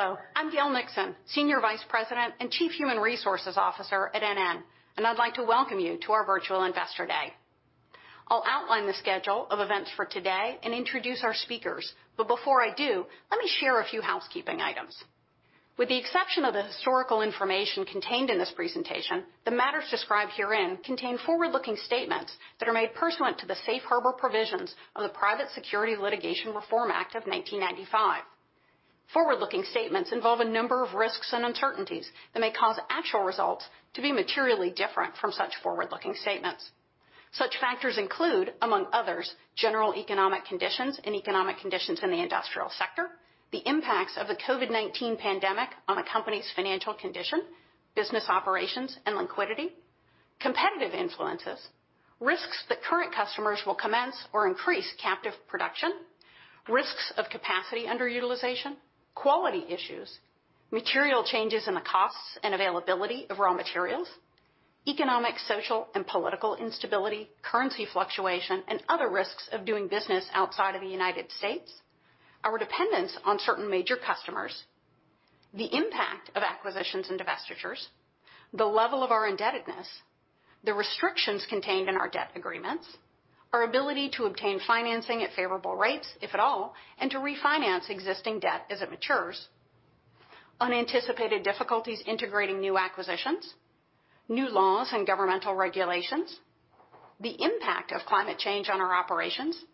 Hello, I'm Gail Nixon, Senior Vice President and Chief Human Resources Officer at NN, and I'd like to welcome you to our Virtual Investor Day. I'll outline the schedule of events for today and introduce our speakers. Before I do, let me share a few housekeeping items. With the exception of the historical information contained in this presentation, the matters described herein contain forward-looking statements that are made pursuant to the Safe Harbor provisions of the Private Securities Litigation Reform Act of 1995. Forward-looking statements involve a number of risks and uncertainties that may cause actual results to be materially different from such forward-looking statements. Such factors include, among others, general economic conditions and economic conditions in the industrial sector, the impacts of the COVID-19 pandemic on the company's financial condition, business operations, and liquidity, competitive influences, risks that current customers will commence or increase captive production, risks of capacity underutilization, quality issues, material changes in the costs and availability of raw materials, economic, social, and political instability, currency fluctuation, and other risks of doing business outside of the United States, our dependence on certain major customers, the impact of acquisitions and divestitures, the level of our indebtedness, the restrictions contained in our debt agreements, Our ability to obtain financing at favorable rates, if at all, and to refinance existing debt as it matures, unanticipated difficulties integrating new acquisitions, new laws and governmental regulations, the impact of climate change on our operations,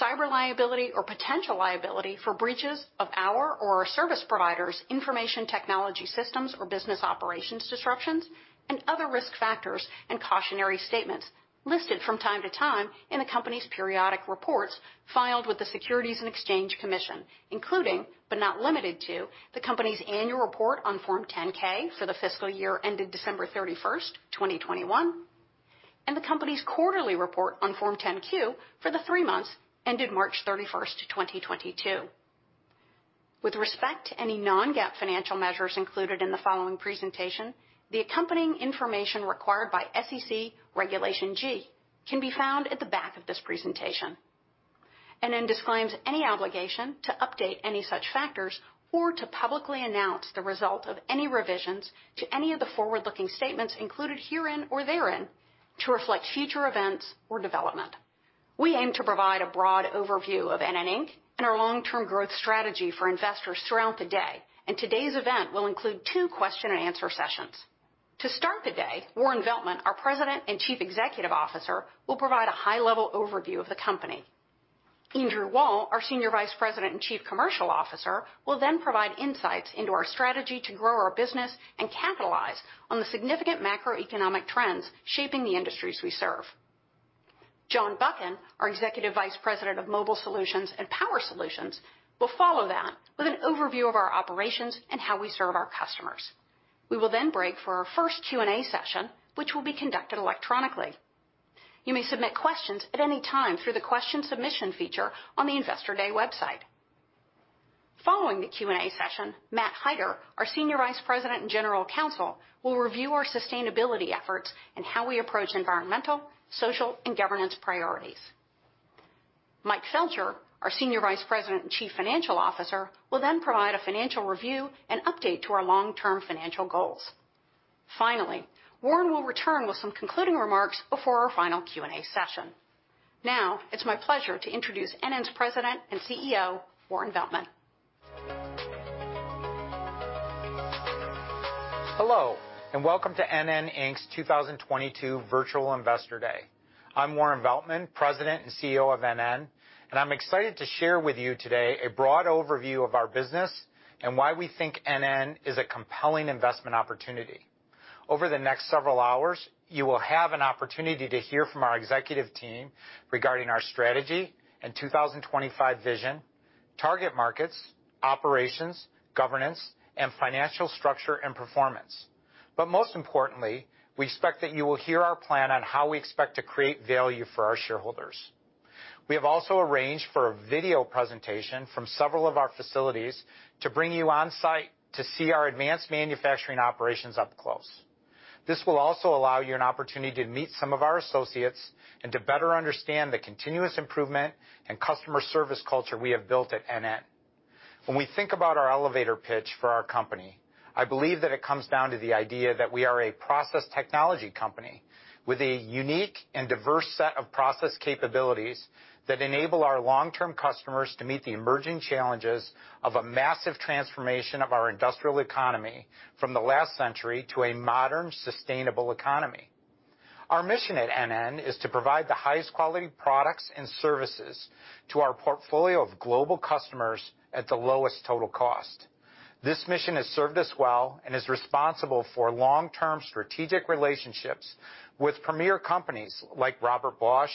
cyber liability or potential liability for breaches of our or our service providers' information technology systems or business operations disruptions, and other risk factors and cautionary statements listed from time to time in the company's periodic reports filed with the Securities and Exchange Commission, including but not limited to the company's annual report on Form 10-K for the fiscal year ended December 31, 2021, and the company's quarterly report on Form 10-Q for the three months ended March 31, 2022. With respect to any non-GAAP financial measures included in the following presentation, the accompanying information required by SEC Regulation G can be found at the back of this presentation. NN disclaims any obligation to update any such factors or to publicly announce the result of any revisions to any of the forward-looking statements included herein or therein to reflect future events or development. We aim to provide a broad overview of NN, Inc. and our long-term growth strategy for investors throughout the day, and today's event will include two question-and-answer sessions. To start the day, Warren Veltman, our President and Chief Executive Officer, will provide a high-level overview of the company. Andrew Wall, our Senior Vice President and Chief Commercial Officer, will then provide insights into our strategy to grow our business and capitalize on the significant macroeconomic trends shaping the industries we serve. John Buchan, our Executive Vice President of Mobile Solutions and Power Solutions, will follow that with an overview of our operations and how we serve our customers. We will then break for our first Q&A session, which will be conducted electronically. You may submit questions at any time through the question submission feature on the Investor Day website. Following the Q&A session, Matt Heider, our Senior Vice President and General Counsel, will review our sustainability efforts and how we approach environmental, social, and governance priorities. Mike Felcher, our Senior Vice President and Chief Financial Officer, will then provide a financial review and update to our long-term financial goals. Finally, Warren will return with some concluding remarks before our final Q&A session. Now it's my pleasure to introduce NN's President and CEO, Warren Veltman. Hello, and welcome to NN, Inc.'s 2022 Virtual Investor Day. I'm Warren Veltman, President and CEO of NN, and I'm excited to share with you today a broad overview of our business and why we think NN is a compelling investment opportunity. Over the next several hours, you will have an opportunity to hear from our executive team regarding our strategy and 2025 vision, target markets, operations, governance, and financial structure and performance. Most importantly, we expect that you will hear our plan on how we expect to create value for our shareholders. We have also arranged for a video presentation from several of our facilities to bring you on-site to see our advanced manufacturing operations up close. This will also allow you an opportunity to meet some of our associates and to better understand the continuous improvement and customer service culture we have built at NN. When we think about our elevator pitch for our company, I believe that it comes down to the idea that we are a process technology company with a unique and diverse set of process capabilities that enable our long-term customers to meet the emerging challenges of a massive transformation of our industrial economy from the last century to a modern, sustainable economy. Our mission at NN is to provide the highest quality products and services to our portfolio of global customers at the lowest total cost. This mission has served us well and is responsible for long-term strategic relationships with premier companies like Robert Bosch,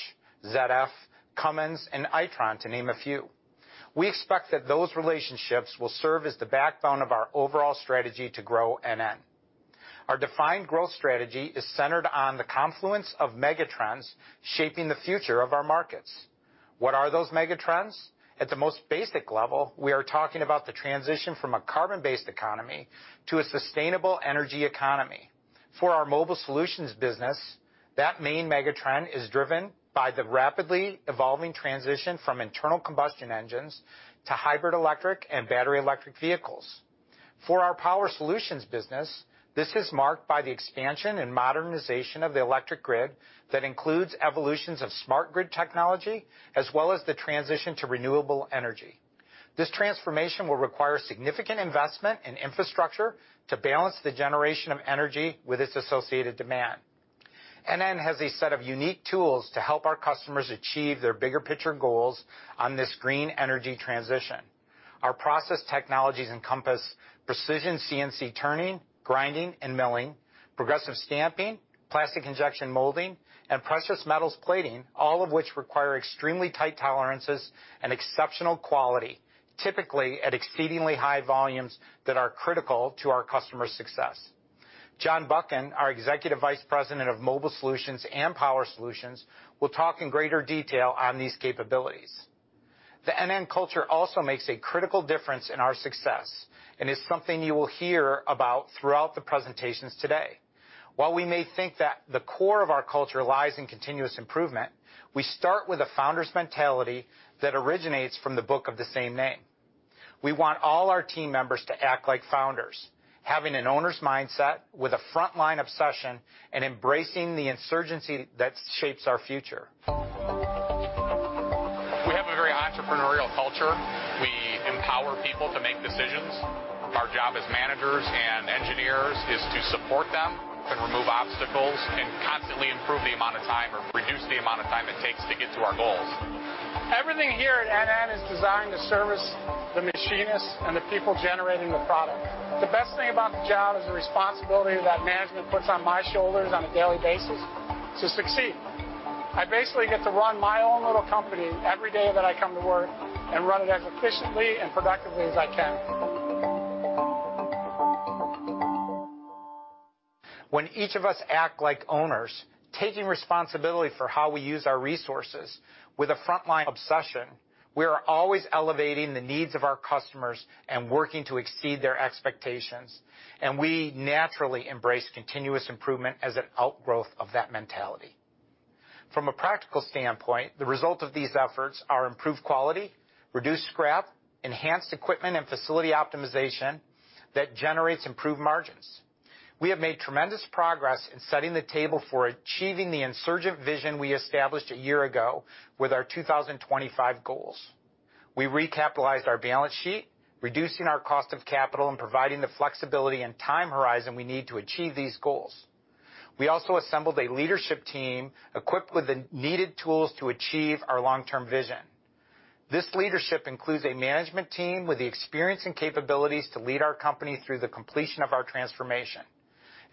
ZF, Cummins, and Itron, to name a few. We expect that those relationships will serve as the backbone of our overall strategy to grow NN. Our defined growth strategy is centered on the confluence of megatrends shaping the future of our markets. What are those megatrends? At the most basic level, we are talking about the transition from a carbon-based economy to a sustainable energy economy. For our Mobile Solutions business, that main mega trend is driven by the rapidly evolving transition from internal combustion engines to hybrid electric and battery electric vehicles. For our Power Solutions business, this is marked by the expansion and modernization of the electric grid that includes evolutions of smart grid technology, as well as the transition to renewable energy. This transformation will require significant investment in infrastructure to balance the generation of energy with its associated demand. NN has a set of unique tools to help our customers achieve their bigger picture goals on this green energy transition. Our process technologies encompass precision CNC turning, grinding, and milling, progressive stamping, plastic injection molding, and precious metals plating, all of which require extremely tight tolerances and exceptional quality, typically at exceedingly high volumes that are critical to our customers' success. John Buchan, our Executive Vice President of Mobile Solutions and Power Solutions, will talk in greater detail on these capabilities. The NN culture also makes a critical difference in our success, and is something you will hear about throughout the presentations today. While we may think that the core of our culture lies in continuous improvement, we start with a founder's mentality that originates from the book of the same name. We want all our team members to act like founders, having an owner's mindset with a frontline obsession and embracing the insurgency that shapes our future. We have a very entrepreneurial culture. We empower people to make decisions. Our job as managers and engineers is to support them and remove obstacles and constantly improve the amount of time or reduce the amount of time it takes to get to our goals. Everything here at NN is designed to service the machinist and the people generating the product. The best thing about the job is the responsibility that management puts on my shoulders on a daily basis to succeed. I basically get to run my own little company every day that I come to work and run it as efficiently and productively as I can. When each of us act like owners, taking responsibility for how we use our resources with a frontline obsession, we are always elevating the needs of our customers and working to exceed their expectations, and we naturally embrace continuous improvement as an outgrowth of that mentality. From a practical standpoint, the result of these efforts are improved quality, reduced scrap, enhanced equipment and facility optimization that generates improved margins. We have made tremendous progress in setting the table for achieving the insurgent vision we established a year ago with our 2025 goals. We recapitalized our balance sheet, reducing our cost of capital and providing the flexibility and time horizon we need to achieve these goals. We also assembled a leadership team equipped with the needed tools to achieve our long-term vision. This leadership includes a management team with the experience and capabilities to lead our company through the completion of our transformation.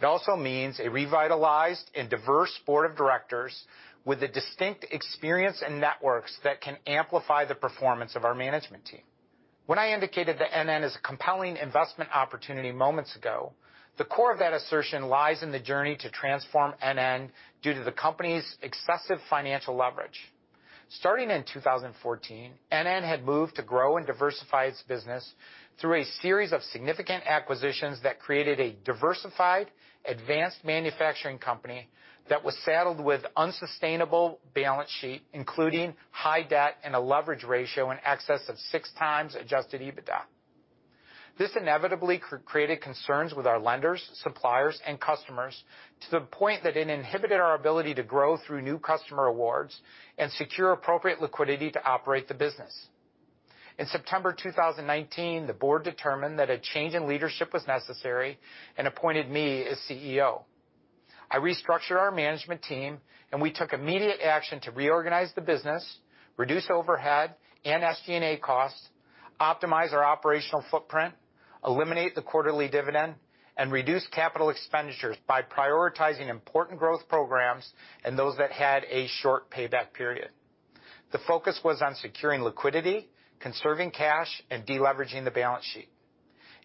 It also means a revitalized and diverse board of directors with the distinct experience and networks that can amplify the performance of our management team. When I indicated that NN is a compelling investment opportunity moments ago, the core of that assertion lies in the journey to transform NN due to the company's excessive financial leverage. Starting in 2014, NN had moved to grow and diversify its business through a series of significant acquisitions that created a diversified advanced manufacturing company that was saddled with unsustainable balance sheet, including high debt and a leverage ratio in excess of 6x adjusted EBITDA. This inevitably created concerns with our lenders, suppliers, and customers to the point that it inhibited our ability to grow through new customer awards and secure appropriate liquidity to operate the business. In September 2019, the board determined that a change in leadership was necessary and appointed me as CEO. I restructured our management team, and we took immediate action to reorganize the business, reduce overhead and SG&A costs, optimize our operational footprint, eliminate the quarterly dividend, and reduce capital expenditures by prioritizing important growth programs and those that had a short payback period. The focus was on securing liquidity, conserving cash, and de-leveraging the balance sheet.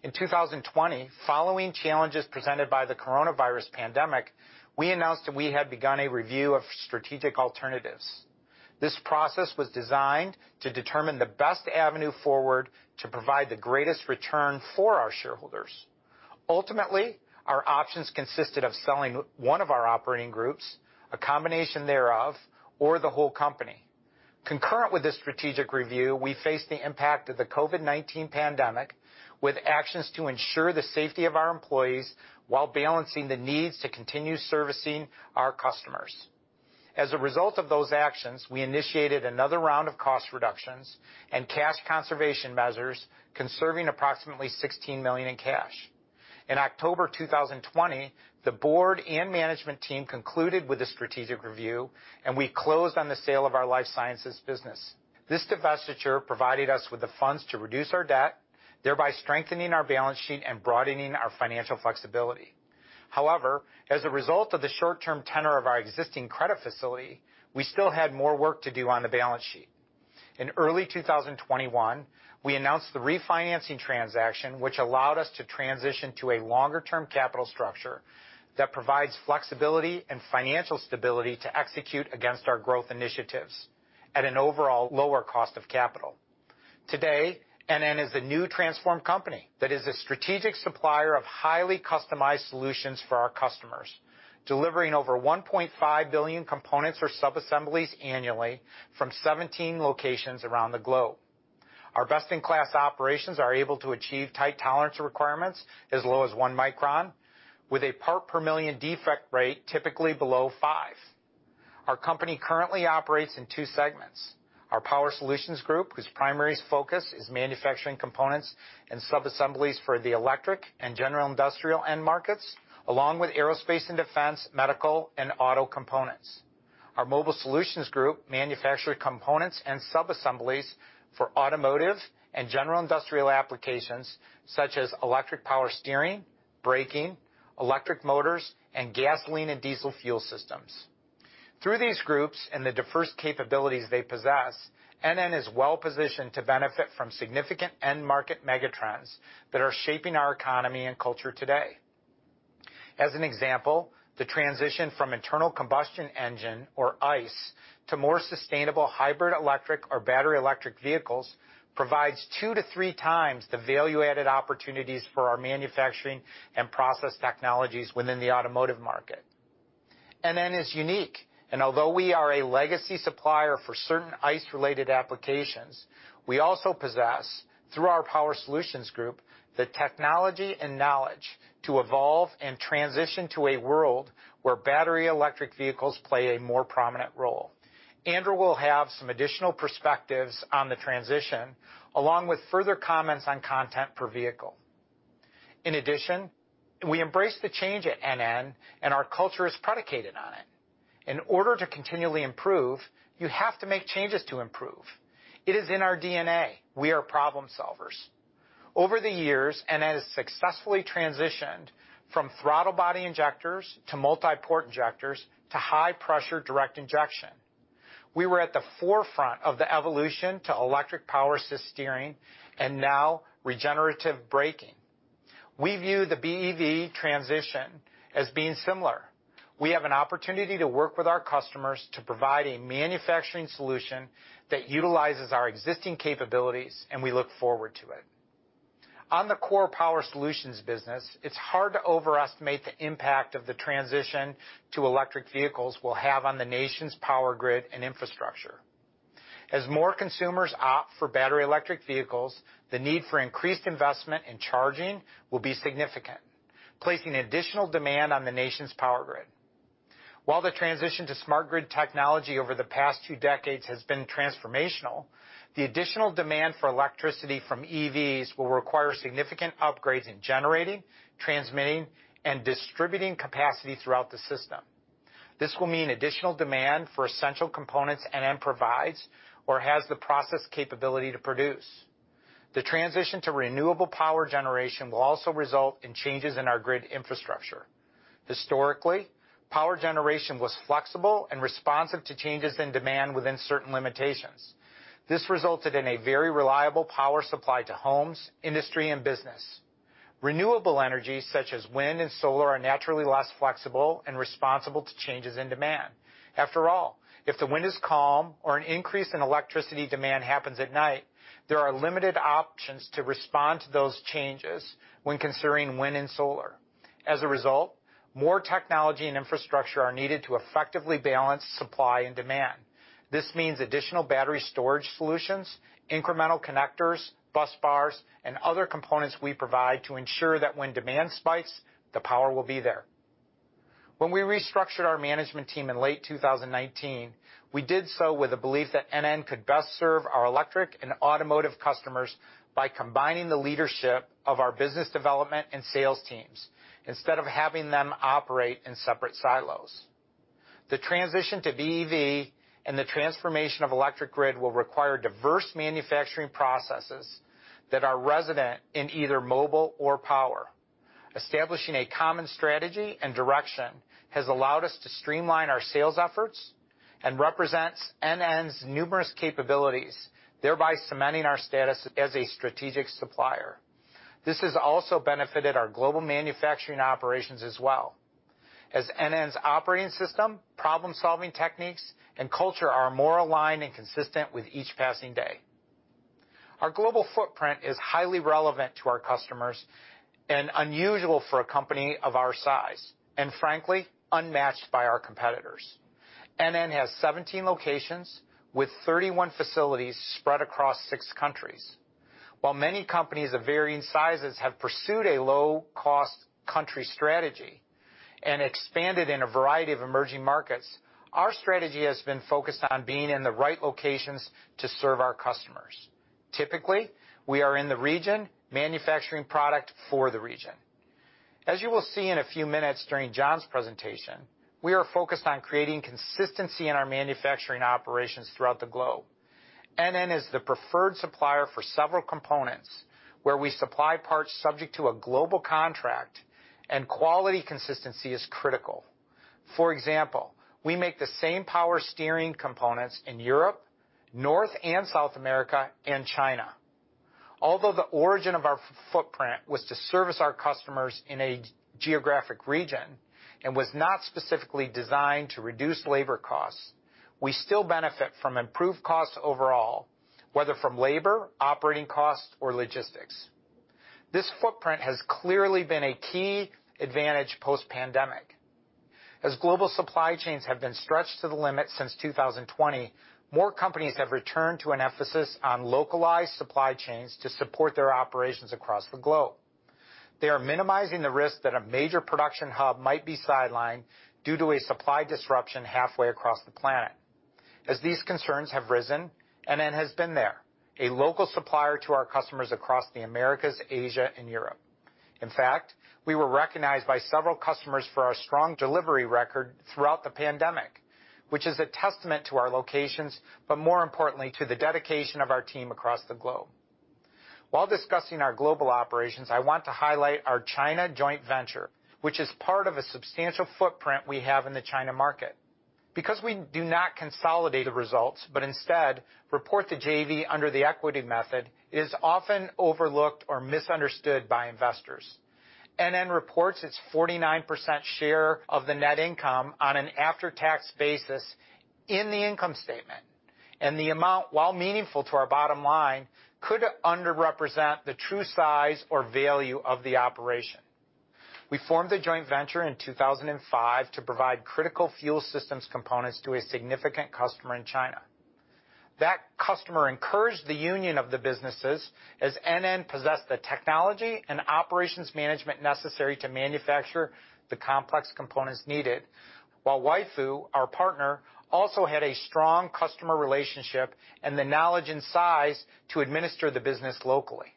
In 2020, following challenges presented by the coronavirus pandemic, we announced that we had begun a review of strategic alternatives. This process was designed to determine the best avenue forward to provide the greatest return for our shareholders. Ultimately, our options consisted of selling one of our operating groups, a combination thereof, or the whole company. Concurrent with this strategic review, we faced the impact of the COVID-19 pandemic with actions to ensure the safety of our employees while balancing the needs to continue servicing our customers. As a result of those actions, we initiated another round of cost reductions and cash conservation measures, conserving approximately $16 million in cash. In October 2020, the board and management team concluded with a strategic review, and we closed on the sale of our life sciences business. This divestiture provided us with the funds to reduce our debt, thereby strengthening our balance sheet and broadening our financial flexibility. However, as a result of the short-term tenor of our existing credit facility, we still had more work to do on the balance sheet. In early 2021, we announced the refinancing transaction, which allowed us to transition to a longer-term capital structure that provides flexibility and financial stability to execute against our growth initiatives at an overall lower cost of capital. Today, NN is the new transformed company that is a strategic supplier of highly customized solutions for our customers, delivering over 1.5 billion components or subassemblies annually from 17 locations around the globe. Our best-in-class operations are able to achieve tight tolerance requirements as low as 1 micron with a part per million defect rate typically below fi. Our company currently operates in two segments. Our Power Solutions group, whose primary focus is manufacturing components and subassemblies for the electric and general industrial end markets, along with aerospace and defense, medical, and auto components. Our Mobile Solutions group manufacture components and subassemblies for automotive and general industrial applications such as electric power steering, braking, electric motors, and gasoline and diesel fuel systems. Through these groups and the diverse capabilities they possess, NN is well-positioned to benefit from significant end market megatrends that are shaping our economy and culture today. As an example, the transition from internal combustion engine or ICE to more sustainable hybrid electric or battery electric vehicles provides 2x-3x the value-added opportunities for our manufacturing and process technologies within the automotive market. NN is unique, and although we are a legacy supplier for certain ICE-related applications, we also possess, through our Power Solutions group, the technology and knowledge to evolve and transition to a world where battery electric vehicles play a more prominent role. Andrew will have some additional perspectives on the transition, along with further comments on content per vehicle. In addition, we embrace the change at NN, and our culture is predicated on it. In order to continually improve, you have to make changes to improve. It is in our DNA. We are problem solvers. Over the years, NN has successfully transitioned from throttle body injectors to multi-port injectors to high-pressure direct injection. We were at the forefront of the evolution to electric power assist steering and now regenerative braking. We view the BEV transition as being similar. We have an opportunity to work with our customers to provide a manufacturing solution that utilizes our existing capabilities, and we look forward to it. On the core power solutions business, it's hard to overestimate the impact of the transition to electric vehicles will have on the nation's power grid and infrastructure. As more consumers opt for battery electric vehicles, the need for increased investment in charging will be significant, placing additional demand on the nation's power grid. While the transition to smart grid technology over the past two decades has been transformational, the additional demand for electricity from EVs will require significant upgrades in generating, transmitting, and distributing capacity throughout the system. This will mean additional demand for essential components NN provides or has the process capability to produce. The transition to renewable power generation will also result in changes in our grid infrastructure. Historically, power generation was flexible and responsive to changes in demand within certain limitations. This resulted in a very reliable power supply to homes, industry, and business. Renewable energy, such as wind and solar, are naturally less flexible and responsive to changes in demand. After all, if the wind is calm or an increase in electricity demand happens at night, there are limited options to respond to those changes when considering wind and solar. As a result, more technology and infrastructure are needed to effectively balance supply and demand. This means additional battery storage solutions, incremental connectors, busbars, and other components we provide to ensure that when demand spikes, the power will be there. When we restructured our management team in late 2019, we did so with a belief that NN could best serve our electric and automotive customers by combining the leadership of our business development and sales teams instead of having them operate in separate silos. The transition to BEV and the transformation of electric grid will require diverse manufacturing processes that are resident in either mobile or power. Establishing a common strategy and direction has allowed us to streamline our sales efforts and represents NN's numerous capabilities, thereby cementing our status as a strategic supplier. This has also benefited our global manufacturing operations as well as NN's operating system, problem-solving techniques, and culture are more aligned and consistent with each passing day. Our global footprint is highly relevant to our customers and unusual for a company of our size, and frankly, unmatched by our competitors. NN has 17 locations with 31 facilities spread across six countries. While many companies of varying sizes have pursued a low-cost country strategy and expanded in a variety of emerging markets, our strategy has been focused on being in the right locations to serve our customers. Typically, we are in the region manufacturing product for the region. As you will see in a few minutes during John's presentation, we are focused on creating consistency in our manufacturing operations throughout the globe. NN is the preferred supplier for several components where we supply parts subject to a global contract and quality consistency is critical. For example, we make the same power steering components in Europe, North and South America, and China. Although the origin of our footprint was to service our customers in a geographic region and was not specifically designed to reduce labor costs, we still benefit from improved costs overall, whether from labor, operating costs, or logistics. This footprint has clearly been a key advantage post-pandemic. As global supply chains have been stretched to the limit since 2020, more companies have returned to an emphasis on localized supply chains to support their operations across the globe. They are minimizing the risk that a major production hub might be sidelined due to a supply disruption halfway across the planet. As these concerns have risen, NN has been there, a local supplier to our customers across the Americas, Asia, and Europe. In fact, we were recognized by several customers for our strong delivery record throughout the pandemic, which is a testament to our locations, but more importantly, to the dedication of our team across the globe. While discussing our global operations, I want to highlight our China joint venture, which is part of a substantial footprint we have in the China market. Because we do not consolidate the results, but instead report the JV under the equity method, it is often overlooked or misunderstood by investors. NN reports its 49% share of the net income on an after-tax basis in the income statement. The amount, while meaningful to our bottom line, could underrepresent the true size or value of the operation. We formed the joint venture in 2005 to provide critical fuel systems components to a significant customer in China. That customer encouraged the union of the businesses as NN possessed the technology and operations management necessary to manufacture the complex components needed, while Weifu, our partner, also had a strong customer relationship and the knowledge and size to administer the business locally.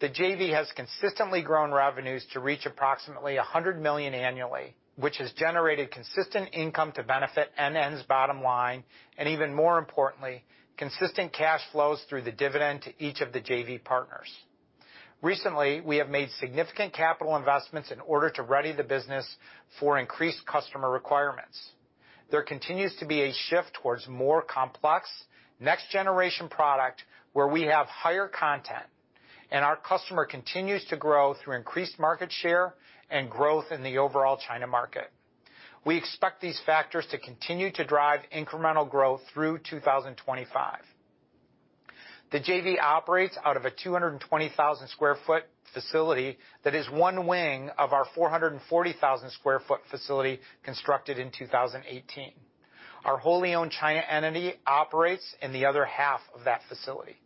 The JV has consistently grown revenues to reach approximately $100 million annually, which has generated consistent income to benefit NN's bottom line, and even more importantly, consistent cash flows through the dividend to each of the JV partners. Recently, we have made significant capital investments in order to ready the business for increased customer requirements. There continues to be a shift towards more complex next generation product where we have higher content, and our customer continues to grow through increased market share and growth in the overall China market. We expect these factors to continue to drive incremental growth through 2025. The JV operates out of a 220,000 sq ft facility that is one wing of our 440,000 sq ft facility constructed in 2018. Our wholly owned China entity operates in the other half of that facility.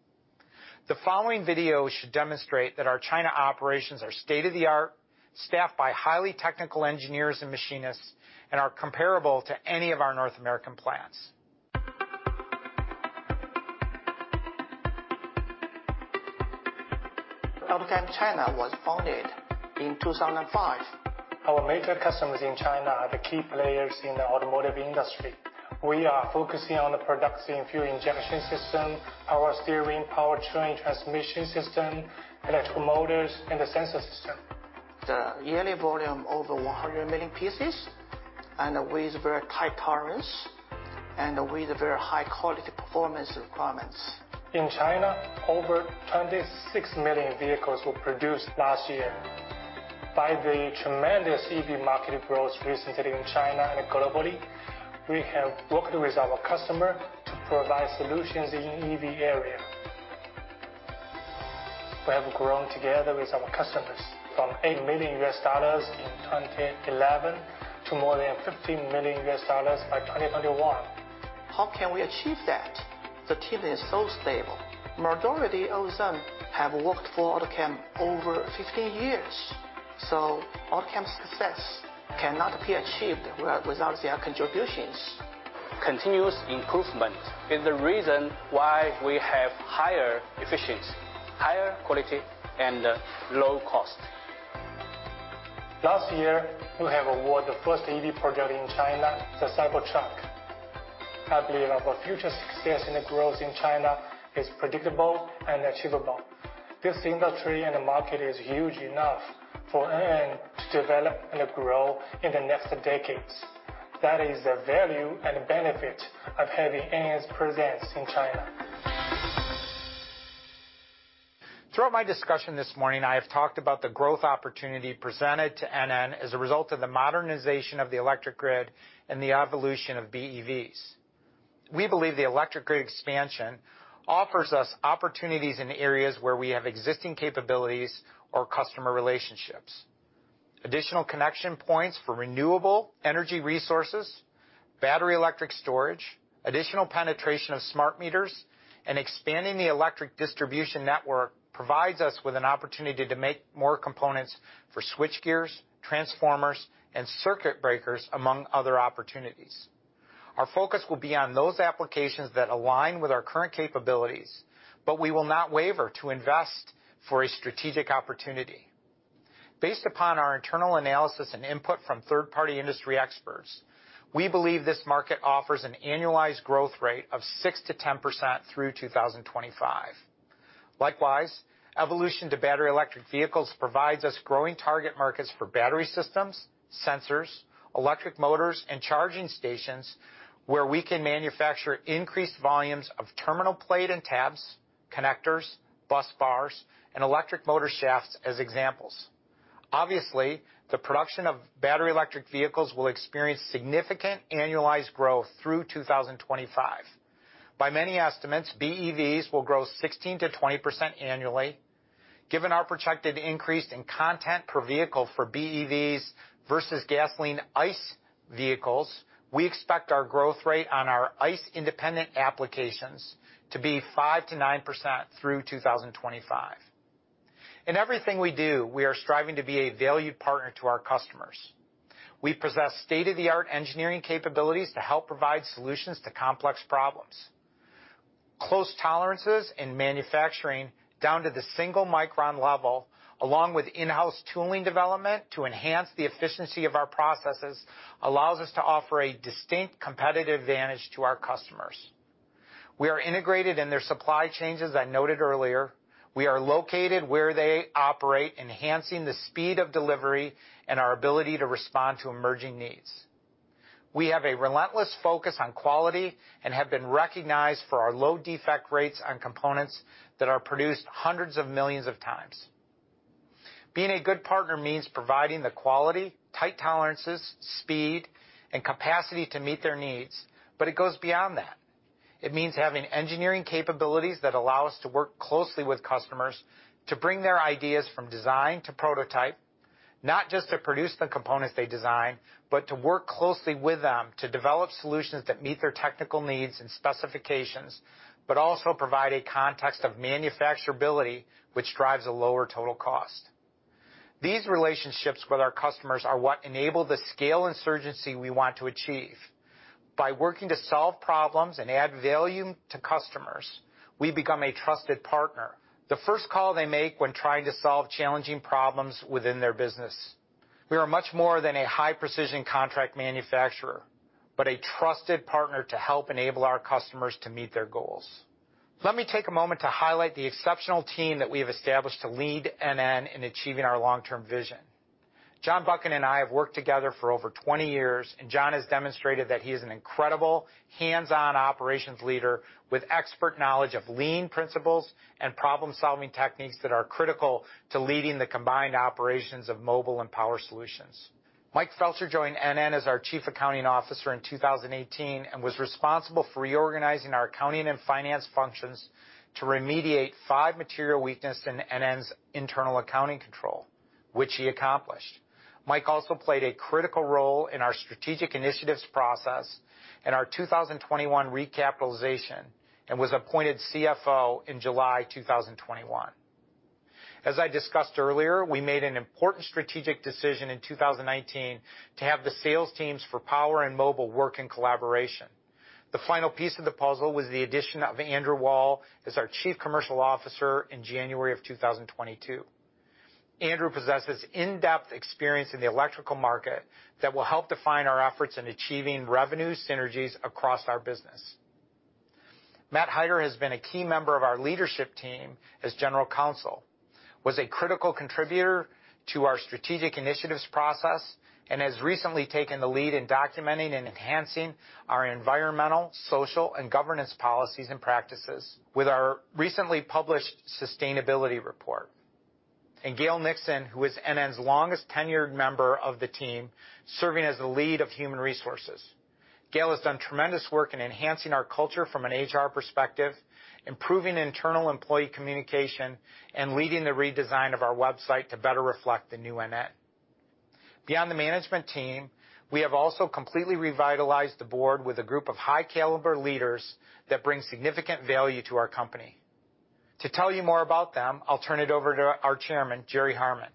The following video should demonstrate that our China operations are state-of-the-art, staffed by highly technical engineers and machinists, and are comparable to any of our North American plants. Autocam China was founded in 2005. Our major customers in China are the key players in the automotive industry. We are focusing on the production in fuel injection system, power steering, powertrain transmission system, electric motors, and the sensor system. The yearly volume over 100 million pieces, and with very tight tolerance, and with very high quality performance requirements. In China, over 26 million vehicles were produced last year. By the tremendous EV market growth recently in China and globally, we have worked with our customer to provide solutions in EV area. We have grown together with our customers from $8 million in 2011 to more than $50 million by 2021. How can we achieve that? The team is so stable. Majority also have worked for Autocam over 15 years. Autocam's success cannot be achieved without their contributions. Continuous improvement is the reason why we have higher efficiency, higher quality, and low cost. Last year, we were awarded the first EV project in China, the Cybertruck. I believe our future success and growth in China is predictable and achievable. This industry and the market is huge enough for NN to develop and grow in the next decades. That is the value and benefit of having NN's presence in China. Throughout my discussion this morning, I have talked about the growth opportunity presented to NN as a result of the modernization of the electric grid and the evolution of BEVs. We believe the electric grid expansion offers us opportunities in areas where we have existing capabilities or customer relationships. Additional connection points for renewable energy resources, battery electric storage, additional penetration of smart meters, and expanding the electric distribution network provides us with an opportunity to make more components for switch gears, transformers, and circuit breakers, among other opportunities. Our focus will be on those applications that align with our current capabilities, but we will not waver to invest for a strategic opportunity. Based upon our internal analysis and input from third-party industry experts, we believe this market offers an annualized growth rate of 6%-10% through 2025. Likewise, evolution to battery electric vehicles provides us growing target markets for battery systems, sensors, electric motors, and charging stations where we can manufacture increased volumes of terminal plate and tabs, connectors, bus bars, and electric motor shafts as examples. Obviously, the production of battery electric vehicles will experience significant annualized growth through 2025. By many estimates, BEVs will grow 16%-20% annually. Given our projected increase in content per vehicle for BEVs versus gasoline ICE vehicles, we expect our growth rate on our ICE-independent applications to be 5%-9% through 2025. In everything we do, we are striving to be a valued partner to our customers. We possess state-of-the-art engineering capabilities to help provide solutions to complex problems. Close tolerances in manufacturing down to the single micron level, along with in-house tooling development to enhance the efficiency of our processes, allows us to offer a distinct competitive advantage to our customers. We are integrated in their supply chains, as I noted earlier. We are located where they operate, enhancing the speed of delivery and our ability to respond to emerging needs. We have a relentless focus on quality and have been recognized for our low defect rates on components that are produced hundreds of millions of times. Being a good partner means providing the quality, tight tolerances, speed, and capacity to meet their needs, but it goes beyond that. It means having engineering capabilities that allow us to work closely with customers to bring their ideas from design to prototype, not just to produce the components they design, but to work closely with them to develop solutions that meet their technical needs and specifications, but also provide a context of manufacturability, which drives a lower total cost. These relationships with our customers are what enable the scale and urgency we want to achieve. By working to solve problems and add value to customers, we become a trusted partner. The first call they make when trying to solve challenging problems within their business. We are much more than a high-precision contract manufacturer, but a trusted partner to help enable our customers to meet their goals. Let me take a moment to highlight the exceptional team that we have established to lead NN in achieving our long-term vision. John Buchan and I have worked together for over 20 years, and John has demonstrated that he is an incredible hands-on operations leader with expert knowledge of lean principles and problem-solving techniques that are critical to leading the combined operations of Mobile Solutions and Power Solutions. Mike Felcher joined NN as our Chief Accounting Officer in 2018, and was responsible for reorganizing our accounting and finance functions to remediate five material weaknesses in NN's internal accounting controls, which he accomplished. Mike also played a critical role in our strategic initiatives process and our 2021 recapitalization, and was appointed CFO in July 2021. As I discussed earlier, we made an important strategic decision in 2019 to have the sales teams for Power and Mobile work in collaboration. The final piece of the puzzle was the addition of Andrew Wall as our Chief Commercial Officer in January of 2022. Andrew possesses in-depth experience in the electrical market that will help define our efforts in achieving revenue synergies across our business. Matthew Heiter has been a key member of our leadership team as General Counsel, was a critical contributor to our strategic initiatives process, and has recently taken the lead in documenting and enhancing our environmental, social, and governance policies and practices with our recently published sustainability report. Gail Nixon, who is NN's longest-tenured member of the team, serving as the lead of human resources. Gail has done tremendous work in enhancing our culture from an HR perspective, improving internal employee communication, and leading the redesign of our website to better reflect the new NN. Beyond the management team, we have also completely revitalized the board with a group of high-caliber leaders that bring significant value to our company. To tell you more about them, I'll turn it over to our Chairman, Jeri Harman.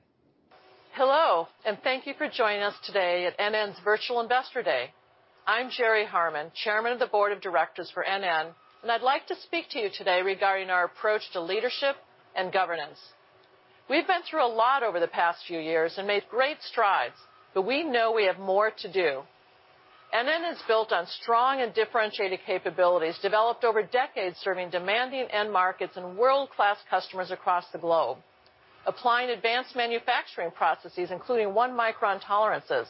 Hello, and thank you for joining us today at NN's Virtual Investor Day. I'm Jeri Harman, Chairman of the Board of Directors for NN, and I'd like to speak to you today regarding our approach to leadership and governance. We've been through a lot over the past few years and made great strides, but we know we have more to do. NN is built on strong and differentiated capabilities developed over decades serving demanding end markets and world-class customers across the globe, applying advanced manufacturing processes, including one micron tolerances.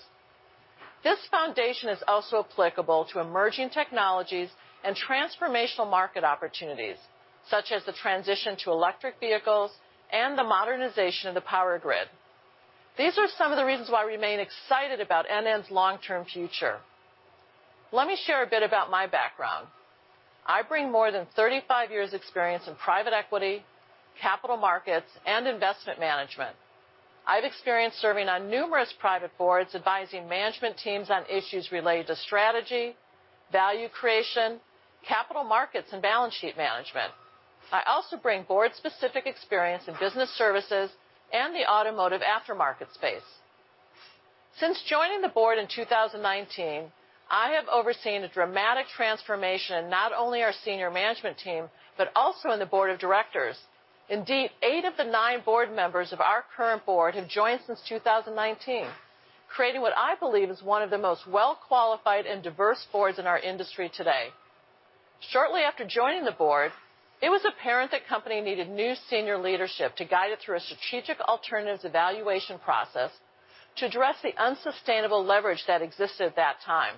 This foundation is also applicable to emerging technologies and transformational market opportunities, such as the transition to electric vehicles and the modernization of the power grid. These are some of the reasons why we remain excited about NN's long-term future. Let me share a bit about my background. I bring more than 35 years' experience in private equity, capital markets, and investment management. I have experience serving on numerous private boards, advising management teams on issues related to strategy, value creation, capital markets, and balance sheet management. I also bring board-specific experience in business services and the automotive aftermarket space. Since joining the board in 2019, I have overseen a dramatic transformation in not only our senior management team, but also in the board of directors. Indeed, 8 of the 9 board members of our current board have joined since 2019, creating what I believe is one of the most well-qualified and diverse boards in our industry today. Shortly after joining the board, it was apparent the company needed new senior leadership to guide it through a strategic alternatives evaluation process to address the unsustainable leverage that existed at that time.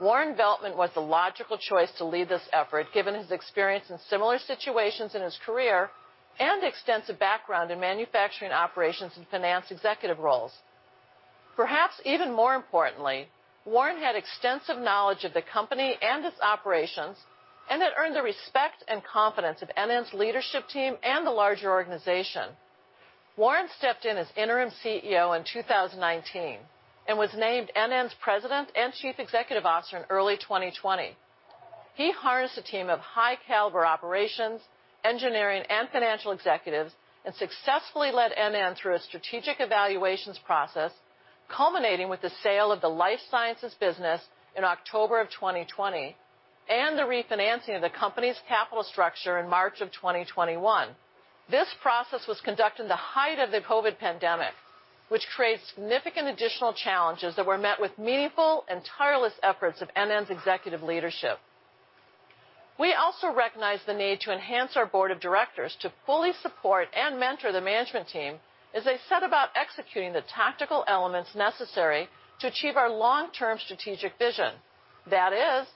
Warren Veltman was the logical choice to lead this effort, given his experience in similar situations in his career and extensive background in manufacturing operations and finance executive roles. Perhaps even more importantly, Warren had extensive knowledge of the company and its operations, and had earned the respect and confidence of NN's leadership team and the larger organization. Warren stepped in as interim CEO in 2019, and was named NN's President and Chief Executive Officer in early 2020. He harnessed a team of high-caliber operations, engineering, and financial executives, and successfully led NN through a strategic evaluations process, culminating with the sale of the life sciences business in October of 2020, and the refinancing of the company's capital structure in March of 2021. This process was conducted in the height of the COVID pandemic, which created significant additional challenges that were met with meaningful and tireless efforts of NN's executive leadership. We also recognized the need to enhance our board of directors to fully support and mentor the management team as they set about executing the tactical elements necessary to achieve our long-term strategic vision. That is,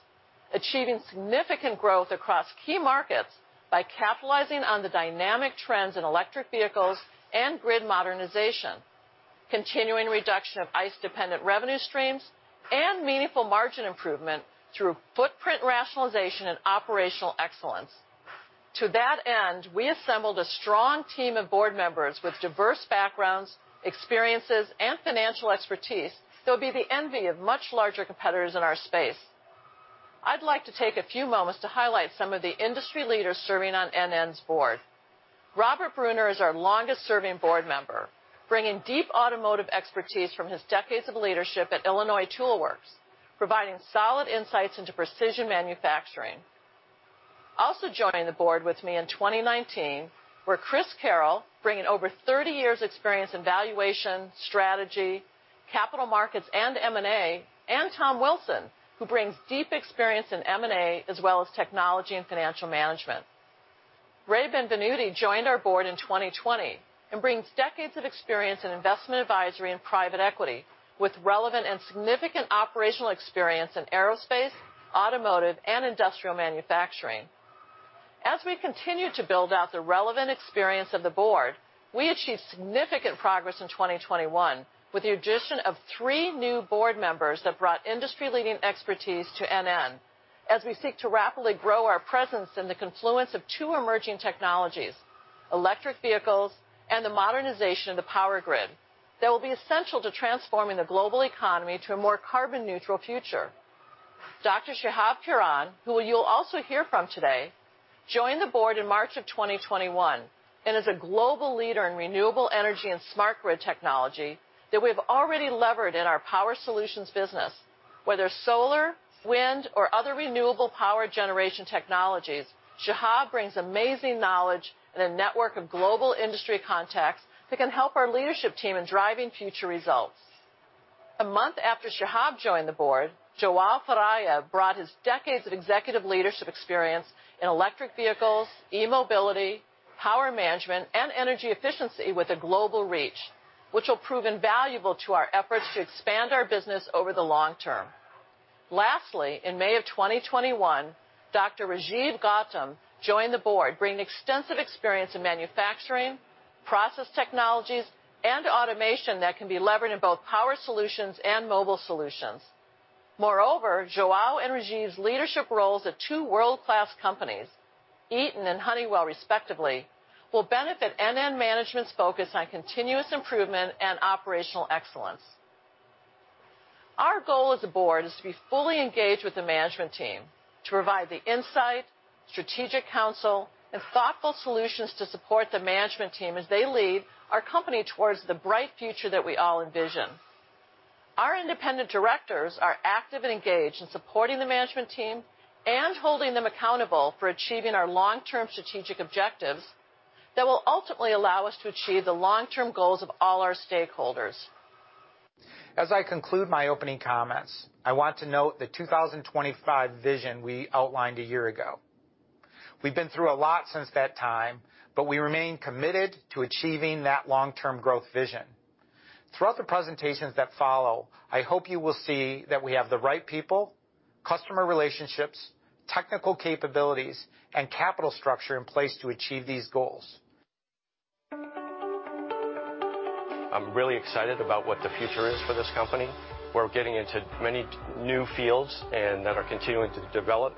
achieving significant growth across key markets by capitalizing on the dynamic trends in electric vehicles and grid modernization, continuing reduction of ICE-dependent revenue streams, and meaningful margin improvement through footprint rationalization and operational excellence. To that end, we assembled a strong team of board members with diverse backgrounds, experiences, and financial expertise that would be the envy of much larger competitors in our space. I'd like to take a few moments to highlight some of the industry leaders serving on NN's board. Robert Brunner is our longest-serving board member, bringing deep automotive expertise from his decades of leadership at Illinois Tool Works, providing solid insights into precision manufacturing. Also joining the board with me in 2019 were Chris Carroll, bringing over 30 years' experience in valuation, strategy, capital markets, and M&A, and Tom Wilson, who brings deep experience in M&A as well as technology and financial management. Ray Benvenuti joined our board in 2020, and brings decades of experience in investment advisory and private equity, with relevant and significant operational experience in aerospace, automotive, and industrial manufacturing. As we continue to build out the relevant experience of the board, we achieved significant progress in 2021 with the addition of three new board members that brought industry-leading expertise to NN as we seek to rapidly grow our presence in the confluence of two emerging technologies, electric vehicles and the modernization of the power grid, that will be essential to transforming the global economy to a more carbon-neutral future. Dr. Shihab Kuran, who you'll also hear from today, joined the board in March 2021, and is a global leader in renewable energy and smart grid technology that we have already leveraged in our power solutions business. Whether solar, wind, or other renewable power generation technologies, Shihab brings amazing knowledge and a network of global industry contacts that can help our leadership team in driving future results. A month after Shihab joined the board, João Faria brought his decades of executive leadership experience in electric vehicles, e-mobility, power management, and energy efficiency with a global reach, which will prove invaluable to our efforts to expand our business over the long term. Lastly, in May of 2021, Dr. Rajeev Gautam joined the board, bringing extensive experience in manufacturing, process technologies, and automation that can be leveraged in both Power Solutions and Mobile Solutions. Moreover, João and Rajeev's leadership roles at two world-class companies, Eaton and Honeywell respectively, will benefit NN management's focus on continuous improvement and operational excellence. Our goal as a board is to be fully engaged with the management team to provide the insight, strategic counsel, and thoughtful solutions to support the management team as they lead our company towards the bright future that we all envision. Our independent directors are active and engaged in supporting the management team and holding them accountable for achieving our long-term strategic objectives that will ultimately allow us to achieve the long-term goals of all our stakeholders. As I conclude my opening comments, I want to note the 2025 vision we outlined a year ago. We've been through a lot since that time, but we remain committed to achieving that long-term growth vision. Throughout the presentations that follow, I hope you will see that we have the right people, customer relationships, technical capabilities, and capital structure in place to achieve these goals. I'm really excited about what the future is for this company. We're getting into many new fields that are continuing to develop.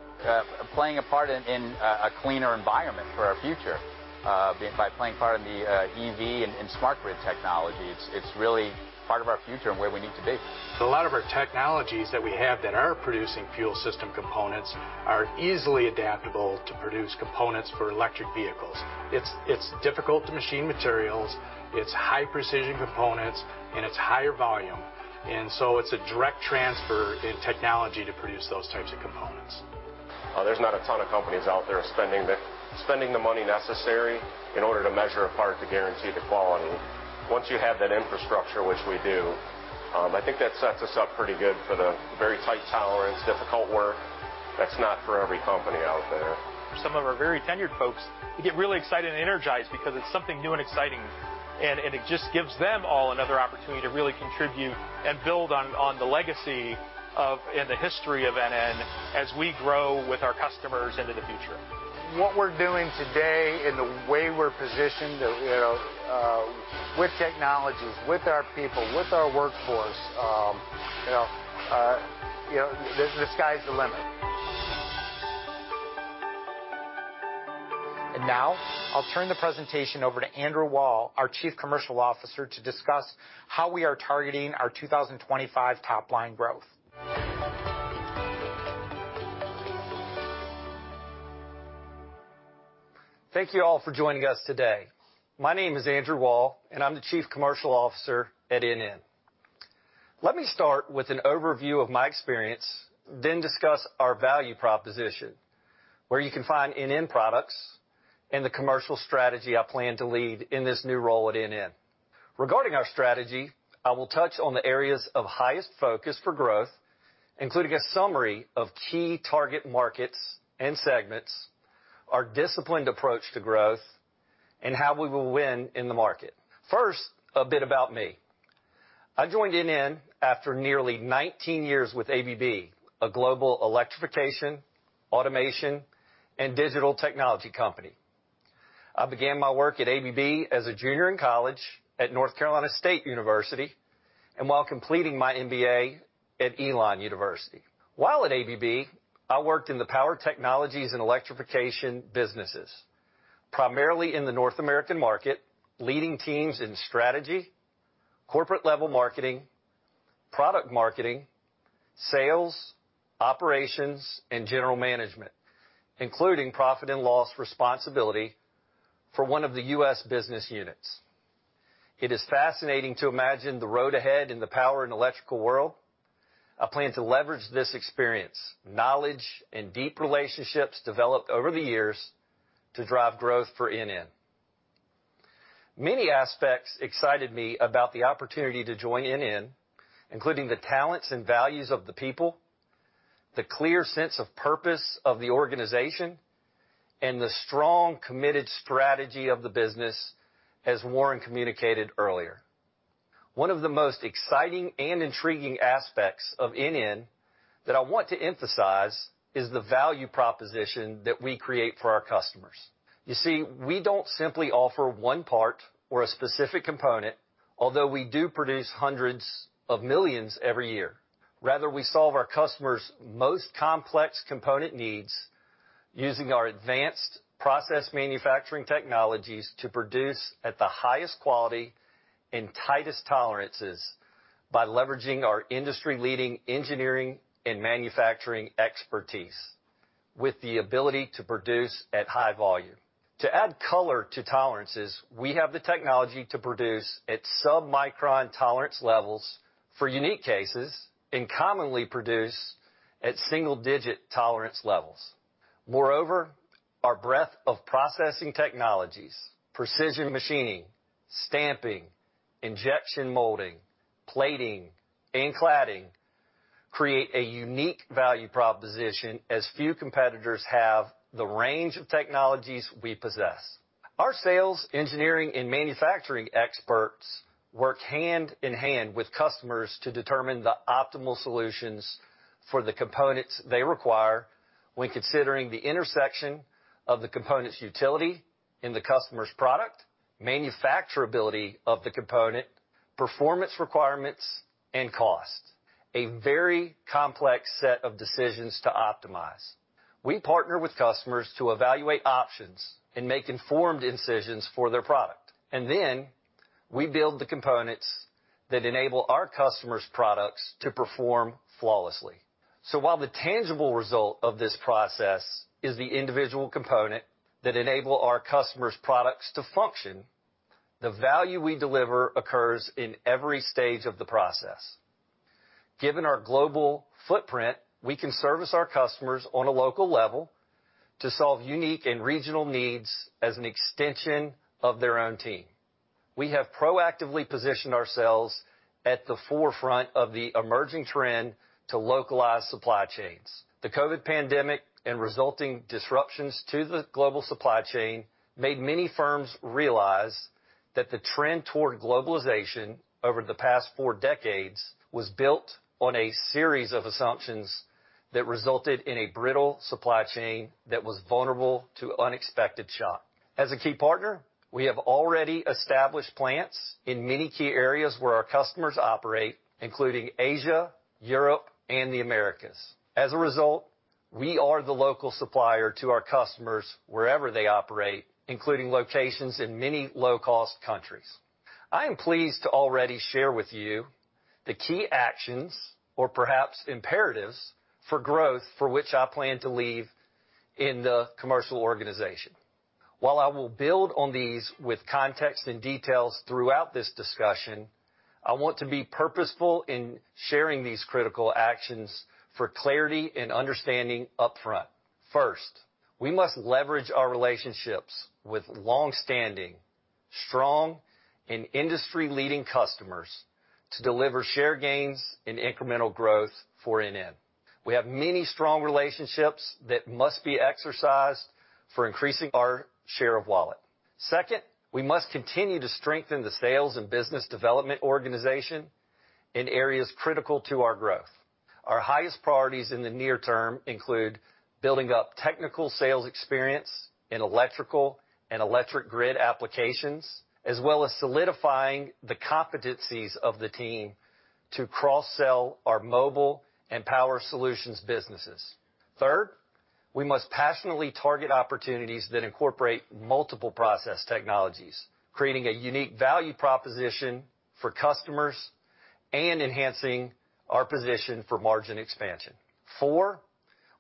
Playing a part in a cleaner environment for our future by playing a part in the EV and smart grid technology. It's really part of our future and where we need to be. A lot of our technologies that we have that are producing fuel system components are easily adaptable to produce components for electric vehicles. It's difficult to machine materials, it's high-precision components, and it's higher volume. It's a direct transfer in technology to produce those types of components. There's not a ton of companies out there spending the money necessary in order to measure a part to guarantee the quality. Once you have that infrastructure, which we do, I think that sets us up pretty good for the very tight tolerance, difficult work that's not for every company out there. Some of our very tenured folks, they get really excited and energized because it's something new and exciting, and it just gives them all another opportunity to really contribute and build on the legacy of, and the history of NN as we grow with our customers into the future. What we're doing today and the way we're positioned, you know, with technologies, with our people, with our workforce, you know, the sky's the limit. Now I'll turn the presentation over to Andrew Wall, our Chief Commercial Officer, to discuss how we are targeting our 2025 top line growth. Thank you all for joining us today. My name is Andrew Wall, and I'm the Chief Commercial Officer at NN. Let me start with an overview of my experience, then discuss our value proposition, where you can find NN products and the commercial strategy I plan to lead in this new role at NN. Regarding our strategy, I will touch on the areas of highest focus for growth, including a summary of key target markets and segments, our disciplined approach to growth, and how we will win in the market. First, a bit about me. I joined NN after nearly 19 years with ABB, a global electrification, automation, and digital technology company. I began my work at ABB as a junior in college at North Carolina State University and while completing my MBA at Elon University. While at ABB, I worked in the power technologies and electrification businesses, primarily in the North American market, leading teams in strategy, corporate level marketing, product marketing, sales, operations, and general management, including profit and loss responsibility for one of the U.S. business units. It is fascinating to imagine the road ahead in the power and electrical world. I plan to leverage this experience, knowledge, and deep relationships developed over the years to drive growth for NN. Many aspects excited me about the opportunity to join NN, including the talents and values of the people, the clear sense of purpose of the organization, and the strong, committed strategy of the business as Warren communicated earlier. One of the most exciting and intriguing aspects of NN that I want to emphasize is the value proposition that we create for our customers. You see, we don't simply offer one part or a specific component, although we do produce hundreds of millions every year. Rather, we solve our customers' most complex component needs using our advanced process manufacturing technologies to produce at the highest quality and tightest tolerances by leveraging our industry-leading engineering and manufacturing expertise with the ability to produce at high volume. To add color to tolerances, we have the technology to produce at submicron tolerance levels for unique cases and commonly produce at single digit tolerance levels. Moreover, our breadth of processing technologies, precision machining, stamping, injection molding, plating, and cladding create a unique value proposition as few competitors have the range of technologies we possess. Our sales, engineering, and manufacturing experts work hand in hand with customers to determine the optimal solutions for the components they require when considering the intersection of the component's utility in the customer's product, manufacturability of the component, performance requirements, and cost, a very complex set of decisions to optimize. We partner with customers to evaluate options and make informed decisions for their product, and then we build the components that enable our customers' products to perform flawlessly. While the tangible result of this process is the individual component that enables our customers' products to function, the value we deliver occurs in every stage of the process. Given our global footprint, we can service our customers on a local level to solve unique and regional needs as an extension of their own team. We have proactively positioned ourselves at the forefront of the emerging trend to localize supply chains. The COVID pandemic and resulting disruptions to the global supply chain made many firms realize that the trend toward globalization over the past four decades was built on a series of assumptions that resulted in a brittle supply chain that was vulnerable to unexpected shock. As a key partner, we have already established plants in many key areas where our customers operate, including Asia, Europe, and the Americas. As a result, we are the local supplier to our customers wherever they operate, including locations in many low cost countries. I am pleased to already share with you the key actions or perhaps imperatives for growth for which I plan to lead in the commercial organization. While I will build on these with context and details throughout this discussion, I want to be purposeful in sharing these critical actions for clarity and understanding upfront. First, we must leverage our relationships with long-standing, strong, and industry-leading customers to deliver share gains and incremental growth for NN. We have many strong relationships that must be exercised for increasing our share of wallet. Second, we must continue to strengthen the sales and business development organization in areas critical to our growth. Our highest priorities in the near term include building up technical sales experience in electrical and electric grid applications, as well as solidifying the competencies of the team to cross-sell our mobile and power solutions businesses. Third, we must passionately target opportunities that incorporate multiple process technologies, creating a unique value proposition for customers and enhancing our position for margin expansion. Four,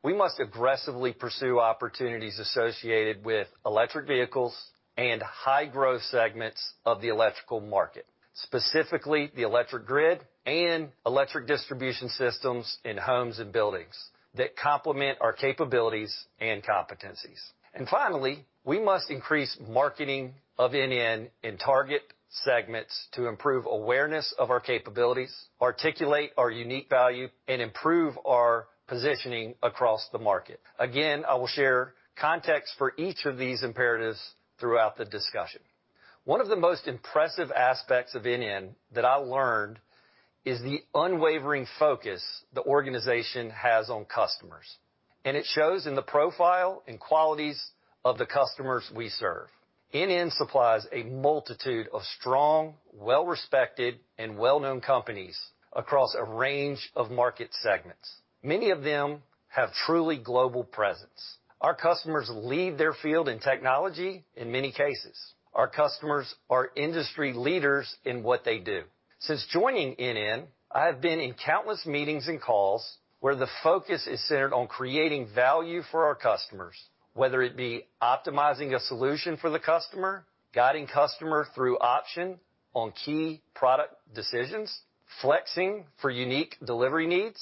we must aggressively pursue opportunities associated with electric vehicles and high growth segments of the electrical market, specifically the electric grid and electric distribution systems in homes and buildings that complement our capabilities and competencies. Finally, we must increase marketing of NN in target segments to improve awareness of our capabilities, articulate our unique value, and improve our positioning across the market. Again, I will share context for each of these imperatives throughout the discussion. One of the most impressive aspects of NN that I learned is the unwavering focus the organization has on customers, and it shows in the profile and qualities of the customers we serve. NN supplies a multitude of strong, well-respected, and well-known companies across a range of market segments. Many of them have truly global presence. Our customers lead their field in technology in many cases. Our customers are industry leaders in what they do. Since joining NN, I have been in countless meetings and calls where the focus is centered on creating value for our customers, whether it be optimizing a solution for the customer, guiding the customer through options on key product decisions, flexing for unique delivery needs,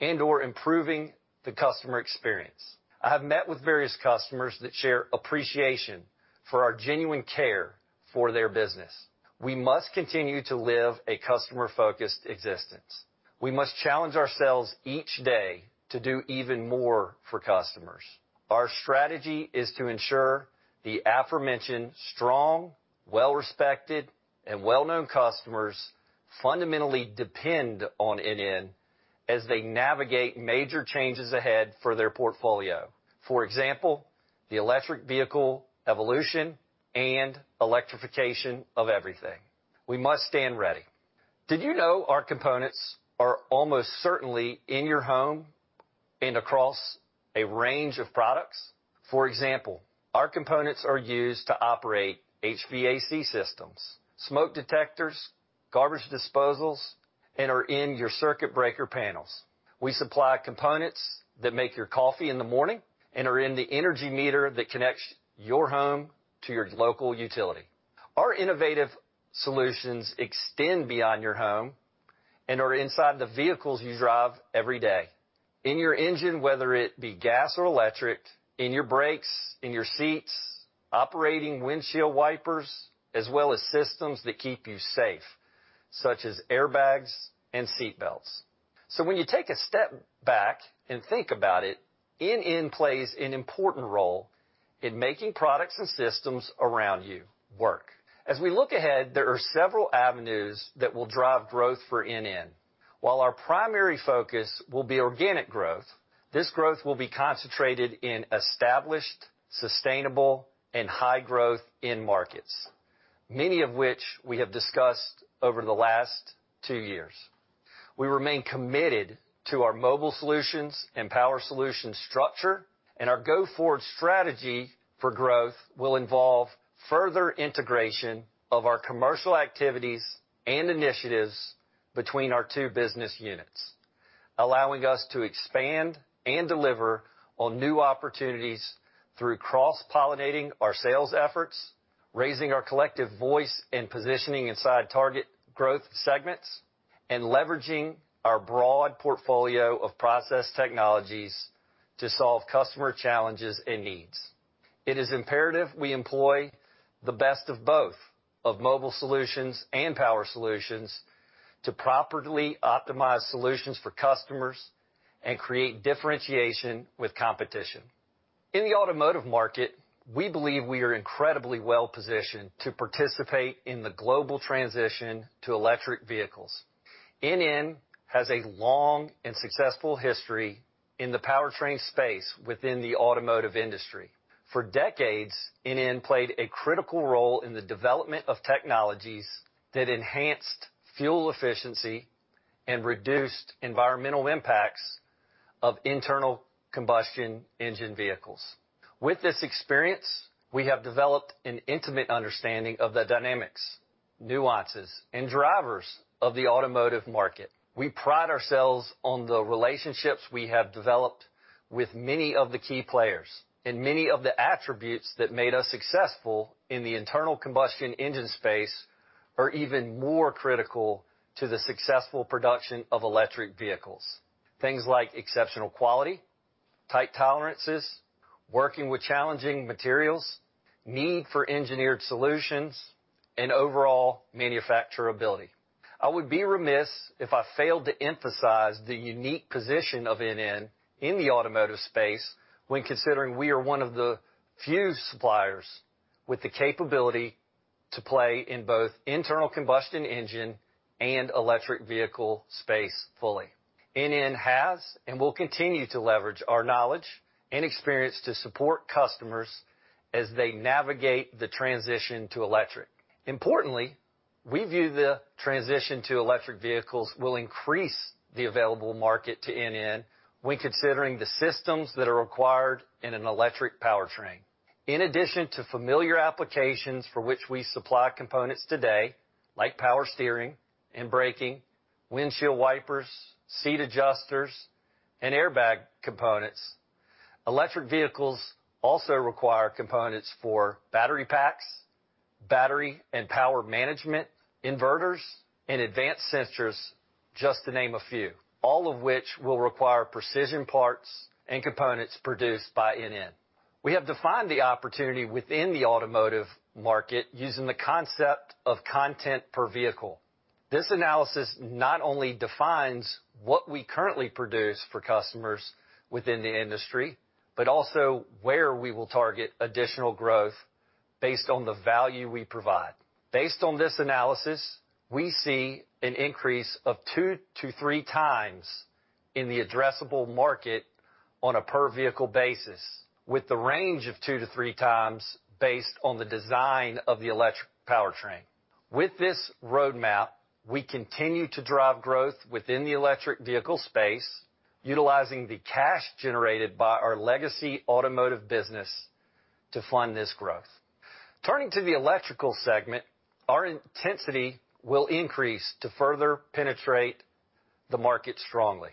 and/or improving the customer experience. I have met with various customers that share appreciation for our genuine care for their business. We must continue to live a customer-focused existence. We must challenge ourselves each day to do even more for customers. Our strategy is to ensure the aforementioned strong, well-respected, and well-known customers fundamentally depend on NN as they navigate major changes ahead for their portfolio. For example, the electric vehicle evolution and electrification of everything. We must stand ready. Did you know our components are almost certainly in your home and across a range of products? For example, our components are used to operate HVAC systems, smoke detectors, garbage disposals, and are in your circuit breaker panels. We supply components that make your coffee in the morning and are in the energy meter that connects your home to your local utility. Our innovative solutions extend beyond your home and are inside the vehicles you drive every day. In your engine, whether it be gas or electric, in your brakes, in your seats, operating windshield wipers, as well as systems that keep you safe, such as airbags and seat belts. When you take a step back and think about it, NN plays an important role in making products and systems around you work. As we look ahead, there are several avenues that will drive growth for NN. While our primary focus will be organic growth, this growth will be concentrated in established, sustainable, and high growth end markets, many of which we have discussed over the last two years. We remain committed to our Mobile Solutions and Power Solutions structure, and our go-forward strategy for growth will involve further integration of our commercial activities and initiatives between our two business units, allowing us to expand and deliver on new opportunities through cross-pollinating our sales efforts, raising our collective voice, and positioning inside target growth segments, and leveraging our broad portfolio of process technologies to solve customer challenges and needs. It is imperative we employ the best of both of Mobile Solutions and Power Solutions to properly optimize solutions for customers and create differentiation with competition. In the automotive market, we believe we are incredibly well positioned to participate in the global transition to electric vehicles. NN has a long and successful history in the powertrain space within the automotive industry. For decades, NN played a critical role in the development of technologies that enhanced fuel efficiency and reduced environmental impacts of internal combustion engine vehicles. With this experience, we have developed an intimate understanding of the dynamics, nuances, and drivers of the automotive market. We pride ourselves on the relationships we have developed with many of the key players, and many of the attributes that made us successful in the internal combustion engine space are even more critical to the successful production of electric vehicles. Things like exceptional quality, tight tolerances, working with challenging materials, need for engineered solutions, and overall manufacturability. I would be remiss if I failed to emphasize the unique position of NN in the automotive space when considering we are one of the few suppliers with the capability to play in both internal combustion engine and electric vehicle space fully. NN has and will continue to leverage our knowledge and experience to support customers as they navigate the transition to electric. Importantly, we view the transition to electric vehicles will increase the available market to NN when considering the systems that are required in an electric powertrain. In addition to familiar applications for which we supply components today, like power steering and braking, windshield wipers, seat adjusters, and airbag components, electric vehicles also require components for battery packs, battery and power management inverters, and advanced sensors, just to name a few, all of which will require precision parts and components produced by NN. We have defined the opportunity within the automotive market using the concept of content per vehicle. This analysis not only defines what we currently produce for customers within the industry, but also where we will target additional growth based on the value we provide. Based on this analysis, we see an increase of 2x-3x in the addressable market on a per-vehicle basis, with the range of 2x-3x based on the design of the electric powertrain. With this roadmap, we continue to drive growth within the electric vehicle space, utilizing the cash generated by our legacy automotive business to fund this growth. Turning to the electrical segment, our intensity will increase to further penetrate the market strongly.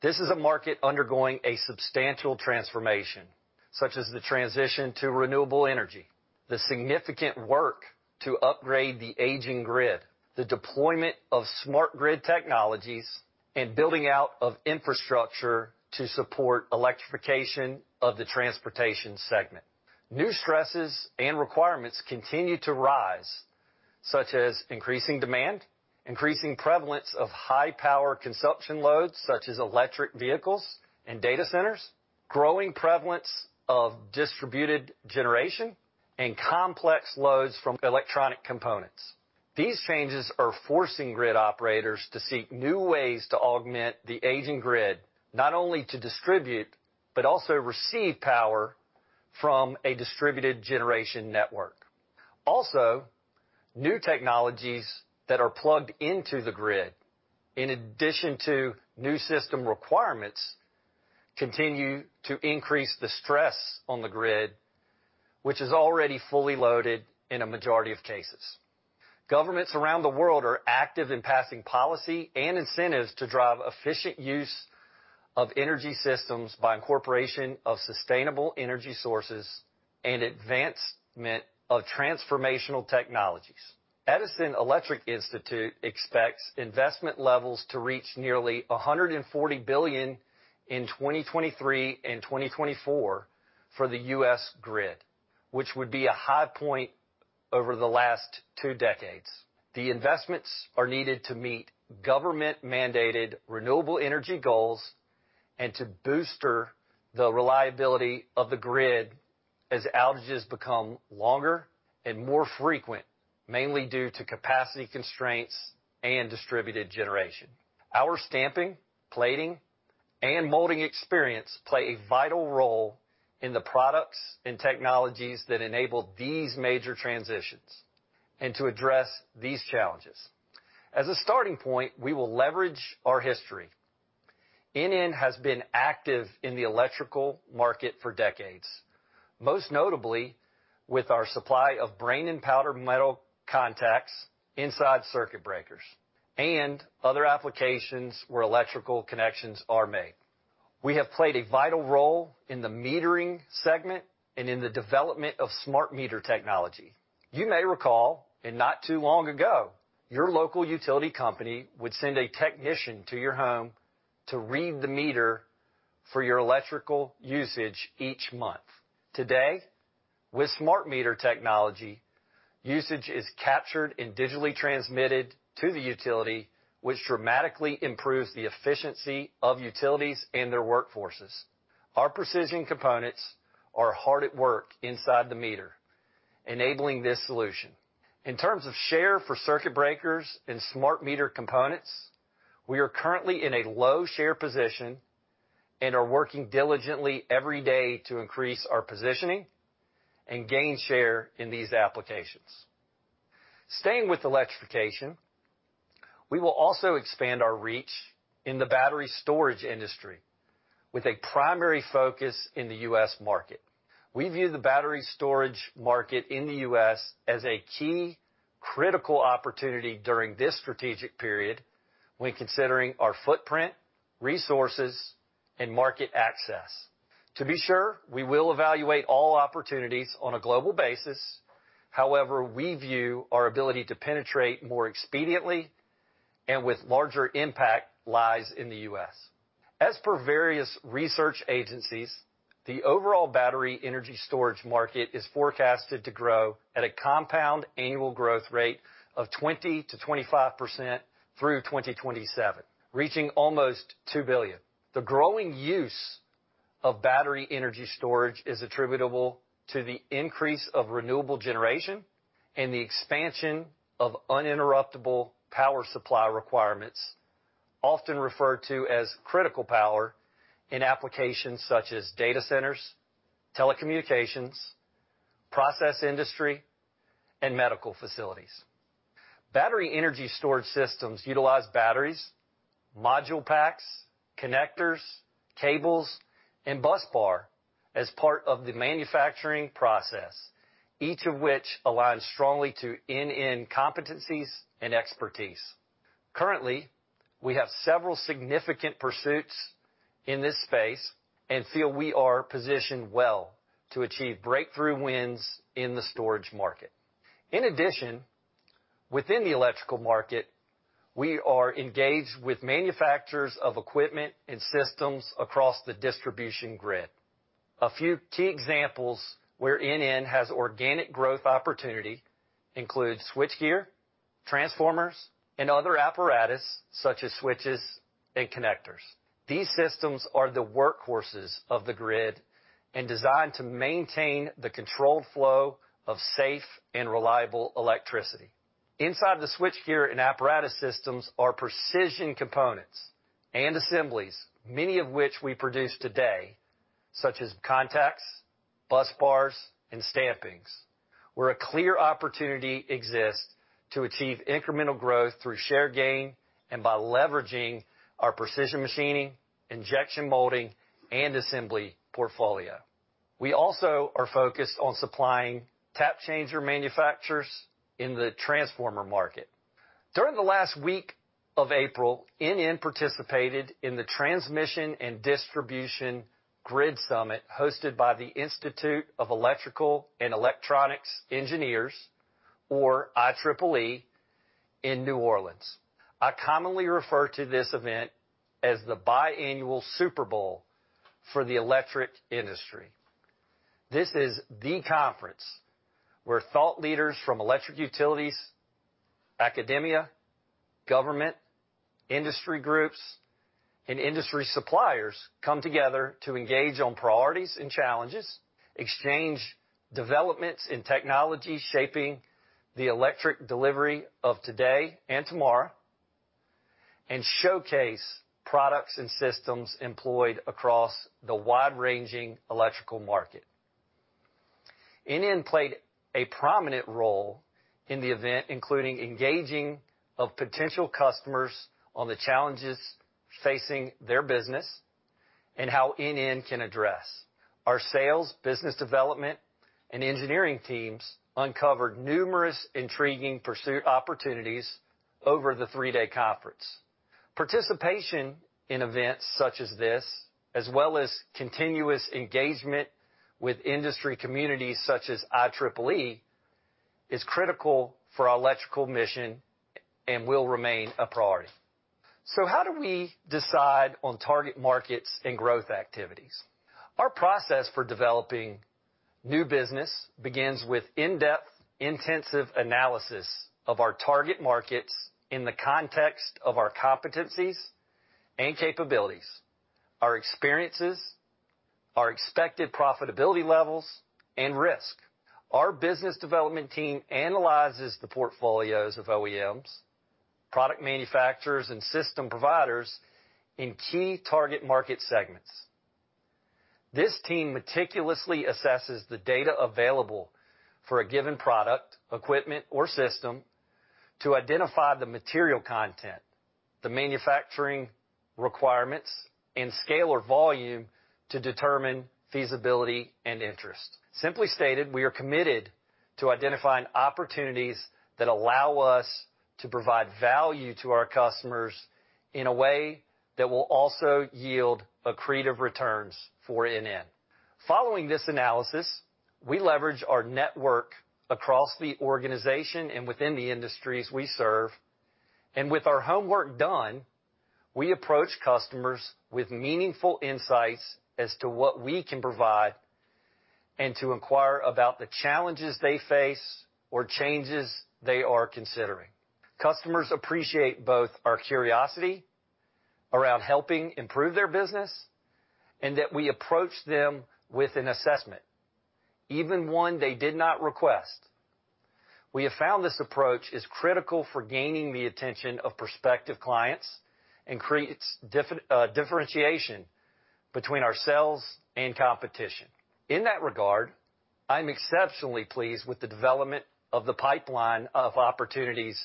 This is a market undergoing a substantial transformation, such as the transition to renewable energy, the significant work to upgrade the aging grid, the deployment of smart grid technologies, and building out of infrastructure to support electrification of the transportation segment. New stresses and requirements continue to rise, such as increasing demand, increasing prevalence of high power consumption loads, such as electric vehicles and data centers, growing prevalence of distributed generation, and complex loads from electronic components. These changes are forcing grid operators to seek new ways to augment the aging grid, not only to distribute, but also receive power from a distributed generation network. Also, new technologies that are plugged into the grid, in addition to new system requirements, continue to increase the stress on the grid, which is already fully loaded in a majority of cases. Governments around the world are active in passing policy and incentives to drive efficient use of energy systems by incorporation of sustainable energy sources and advancement of transformational technologies. Edison Electric Institute expects investment levels to reach nearly $140 billion in 2023 and 2024 for the U.S. grid, which would be a high point over the last two decades. The investments are needed to meet government-mandated renewable energy goals and to bolster the reliability of the grid as outages become longer and more frequent, mainly due to capacity constraints and distributed generation. Our stamping, plating, and molding experience play a vital role in the products and technologies that enable these major transitions and to address these challenges. As a starting point, we will leverage our history. NN has been active in the electrical market for decades, most notably with our supply of brass and powder metal contacts inside circuit breakers and other applications where electrical connections are made. We have played a vital role in the metering segment and in the development of smart meter technology. You may recall, and not too long ago, your local utility company would send a technician to your home to read the meter for your electrical usage each month. Today, with smart meter technology, usage is captured and digitally transmitted to the utility, which dramatically improves the efficiency of utilities and their workforces. Our precision components are hard at work inside the meter, enabling this solution. In terms of share for circuit breakers and smart meter components, we are currently in a low share position and are working diligently every day to increase our positioning and gain share in these applications. Staying with electrification, we will also expand our reach in the battery storage industry with a primary focus in the U.S. market. We view the battery storage market in the U.S. as a key critical opportunity during this strategic period when considering our footprint, resources, and market access. To be sure, we will evaluate all opportunities on a global basis. However, we view our ability to penetrate more expediently and with larger impact lies in the U.S. As per various research agencies, the overall battery energy storage market is forecasted to grow at a compound annual growth rate of 20%-25% through 2027, reaching almost $2 billion. The growing use of battery energy storage is attributable to the increase of renewable generation and the expansion of uninterruptible power supply requirements, often referred to as critical power in applications such as data centers, telecommunications, process industry, and medical facilities. Battery energy storage systems utilize batteries, module packs, connectors, cables, and busbar as part of the manufacturing process, each of which aligns strongly to NN competencies and expertise. Currently, we have several significant pursuits in this space and feel we are positioned well to achieve breakthrough wins in the storage market. In addition, within the electrical market, we are engaged with manufacturers of equipment and systems across the distribution grid. A few key examples where NN has organic growth opportunity include switchgear, transformers, and other apparatus such as switches and connectors. These systems are the workhorses of the grid and designed to maintain the controlled flow of safe and reliable electricity. Inside the switchgear and apparatus systems are precision components and assemblies, many of which we produce today, such as contacts, busbars, and stampings, where a clear opportunity exists to achieve incremental growth through share gain and by leveraging our precision machining, injection molding, and assembly portfolio. We also are focused on supplying tap changer manufacturers in the transformer market. During the last week of April, NN participated in the Transmission and Distribution Grid Summit, hosted by the Institute of Electrical and Electronics Engineers, or IEEE, in New Orleans. I commonly refer to this event as the biannual Super Bowl for the electric industry. This is the conference where thought leaders from electric utilities, academia, government, industry groups, and industry suppliers come together to engage on priorities and challenges, exchange developments in technology shaping the electric delivery of today and tomorrow, and showcase products and systems employed across the wide-ranging electrical market. NN played a prominent role in the event, including engaging of potential customers on the challenges facing their business and how NN can address. Our sales, business development, and engineering teams uncovered numerous intriguing pursuit opportunities over the three-day conference. Participation in events such as this, as well as continuous engagement with industry communities such as IEEE, is critical for our electrical mission and will remain a priority. How do we decide on target markets and growth activities? Our process for developing new business begins with in-depth, intensive analysis of our target markets in the context of our competencies and capabilities, our experiences, our expected profitability levels, and risk. Our business development team analyzes the portfolios of OEMs, product manufacturers, and system providers in key target market segments. This team meticulously assesses the data available for a given product, equipment, or system to identify the material content, the manufacturing requirements, and scale or volume to determine feasibility and interest. Simply stated, we are committed to identifying opportunities that allow us to provide value to our customers in a way that will also yield accretive returns for NN. Following this analysis, we leverage our network across the organization and within the industries we serve, and with our homework done, we approach customers with meaningful insights as to what we can provide and to inquire about the challenges they face or changes they are considering. Customers appreciate both our curiosity around helping improve their business and that we approach them with an assessment, even one they did not request. We have found this approach is critical for gaining the attention of prospective clients and creates differentiation between ourselves and competition. In that regard, I'm exceptionally pleased with the development of the pipeline of opportunities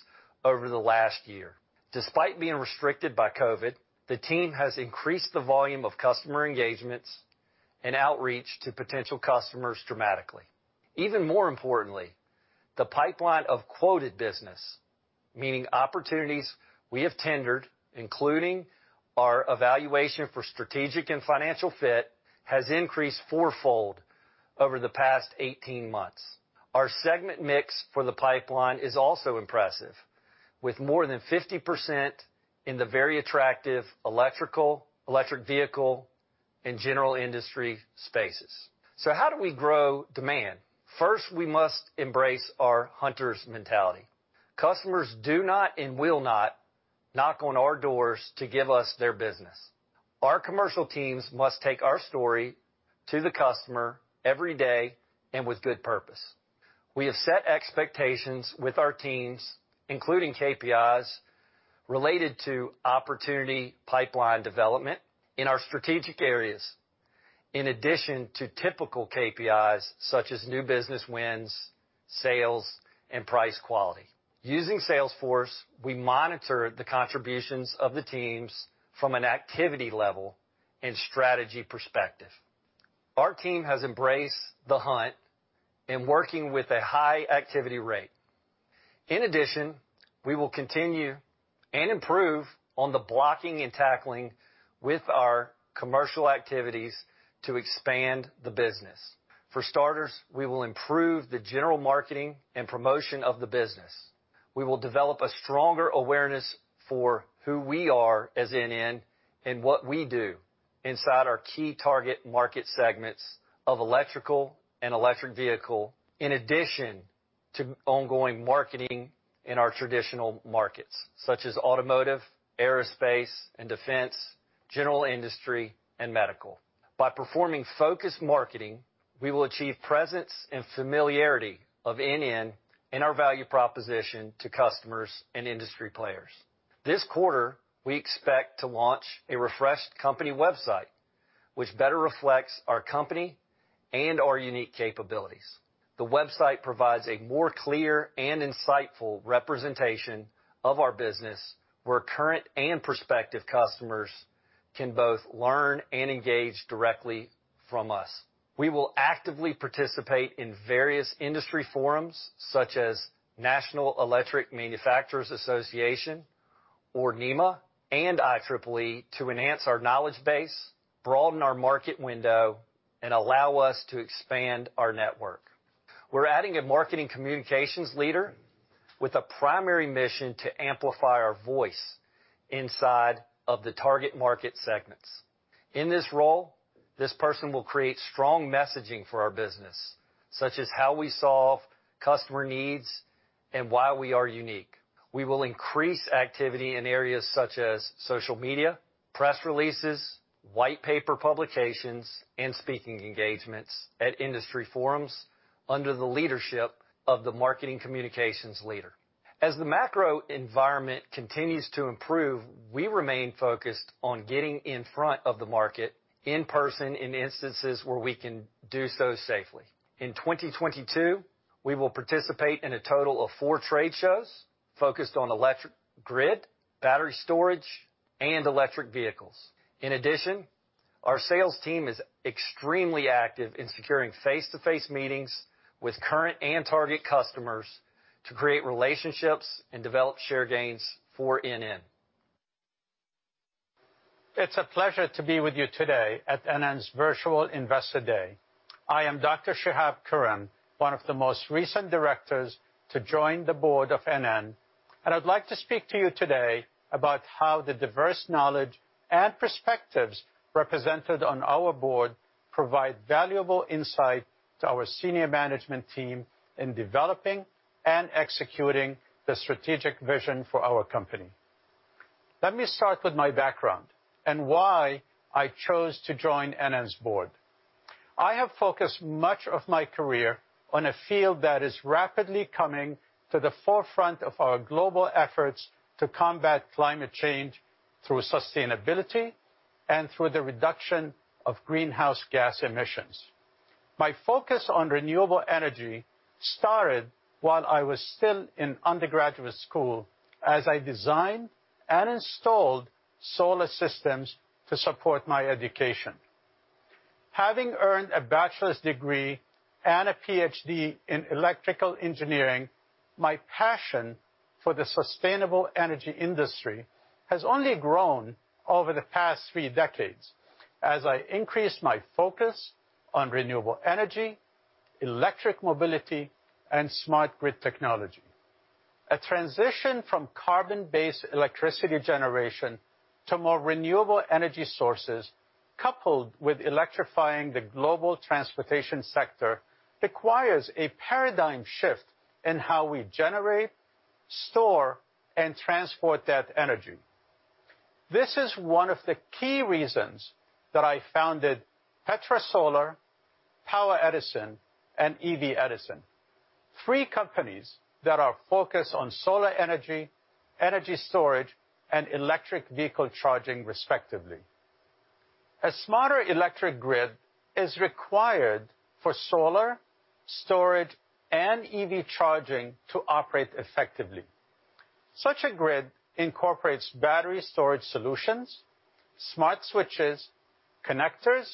over the last year. Despite being restricted by COVID, the team has increased the volume of customer engagements and outreach to potential customers dramatically. Even more importantly, the pipeline of quoted business, meaning opportunities we have tendered, including our evaluation for strategic and financial fit, has increased four-fold over the past 18 months. Our segment mix for the pipeline is also impressive, with more than 50% in the very attractive electrical, electric vehicle, and general industry spaces. How do we grow demand? First, we must embrace our hunter's mentality. Customers do not and will not knock on our doors to give us their business. Our commercial teams must take our story to the customer every day and with good purpose. We have set expectations with our teams, including KPIs related to opportunity pipeline development in our strategic areas, in addition to typical KPIs such as new business wins, sales, and price quality. Using Salesforce, we monitor the contributions of the teams from an activity level and strategy perspective. Our team has embraced the hunt in working with a high activity rate. In addition, we will continue and improve on the blocking and tackling with our commercial activities to expand the business. For starters, we will improve the general marketing and promotion of the business. We will develop a stronger awareness for who we are as NN and what we do inside our key target market segments of electrical and electric vehicle, in addition to ongoing marketing in our traditional markets, such as automotive, aerospace, and defense, general industry, and medical. By performing focused marketing, we will achieve presence and familiarity of NN and our value proposition to customers and industry players. This quarter, we expect to launch a refreshed company website which better reflects our company and our unique capabilities. The website provides a more clear and insightful representation of our business where current and prospective customers can both learn and engage directly from us. We will actively participate in various industry forums, such as National Electrical Manufacturers Association, or NEMA, and IEEE to enhance our knowledge base, broaden our market window, and allow us to expand our network. We're adding a marketing communications leader with a primary mission to amplify our voice inside of the target market segments. In this role, this person will create strong messaging for our business, such as how we solve customer needs and why we are unique. We will increase activity in areas such as social media, press releases, white paper publications, and speaking engagements at industry forums under the leadership of the marketing communications leader. As the macro environment continues to improve, we remain focused on getting in front of the market in person in instances where we can do so safely. In 2022, we will participate in a total of four trade shows focused on electric grid, battery storage, and electric vehicles. In addition, our sales team is extremely active in securing face-to-face meetings with current and target customers to create relationships and develop share gains for NN. It's a pleasure to be with you today at NN's virtual investor day. I am Dr. Shihab Kuran, one of the most recent directors to join the board of NN, and I'd like to speak to you today about how the diverse knowledge and perspectives represented on our board provide valuable insight to our senior management team in developing and executing the strategic vision for our company. Let me start with my background and why I chose to join NN's board. I have focused much of my career on a field that is rapidly coming to the forefront of our global efforts to combat climate change through sustainability and through the reduction of greenhouse gas emissions. My focus on renewable energy started while I was still in undergraduate school, as I designed and installed solar systems to support my education. Having earned a bachelor's degree and a PhD in electrical engineering, my passion for the sustainable energy industry has only grown over the past three decades as I increased my focus on renewable energy, electric mobility, and smart grid technology. A transition from carbon-based electricity generation to more renewable energy sources, coupled with electrifying the global transportation sector, requires a paradigm shift in how we generate, store, and transport that energy. This is one of the key reasons that I founded Petra Solar, Power Edison, and EV Edison, three companies that are focused on solar energy storage, and electric vehicle charging, respectively. A smarter electric grid is required for solar, storage, and EV charging to operate effectively. Such a grid incorporates battery storage solutions, smart switches, connectors,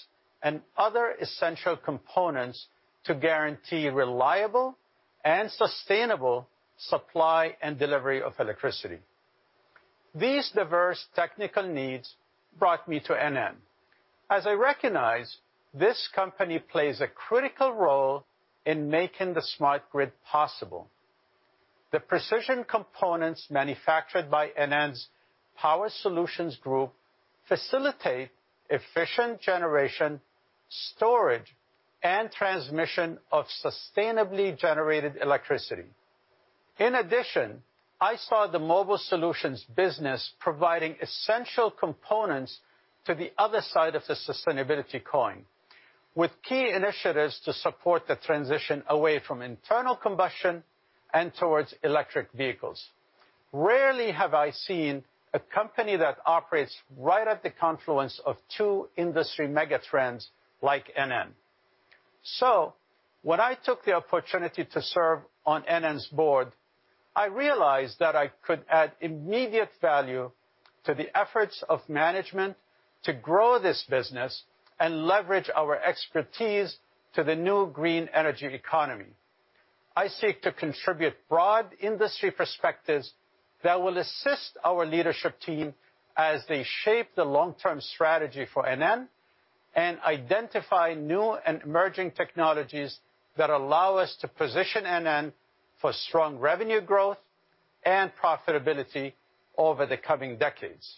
and other essential components to guarantee reliable and sustainable supply and delivery of electricity. These diverse technical needs brought me to NN. As I recognize, this company plays a critical role in making the smart grid possible. The precision components manufactured by NN's Power Solutions group facilitate efficient generation, storage, and transmission of sustainably generated electricity. In addition, I saw the Mobile Solutions business providing essential components to the other side of the sustainability coin, with key initiatives to support the transition away from internal combustion and towards electric vehicles. Rarely have I seen a company that operates right at the confluence of two industry mega trends like NN. When I took the opportunity to serve on NN's board, I realized that I could add immediate value to the efforts of management to grow this business and leverage our expertise to the new green energy economy. I seek to contribute broad industry perspectives that will assist our leadership team as they shape the long-term strategy for NN and identify new and emerging technologies that allow us to position NN for strong revenue growth and profitability over the coming decades.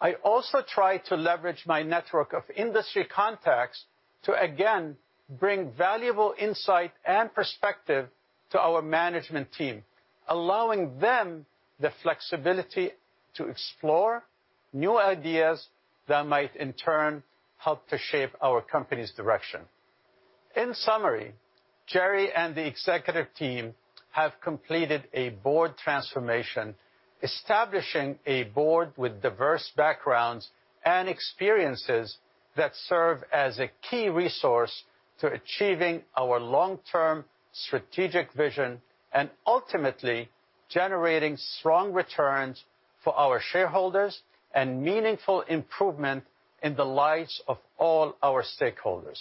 I also try to leverage my network of industry contacts to again bring valuable insight and perspective to our management team, allowing them the flexibility to explore new ideas that might in turn help to shape our company's direction. In summary, Jerry and the executive team have completed a board transformation, establishing a board with diverse backgrounds and experiences that serve as a key resource to achieving our long-term strategic vision and ultimately generating strong returns for our shareholders and meaningful improvement in the lives of all our stakeholders.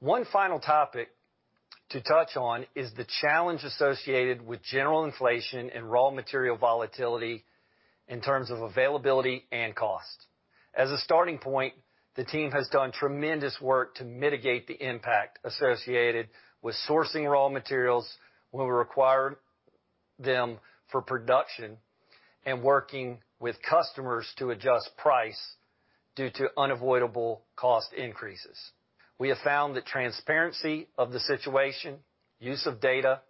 One final topic to touch on is the challenge associated with general inflation and raw material volatility in terms of availability and cost. As a starting point, the team has done tremendous work to mitigate the impact associated with sourcing raw materials when we require them for production and working with customers to adjust price due to unavoidable cost increases. We have found that transparency of the situation, use of data,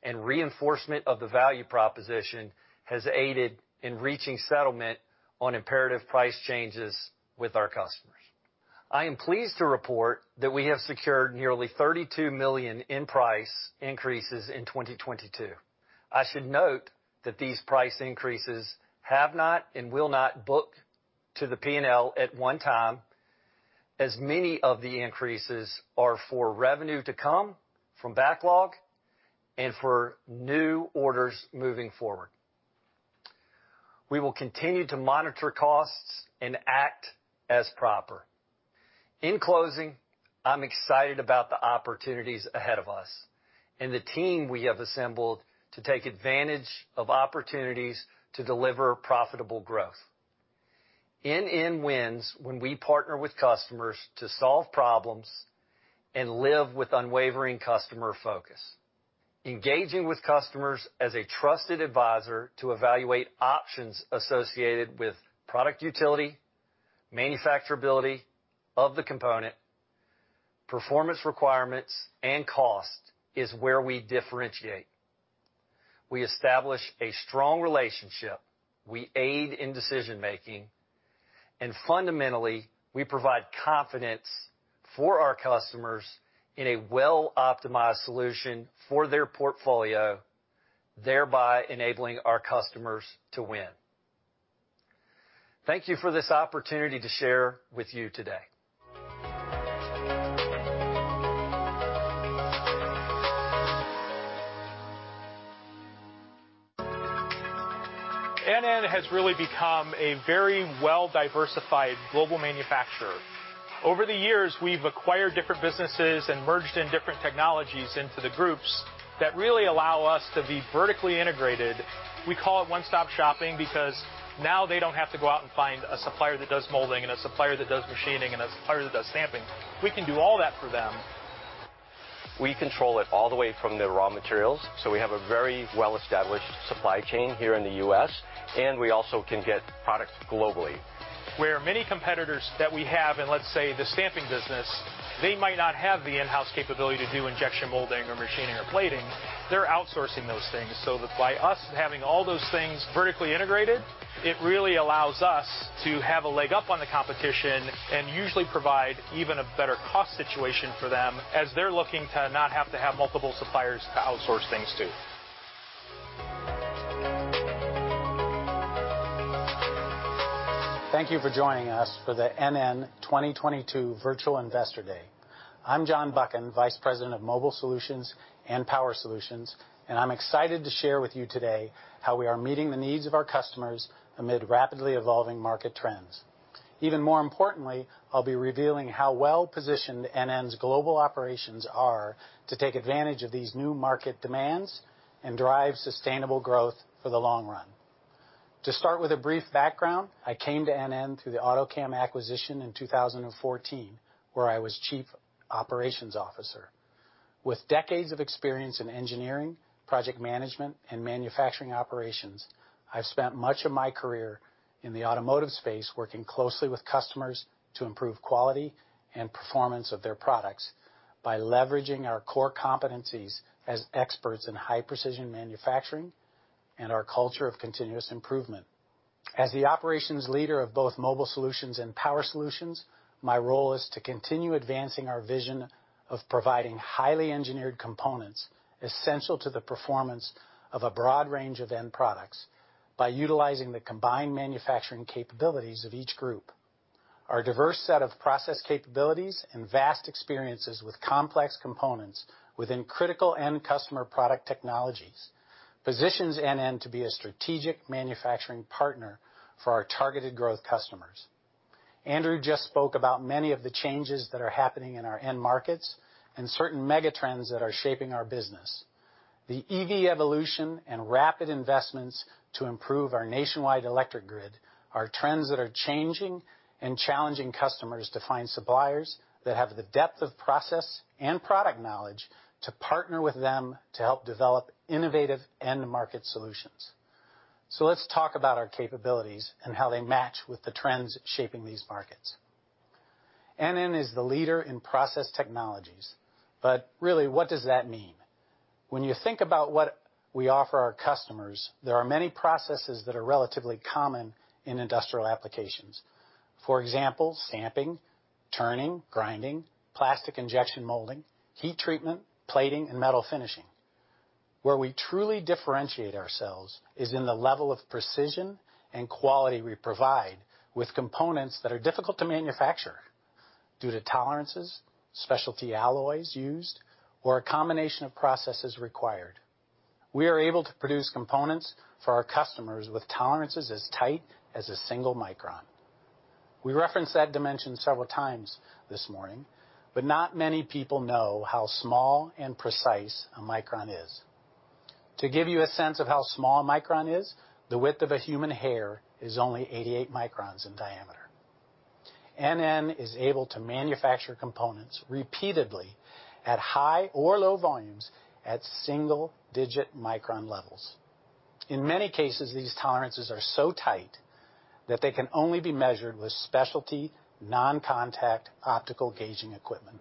and reinforcement of the value proposition has aided in reaching settlement on imperative price changes with our customers. I am pleased to report that we have secured nearly $32 million in price increases in 2022. I should note that these price increases have not and will not book to the P&L at one time, as many of the increases are for revenue to come from backlog and for new orders moving forward. We will continue to monitor costs and act appropriately. In closing, I'm excited about the opportunities ahead of us and the team we have assembled to take advantage of opportunities to deliver profitable growth. NN wins when we partner with customers to solve problems and live with unwavering customer focus. Engaging with customers as a trusted advisor to evaluate options associated with product utility, manufacturability of the component, performance requirements, and cost is where we differentiate. We establish a strong relationship, we aid in decision-making, and fundamentally, we provide confidence for our customers in a well-optimized solution for their portfolio, thereby enabling our customers to win. Thank you for this opportunity to share with you today. NN has really become a very well-diversified global manufacturer. Over the years, we've acquired different businesses and merged in different technologies into the groups that really allow us to be vertically integrated. We call it one-stop shopping because now they don't have to go out and find a supplier that does molding and a supplier that does machining and a supplier that does stamping. We can do all that for them. We control it all the way from the raw materials, so we have a very well-established supply chain here in the U.S., and we also can get product globally. Where many competitors that we have in, let's say, the stamping business, they might not have the in-house capability to do injection molding or machining or plating. They're outsourcing those things. That by us having all those things vertically integrated, it really allows us to have a leg up on the competition and usually provide even a better cost situation for them as they're looking to not have to have multiple suppliers to outsource things to. Thank you for joining us for the NN 2022 Virtual Investor Day. I'm John Buchan, Executive Vice President of Mobile Solutions and Power Solutions, and I'm excited to share with you today how we are meeting the needs of our customers amid rapidly evolving market trends. Even more importantly, I'll be revealing how well-positioned NN's global operations are to take advantage of these new market demands and drive sustainable growth for the long run. To start with a brief background, I came to NN through the Autocam acquisition in 2014, where I was chief operations officer. With decades of experience in engineering, project management, and manufacturing operations, I've spent much of my career in the automotive space working closely with customers to improve quality and performance of their products by leveraging our core competencies as experts in high-precision manufacturing and our culture of continuous improvement. As the operations leader of both Mobile Solutions and Power Solutions, my role is to continue advancing our vision of providing highly engineered components essential to the performance of a broad range of end products by utilizing the combined manufacturing capabilities of each group. Our diverse set of process capabilities and vast experiences with complex components within critical end customer product technologies positions NN to be a strategic manufacturing partner for our targeted growth customers. Andrew just spoke about many of the changes that are happening in our end markets and certain mega trends that are shaping our business. The EV evolution and rapid investments to improve our nationwide electric grid are trends that are changing and challenging customers to find suppliers that have the depth of process and product knowledge to partner with them to help develop innovative end market solutions. Let's talk about our capabilities and how they match with the trends shaping these markets. NN is the leader in process technologies, but really, what does that mean? When you think about what we offer our customers, there are many processes that are relatively common in industrial applications. For example, stamping, turning, grinding, plastic injection molding, heat treatment, plating, and metal finishing. Where we truly differentiate ourselves is in the level of precision and quality we provide with components that are difficult to manufacture due to tolerances, specialty alloys used, or a combination of processes required. We are able to produce components for our customers with tolerances as tight as a single micron. We referenced that dimension several times this morning, but not many people know how small and precise a micron is. To give you a sense of how small a micron is, the width of a human hair is only 88 microns in diameter. NN is able to manufacture components repeatedly at high or low volumes at single-digit micron levels. In many cases, these tolerances are so tight that they can only be measured with specialty non-contact optical gauging equipment.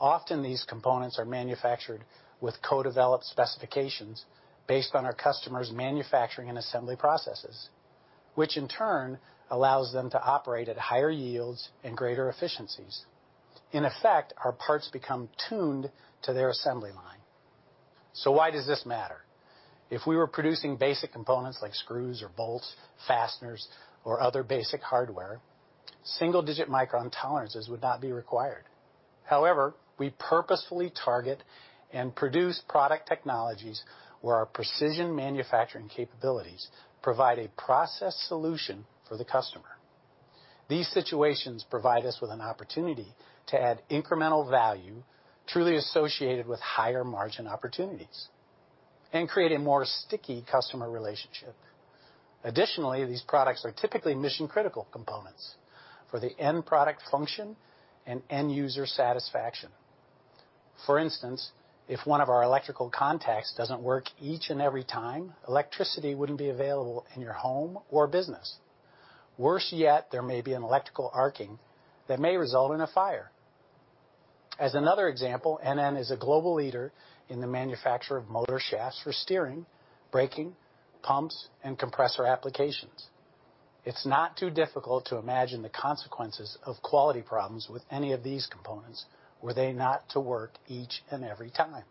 Often, these components are manufactured with co-developed specifications based on our customers' manufacturing and assembly processes, which in turn allows them to operate at higher yields and greater efficiencies. In effect, our parts become tuned to their assembly line. Why does this matter? If we were producing basic components like screws or bolts, fasteners, or other basic hardware, single-digit micron tolerances would not be required. However, we purposefully target and produce product technologies where our precision manufacturing capabilities provide a process solution for the customer. These situations provide us with an opportunity to add incremental value truly associated with higher margin opportunities and create a more sticky customer relationship. Additionally, these products are typically mission-critical components for the end product function and end user satisfaction. For instance, if one of our electrical contacts doesn't work each and every time, electricity wouldn't be available in your home or business. Worse yet, there may be an electrical arcing that may result in a fire. As another example, NN is a global leader in the manufacture of motor shafts for steering, braking, pumps, and compressor applications. It's not too difficult to imagine the consequences of quality problems with any of these components were they not to work each and every time.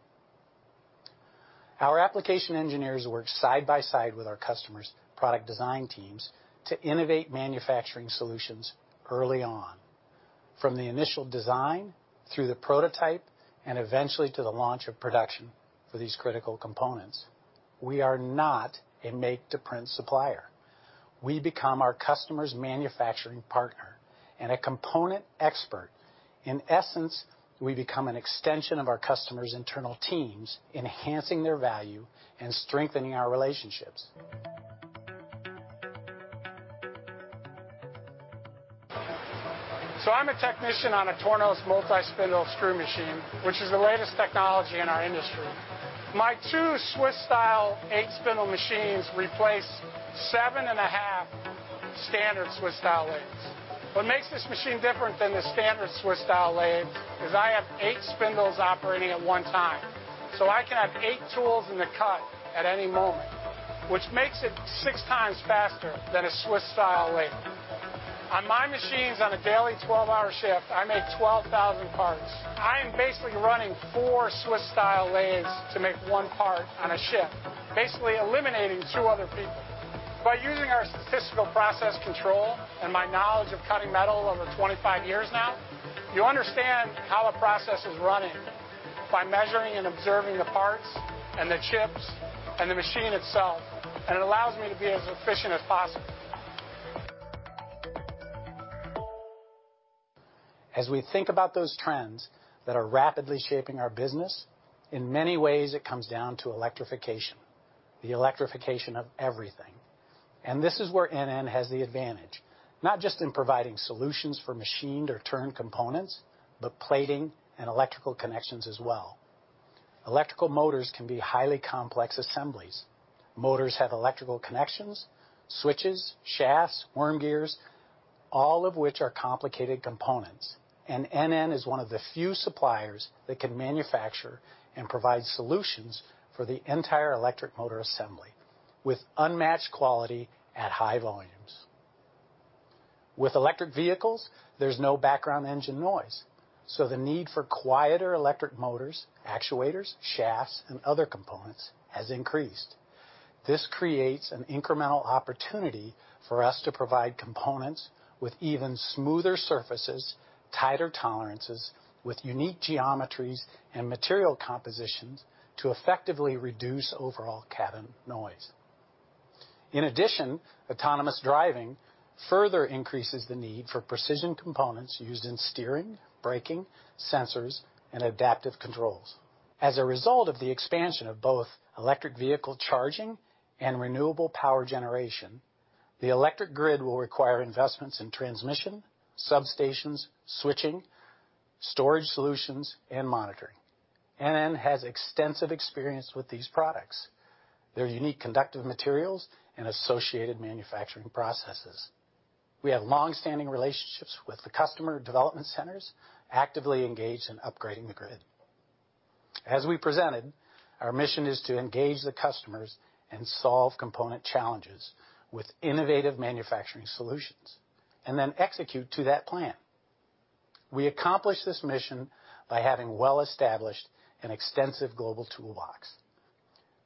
Our application engineers work side by side with our customers' product design teams to innovate manufacturing solutions early on, from the initial design through the prototype, and eventually to the launch of production for these critical components. We are not a make-to-print supplier. We become our customer's manufacturing partner and a component expert. In essence, we become an extension of our customer's internal teams, enhancing their value and strengthening our relationships. I'm a technician on a Tornos multi-spindle screw machine, which is the latest technology in our industry. My two Swiss-style eight-spindle machines replace seven and a half standard Swiss-style lathes. What makes this machine different than the standard Swiss-style lathe is I have eight spindles operating at one time, so I can have eight tools in the cut at any moment, which makes it six times faster than a Swiss-style lathe. On my machines on a daily 12-hour shift, I make 12,000 parts. I am basically running four Swiss-style lathes to make one part on a shift, basically eliminating two other people. By using our statistical process control and my knowledge of cutting metal over 25 years now, you understand how a process is running by measuring and observing the parts and the chips and the machine itself, and it allows me to be as efficient as possible. As we think about those trends that are rapidly shaping our business, in many ways it comes down to electrification, the electrification of everything. This is where NN has the advantage, not just in providing solutions for machined or turned components, but plating and electrical connections as well. Electrical motors can be highly complex assemblies. Motors have electrical connections, switches, shafts, worm gears, all of which are complicated components, and NN is one of the few suppliers that can manufacture and provide solutions for the entire electric motor assembly with unmatched quality at high volumes. With electric vehicles, there's no background engine noise, so the need for quieter electric motors, actuators, shafts, and other components has increased. This creates an incremental opportunity for us to provide components with even smoother surfaces, tighter tolerances with unique geometries and material compositions to effectively reduce overall cabin noise. In addition, autonomous driving further increases the need for precision components used in steering, braking, sensors, and adaptive controls. As a result of the expansion of both electric vehicle charging and renewable power generation, the electric grid will require investments in transmission, substations, switching, storage solutions, and monitoring. NN has extensive experience with these products, their unique conductive materials, and associated manufacturing processes. We have long-standing relationships with the customer development centers actively engaged in upgrading the grid. As we presented, our mission is to engage the customers and solve component challenges with innovative manufacturing solutions, and then execute to that plan. We accomplish this mission by having well-established and extensive global toolbox.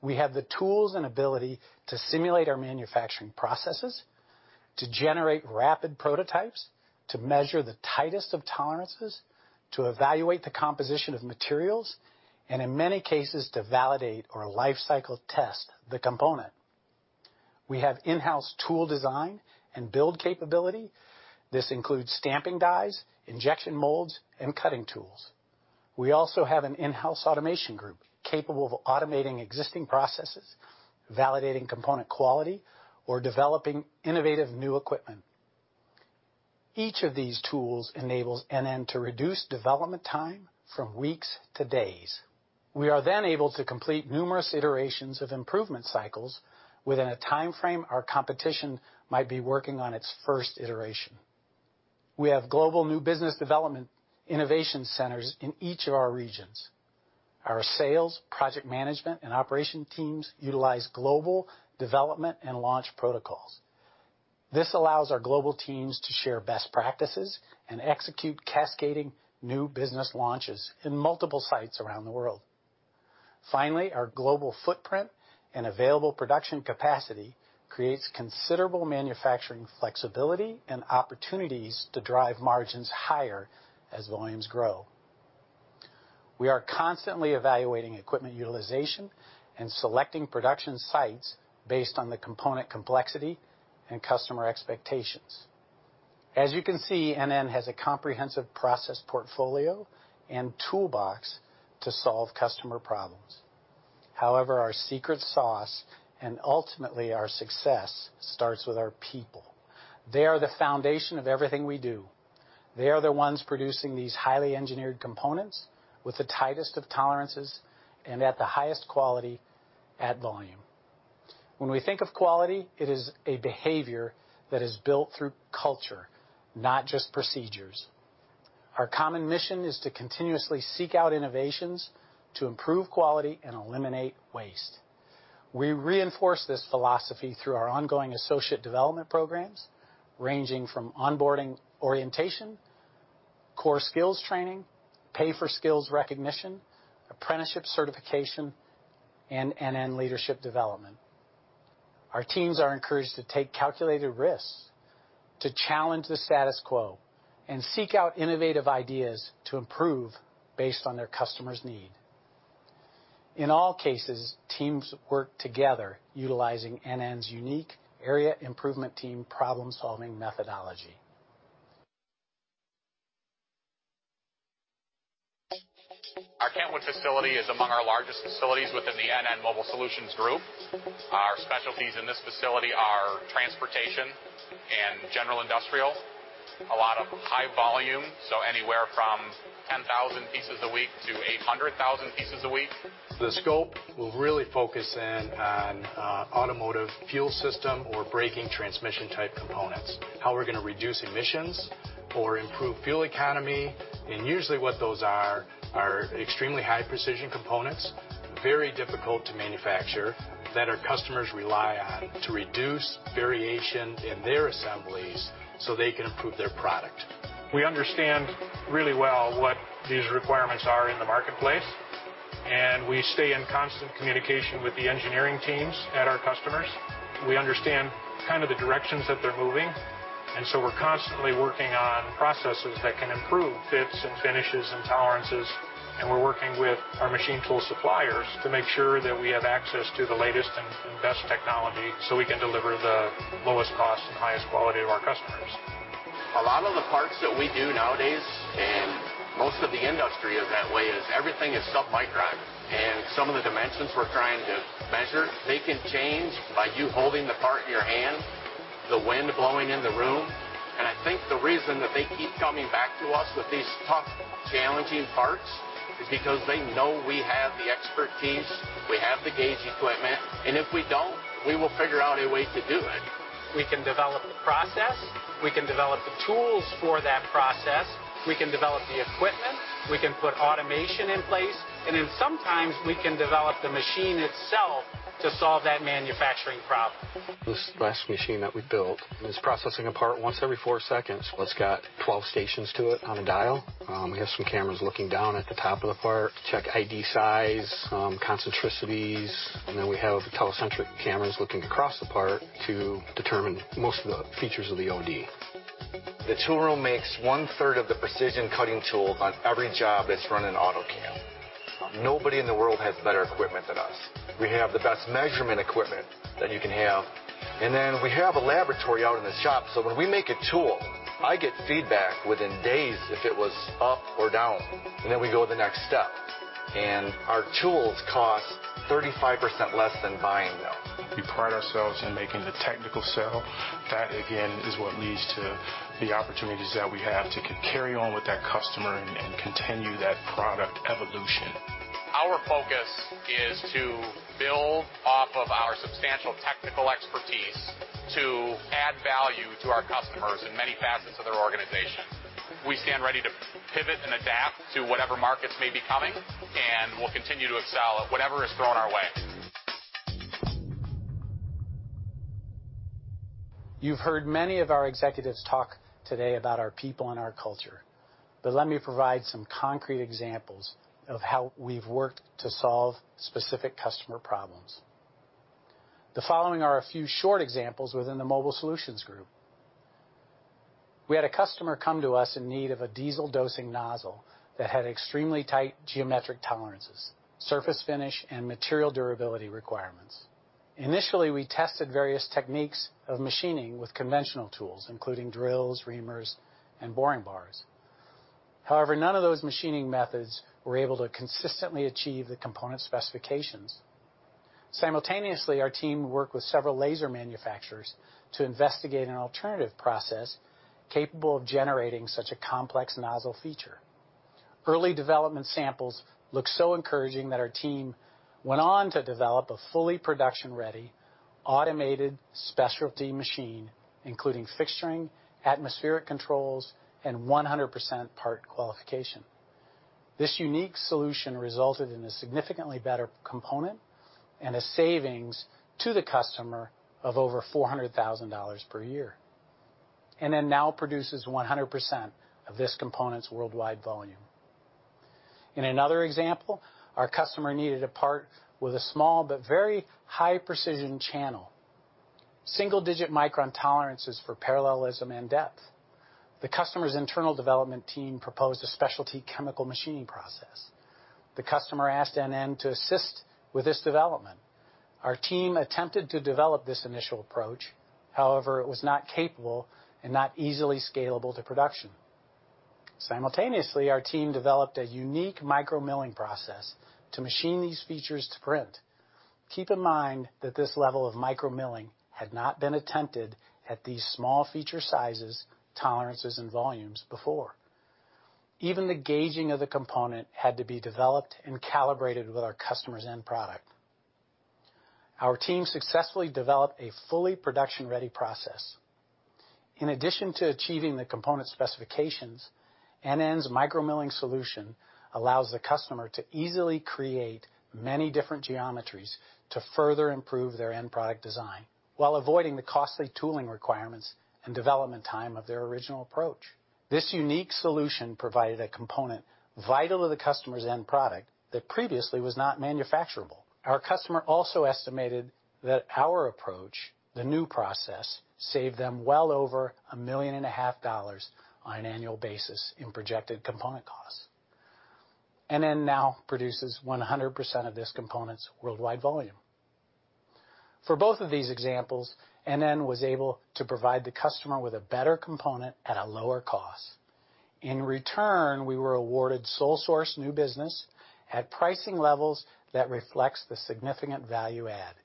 We have the tools and ability to simulate our manufacturing processes, to generate rapid prototypes, to measure the tightest of tolerances, to evaluate the composition of materials, and in many cases, to validate or life cycle test the component. We have in-house tool design and build capability. This includes stamping dies, injection molds, and cutting tools. We also have an in-house automation group capable of automating existing processes, validating component quality, or developing innovative new equipment. Each of these tools enables NN to reduce development time from weeks to days. We are then able to complete numerous iterations of improvement cycles within a time frame our competition might be working on its first iteration. We have global new business development innovation centers in each of our regions. Our sales, project management, and operation teams utilize global development and launch protocols. This allows our global teams to share best practices and execute cascading new business launches in multiple sites around the world. Finally, our global footprint and available production capacity creates considerable manufacturing flexibility and opportunities to drive margins higher as volumes grow. We are constantly evaluating equipment utilization and selecting production sites based on the component complexity and customer expectations. As you can see, NN has a comprehensive process portfolio and toolbox to solve customer problems. However, our secret sauce and ultimately our success starts with our people. They are the foundation of everything we do. They are the ones producing these highly engineered components with the tightest of tolerances and at the highest quality at volume. When we think of quality, it is a behavior that is built through culture, not just procedures. Our common mission is to continuously seek out innovations to improve quality and eliminate waste. We reinforce this philosophy through our ongoing associate development programs ranging from onboarding orientation, core skills training, pay for skills recognition, apprenticeship certification, and NN leadership development. Our teams are encouraged to take calculated risks, to challenge the status quo, and seek out innovative ideas to improve based on their customer's need. In all cases, teams work together utilizing NN's unique area improvement team problem-solving methodology. Our Kentwood facility is among our largest facilities within the NN Mobile Solutions group. Our specialties in this facility are transportation and general industrial. A lot of high volume, so anywhere from 10,000 pieces a week to 100,000 pieces a week. The scope will really focus in on automotive fuel system or braking transmission type components, how we're gonna reduce emissions or improve fuel economy. Usually what those are extremely high precision components, very difficult to manufacture, that our customers rely on to reduce variation in their assemblies so they can improve their product. We understand really well what these requirements are in the marketplace. We stay in constant communication with the engineering teams at our customers. We understand kind of the directions that they're moving, and so we're constantly working on processes that can improve fits and finishes and tolerances, and we're working with our machine tool suppliers to make sure that we have access to the latest and best technology, so we can deliver the lowest cost and highest quality to our customers. A lot of the parts that we do nowadays, and most of the industry is that way, is everything is submicron. Some of the dimensions we're trying to measure, they can change by you holding the part in your hand, the wind blowing in the room. I think the reason that they keep coming back to us with these tough, challenging parts is because they know we have the expertise, we have the gauge equipment, and if we don't, we will figure out a way to do it. We can develop the process. We can develop the tools for that process. We can develop the equipment. We can put automation in place, and then sometimes we can develop the machine itself to solve that manufacturing problem. This last machine that we built is processing a part once every 4 seconds. Well, it's got 12 stations to it on a dial. We have some cameras looking down at the top of the part, check ID size, concentricities, and then we have telecentric cameras looking across the part to determine most of the features of the OD. The tool room makes 1/3 of the precision cutting tools on every job that's run in Autocam. Nobody in the world has better equipment than us. We have the best measurement equipment that you can have, and then we have a laboratory out in the shop, so when we make a tool, I get feedback within days if it was up or down, and then we go to the next step. Our tools cost 35% less than buying them. We pride ourselves in making the technical sell. That, again, is what leads to the opportunities that we have to carry on with that customer and continue that product evolution. Our focus is to build off of our substantial technical expertise to add value to our customers in many facets of their organizations. We stand ready to pivot and adapt to whatever markets may be coming, and we'll continue to excel at whatever is thrown our way. You've heard many of our executives talk today about our people and our culture, but let me provide some concrete examples of how we've worked to solve specific customer problems. The following are a few short examples within the Mobile Solutions group. We had a customer come to us in need of a diesel dosing nozzle that had extremely tight geometric tolerances, surface finish, and material durability requirements. Initially, we tested various techniques of machining with conventional tools, including drills, reamers, and boring bars. However, none of those machining methods were able to consistently achieve the component specifications. Simultaneously, our team worked with several laser manufacturers to investigate an alternative process capable of generating such a complex nozzle feature. Early development samples looked so encouraging that our team went on to develop a fully production-ready, automated specialty machine, including fixturing, atmospheric controls, and 100% part qualification. This unique solution resulted in a significantly better component and a savings to the customer of over $400,000 per year, and that now produces 100% of this component's worldwide volume. In another example, our customer needed a part with a small but very high-precision channel. Single-digit micron tolerances for parallelism and depth. The customer's internal development team proposed a specialty chemical machining process. The customer asked NN to assist with this development. Our team attempted to develop this initial approach. However, it was not capable and not easily scalable to production. Simultaneously, our team developed a unique micromilling process to machine these features to print. Keep in mind that this level of micromilling had not been attempted at these small feature sizes, tolerances, and volumes before. Even the gauging of the component had to be developed and calibrated with our customer's end product. Our team successfully developed a fully production-ready process. In addition to achieving the component specifications, NN's micromilling solution allows the customer to easily create many different geometries to further improve their end product design while avoiding the costly tooling requirements and development time of their original approach. This unique solution provided a component vital to the customer's end product that previously was not manufacturable. Our customer also estimated that our approach, the new process, saved them well over $1.5 million on an annual basis in projected component costs. NN now produces 100% of this component's worldwide volume. For both of these examples, NN was able to provide the customer with a better component at a lower cost. In return, we were awarded sole source new business at pricing levels that reflects the significant value add.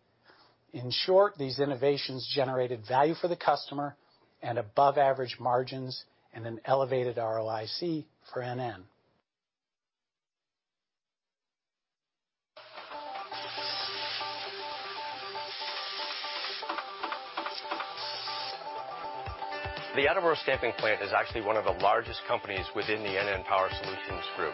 In short, these innovations generated value for the customer and above-average margins and an elevated ROIC for NN. The Attleboro stamping plant is actually one of the largest companies within the NN Power Solutions group.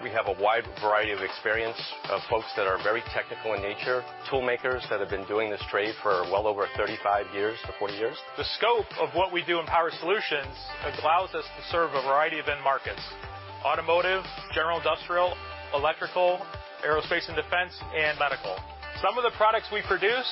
We have a wide variety of experience of folks that are very technical in nature, toolmakers that have been doing this trade for well over 35 years to 40 years. The scope of what we do in Power Solutions allows us to serve a variety of end markets. Automotive, general industrial, electrical, aerospace and defense, and medical. Some of the products we produce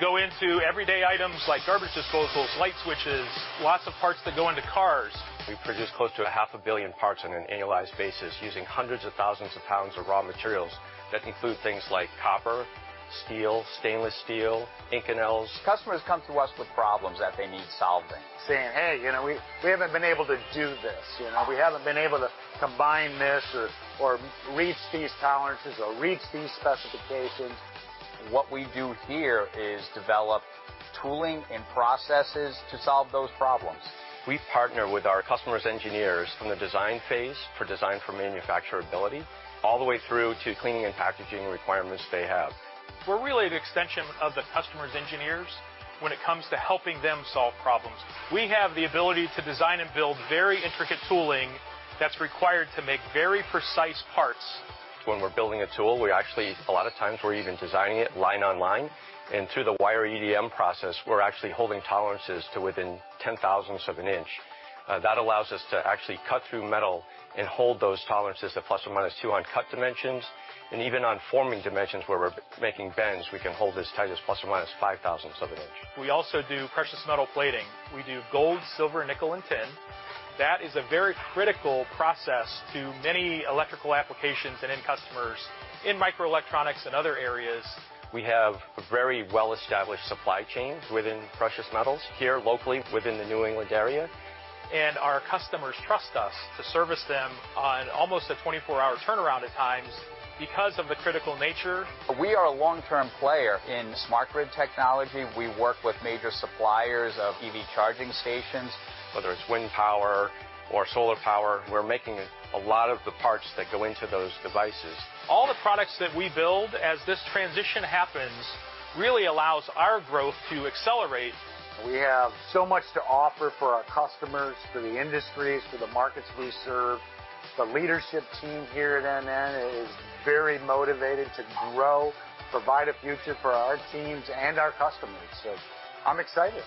go into everyday items like garbage disposals, light switches, lots of parts that go into cars. We produce close to 500 million parts on an annualized basis, using hundreds of thousands of pounds of raw materials that include things like copper, steel, stainless steel, Inconel. Customers come to us with problems that they need solving, saying, "Hey, you know, we haven't been able to do this. You know, we haven't been able to combine this or reach these tolerances or reach these specifications." What we do here is develop tooling and processes to solve those problems. We partner with our customers' engineers from the design phase for design for manufacturability, all the way through to cleaning and packaging requirements they have. We're really an extension of the customer's engineers when it comes to helping them solve problems. We have the ability to design and build very intricate tooling that's required to make very precise parts. When we're building a tool, we actually, a lot of times, we're even designing it line online. Through the wire EDM process, we're actually holding tolerances to within 10/1000 of an inch. That allows us to actually cut through metal and hold those tolerances to ±2 on cut dimensions. Even on forming dimensions where we're making bends, we can hold as tight as ±5/1000 of an inch. We also do precious metal plating. We do gold, silver, nickel, and tin. That is a very critical process to many electrical applications and end customers in microelectronics and other areas. We have a very well-established supply chain within precious metals here locally within the New England area. Our customers trust us to service them on almost a 24-hour turnaround at times because of the critical nature. We are a long-term player in smart grid technology. We work with major suppliers of EV charging stations. Whether it's wind power or solar power, we're making a lot of the parts that go into those devices. All the products that we build as this transition happens really allows our growth to accelerate. We have so much to offer for our customers, for the industries, for the markets we serve. The leadership team here at NN is very motivated to grow, provide a future for our teams and our customers. I'm excited.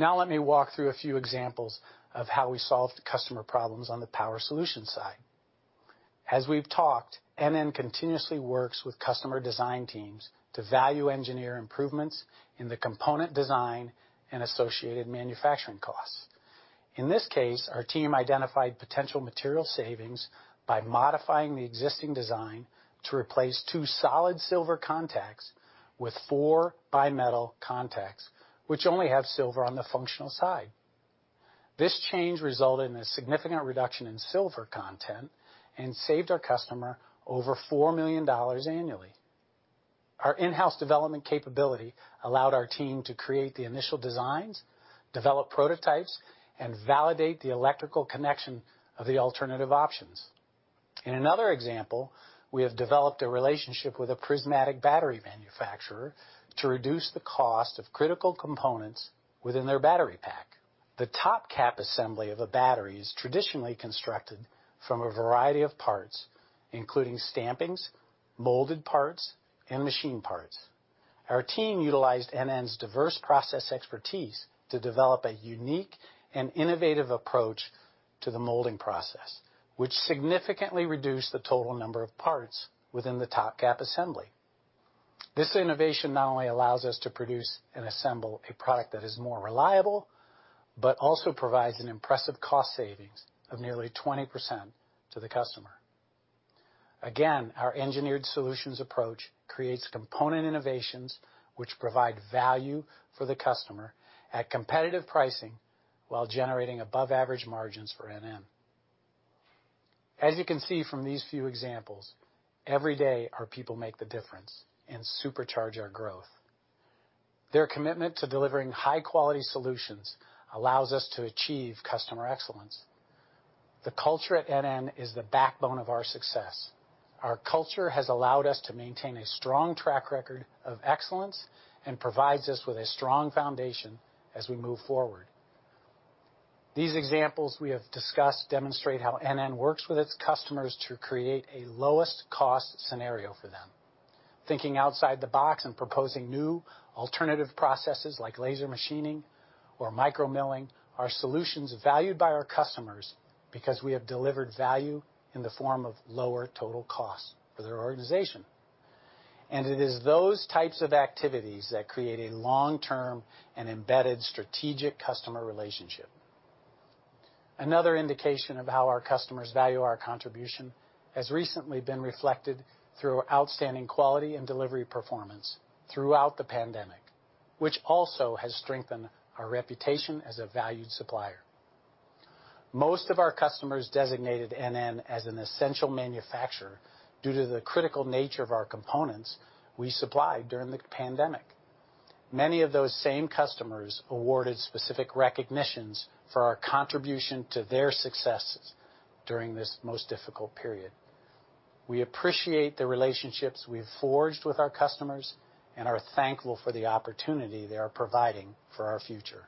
Now let me walk through a few examples of how we solved customer problems on the power solution side. As we've talked, NN continuously works with customer design teams to value engineer improvements in the component design and associated manufacturing costs. In this case, our team identified potential material savings by modifying the existing design to replace 2 solid silver contacts with 4 bi-metal contacts, which only have silver on the functional side. This change resulted in a significant reduction in silver content and saved our customer over $4 million annually. Our in-house development capability allowed our team to create the initial designs, develop prototypes, and validate the electrical connection of the alternative options. In another example, we have developed a relationship with a prismatic battery manufacturer to reduce the cost of critical components within their battery pack. The top cap assembly of a battery is traditionally constructed from a variety of parts, including stampings, molded parts, and machine parts. Our team utilized NN's diverse process expertise to develop a unique and innovative approach to the molding process, which significantly reduced the total number of parts within the top cap assembly. This innovation not only allows us to produce and assemble a product that is more reliable, but also provides an impressive cost savings of nearly 20% to the customer. Again, our engineered solutions approach creates component innovations which provide value for the customer at competitive pricing while generating above average margins for NN. As you can see from these few examples, every day our people make the difference and supercharge our growth. Their commitment to delivering high-quality solutions allows us to achieve customer excellence. The culture at NN is the backbone of our success. Our culture has allowed us to maintain a strong track record of excellence and provides us with a strong foundation as we move forward. These examples we have discussed demonstrate how NN works with its customers to create a lowest cost scenario for them. Thinking outside the box and proposing new alternative processes like laser machining or micro milling are solutions valued by our customers, because we have delivered value in the form of lower total costs for their organization. It is those types of activities that create a long-term and embedded strategic customer relationship. Another indication of how our customers value our contribution has recently been reflected through outstanding quality and delivery performance throughout the pandemic, which also has strengthened our reputation as a valued supplier. Most of our customers designated NN as an essential manufacturer due to the critical nature of our components we supplied during the pandemic. Many of those same customers awarded specific recognitions for our contribution to their successes during this most difficult period. We appreciate the relationships we've forged with our customers and are thankful for the opportunity they are providing for our future.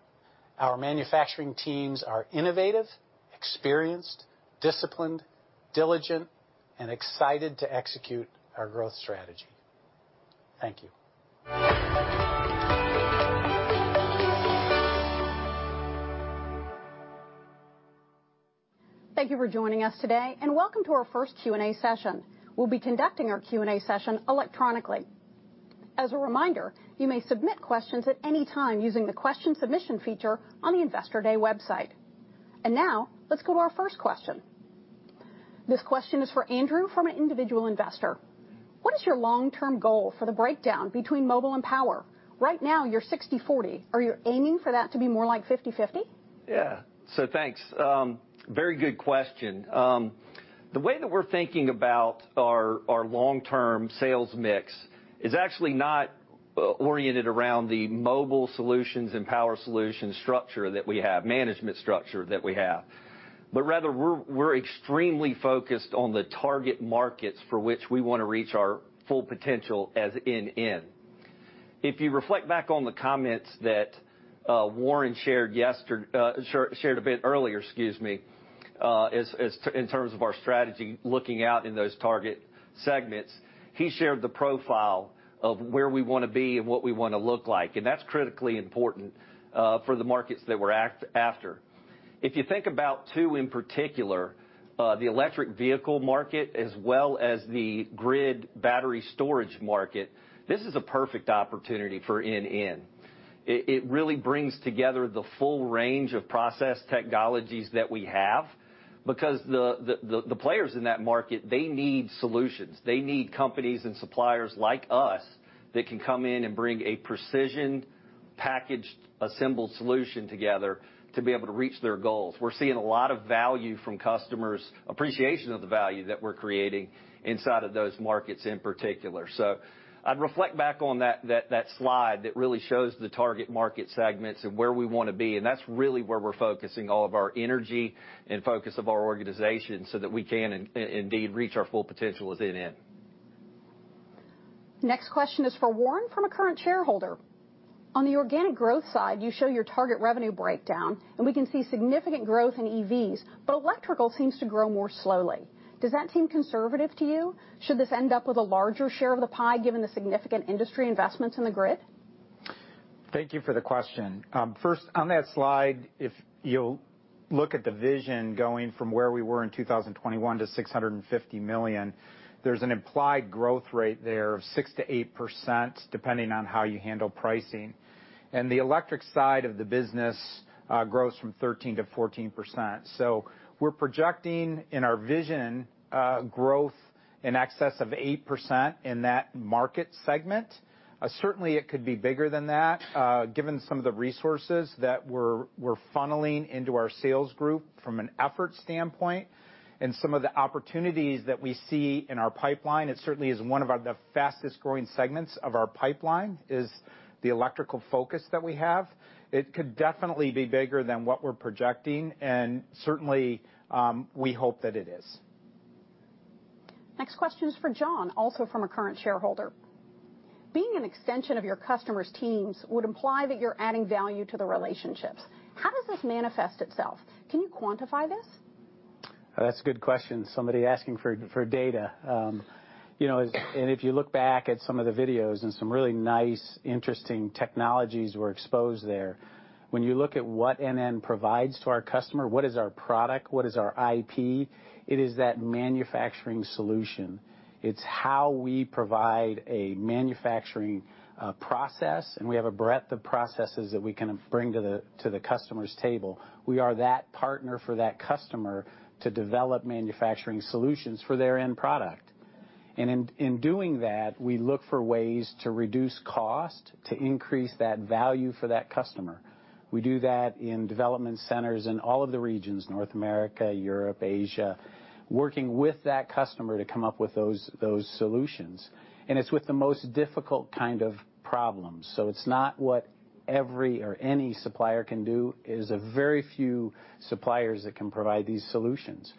Our manufacturing teams are innovative, experienced, disciplined, diligent, and excited to execute our growth strategy. Thank you. Thank you for joining us today, and welcome to our first Q&A session. We'll be conducting our Q&A session electronically. As a reminder, you may submit questions at any time using the Question Submission feature on the Investor Day website. Now, let's go to our first question. This question is for Andrew from an individual investor. What is your long-term goal for the breakdown between Mobile and Power? Right now, you're 60/40. Are you aiming for that to be more like 50/50? Thanks. Very good question. The way that we're thinking about our long-term sales mix is actually not oriented around the Mobile Solutions and Power Solutions structure that we have, management structure that we have. Rather we're extremely focused on the target markets for which we wanna reach our full potential as NN. If you reflect back on the comments that Warren shared a bit earlier, in terms of our strategy looking out in those target segments, he shared the profile of where we wanna be and what we wanna look like, and that's critically important for the markets that we're after. If you think about two in particular, the electric vehicle market as well as the grid battery storage market, this is a perfect opportunity for NN. It really brings together the full range of process technologies that we have because the players in that market, they need solutions. They need companies and suppliers like us that can come in and bring a precision, packaged, assembled solution together to be able to reach their goals. We're seeing a lot of value from customers, appreciation of the value that we're creating inside of those markets in particular. I'd reflect back on that slide that really shows the target market segments and where we wanna be, and that's really where we're focusing all of our energy and focus of our organization, so that we can indeed reach our full potential as NN. Next question is for Warren from a current shareholder. On the organic growth side, you show your target revenue breakdown, and we can see significant growth in EVs, but electrical seems to grow more slowly. Does that seem conservative to you? Should this end up with a larger share of the pie, given the significant industry investments in the grid? Thank you for the question. First, on that slide, if you'll look at the vision going from where we were in 2021 to $650 million, there's an implied growth rate there of 6%-8%, depending on how you handle pricing. The electric side of the business grows from 13%-14%. We're projecting in our vision growth in excess of 8% in that market segment. Certainly it could be bigger than that, given some of the resources that we're funneling into our sales group from an effort standpoint, and some of the opportunities that we see in our pipeline. It certainly is one of our, the fastest-growing segments of our pipeline is the electrical focus that we have. It could definitely be bigger than what we're projecting, and certainly, we hope that it is. Next question is for John, also from a current shareholder. Being an extension of your customers' teams would imply that you're adding value to the relationships. How does this manifest itself? Can you quantify this? That's a good question. Somebody asking for data. You know, if you look back at some of the videos and some really nice, interesting technologies were exposed there. When you look at what NN provides to our customer, what is our product, what is our IP, it is that manufacturing solution. It's how we provide a manufacturing process, and we have a breadth of processes that we can bring to the customer's table. We are that partner for that customer to develop manufacturing solutions for their end product. In doing that, we look for ways to reduce cost to increase that value for that customer. We do that in development centers in all of the regions, North America, Europe, Asia, working with that customer to come up with those solutions. It's with the most difficult kind of problems. It's not what every or any supplier can do. It is a very few suppliers that can provide these solutions.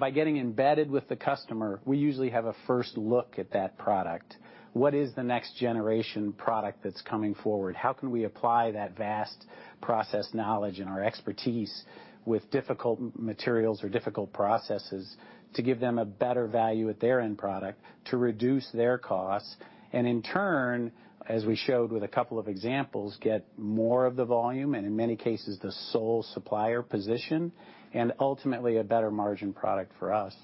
By getting embedded with the customer, we usually have a first look at that product. What is the next generation product that's coming forward? How can we apply that vast process knowledge and our expertise with difficult materials or difficult processes to give them a better value at their end product to reduce their costs, and in turn, as we showed with a couple of examples, get more of the volume, and in many cases, the sole supplier position, and ultimately a better margin product for us.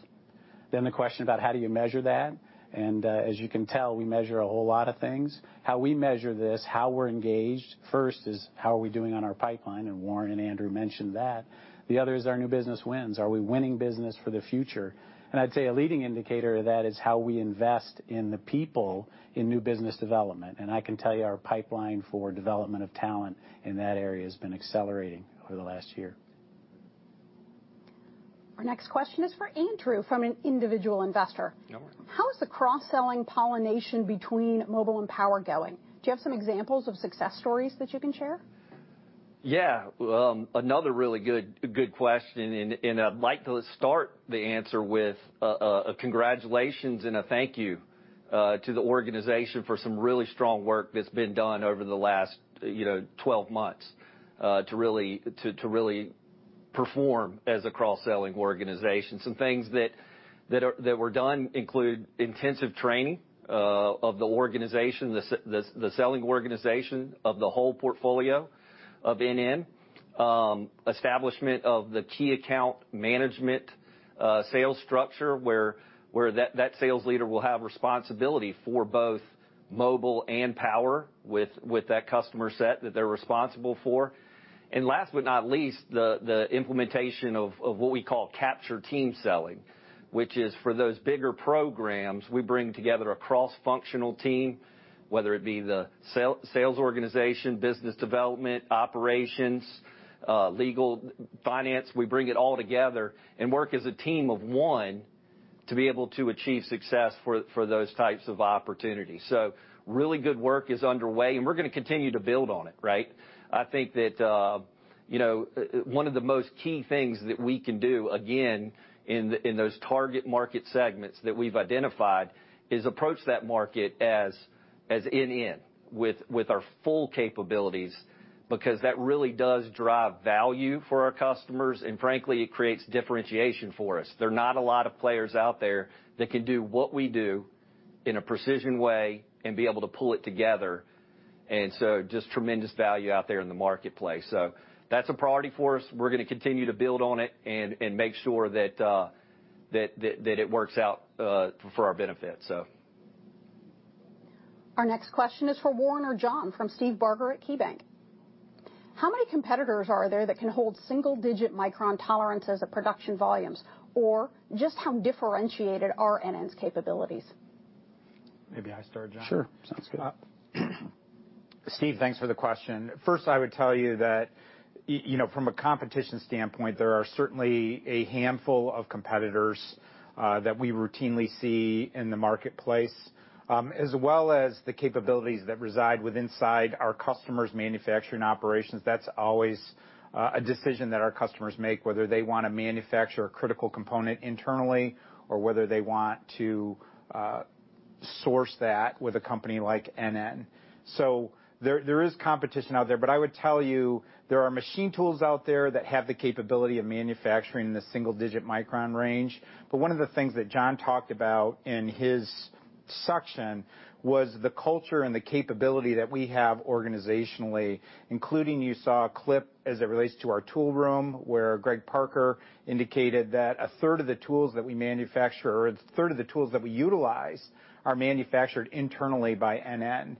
The question about how do you measure that, and as you can tell, we measure a whole lot of things. How we measure this, how we're engaged, first is how are we doing on our pipeline, and Warren and Andrew mentioned that. The other is our new business wins. Are we winning business for the future? I'd say a leading indicator of that is how we invest in the people in new business development. I can tell you our pipeline for development of talent in that area has been accelerating over the last year. Our next question is for Andrew from an individual investor. You're welcome. How is the cross-selling pollination between mobile and power going? Do you have some examples of success stories that you can share? Yeah. Another really good question, and I'd like to start the answer with a congratulations and a thank you to the organization for some really strong work that's been done over the last, you know, 12 months, to really perform as a cross-selling organization. Some things that were done include intensive training of the organization, the selling organization of the whole portfolio of NN. Establishment of the key account management sales structure where that sales leader will have responsibility for both mobile and power with that customer set that they're responsible for. Last but not least, the implementation of what we call capture team selling, which is for those bigger programs, we bring together a cross-functional team, whether it be the sales organization, business development, operations, legal, finance. We bring it all together and work as a team of one to be able to achieve success for those types of opportunities. Really good work is underway, and we're gonna continue to build on it, right? I think that you know one of the most key things that we can do, again, in those target market segments that we've identified is approach that market as NN with our full capabilities, because that really does drive value for our customers, and frankly, it creates differentiation for us. There are not a lot of players out there that can do what we do in a precision way and be able to pull it together, and so just tremendous value out there in the marketplace. That's a priority for us. We're gonna continue to build on it and make sure that it works out for our benefit, so. Our next question is for Warren or John from Steve Barger at KeyBank. How many competitors are there that can hold single-digit micron tolerances at production volumes? Or just how differentiated are NN's capabilities? Maybe I start, John. Sure, sounds good. Steve, thanks for the question. First, I would tell you that you know, from a competition standpoint, there are certainly a handful of competitors that we routinely see in the marketplace, as well as the capabilities that reside with inside our customers' manufacturing operations. That's always a decision that our customers make, whether they wanna manufacture a critical component internally or whether they want to source that with a company like NN. There is competition out there, but I would tell you there are machine tools out there that have the capability of manufacturing in the single-digit micron range. One of the things that John talked about in his section was the culture and the capability that we have organizationally, including you saw a clip as it relates to our tool room, where Greg Parker indicated that a third of the tools that we manufacture, or a third of the tools that we utilize are manufactured internally by NN.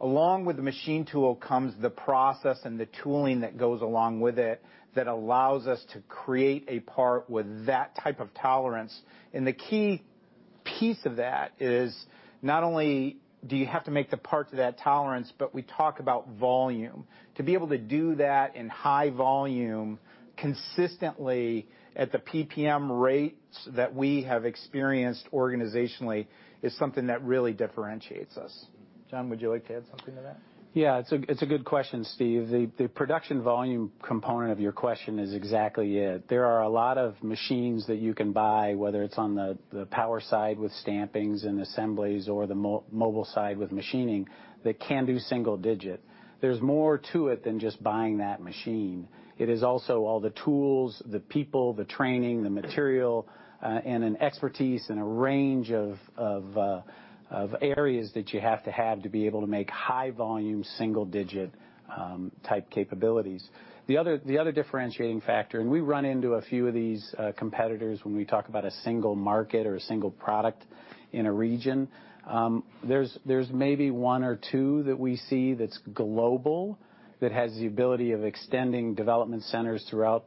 Along with the machine tool comes the process and the tooling that goes along with it that allows us to create a part with that type of tolerance. The key piece of that is not only do you have to make the part to that tolerance, but we talk about volume. To be able to do that in high volume consistently at the PPM rates that we have experienced organizationally is something that really differentiates us. John, would you like to add something to that? Yeah. It's a good question, Steve. The production volume component of your question is exactly it. There are a lot of machines that you can buy, whether it's on the power side with stampings and assemblies or the mobile side with machining that can do single-digit. There's more to it than just buying that machine. It is also all the tools, the people, the training, the material, and an expertise and a range of areas that you have to have to be able to make high-volume, single-digit type capabilities. The other differentiating factor, and we run into a few of these competitors when we talk about a single market or a single product in a region. There's maybe one or two that we see that's global, that has the ability of extending development centers throughout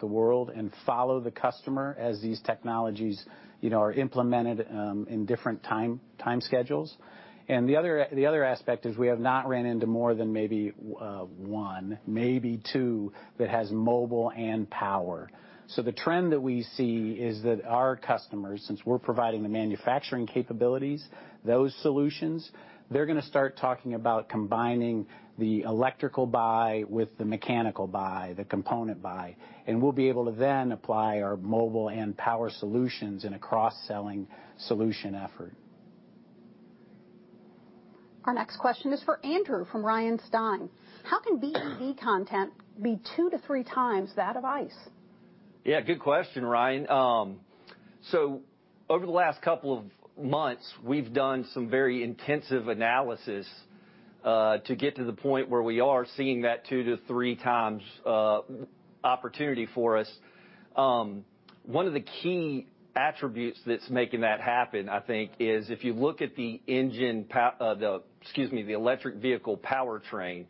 the world and follow the customer as these technologies, you know, are implemented in different time schedules. The other aspect is we have not ran into more than maybe one, maybe two that has mobile and power. The trend that we see is that our customers, since we're providing the manufacturing capabilities, those solutions, they're gonna start talking about combining the electrical buy with the mechanical buy, the component buy. We'll be able to then apply our mobile and power solutions in a cross-selling solution effort. Our next question is for Andrew Wall from Ryan Stein. How can BEV content be 2-3 times that of ICE? Yeah, good question, Ryan. So over the last couple of months, we've done some very intensive analysis to get to the point where we are seeing that 2-3 times opportunity for us. One of the key attributes that's making that happen, I think, is if you look at the electric vehicle powertrain,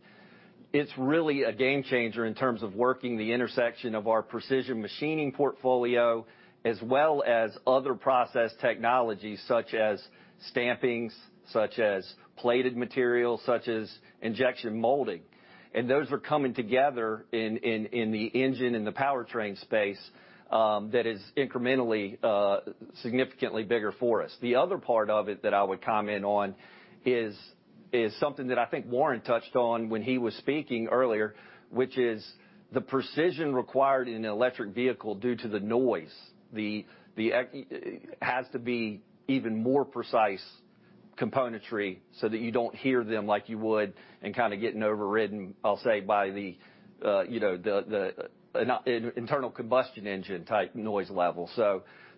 it's really a game changer in terms of working the intersection of our precision machining portfolio as well as other process technologies such as stampings, such as plated materials, such as injection molding. Those are coming together in the engine and the powertrain space that is incrementally significantly bigger for us. The other part of it that I would comment on is something that I think Warren touched on when he was speaking earlier, which is the precision required in an electric vehicle due to the noise. It has to be even more precise componentry so that you don't hear them like you would and kinda getting overridden, I'll say, by the internal combustion engine type noise level.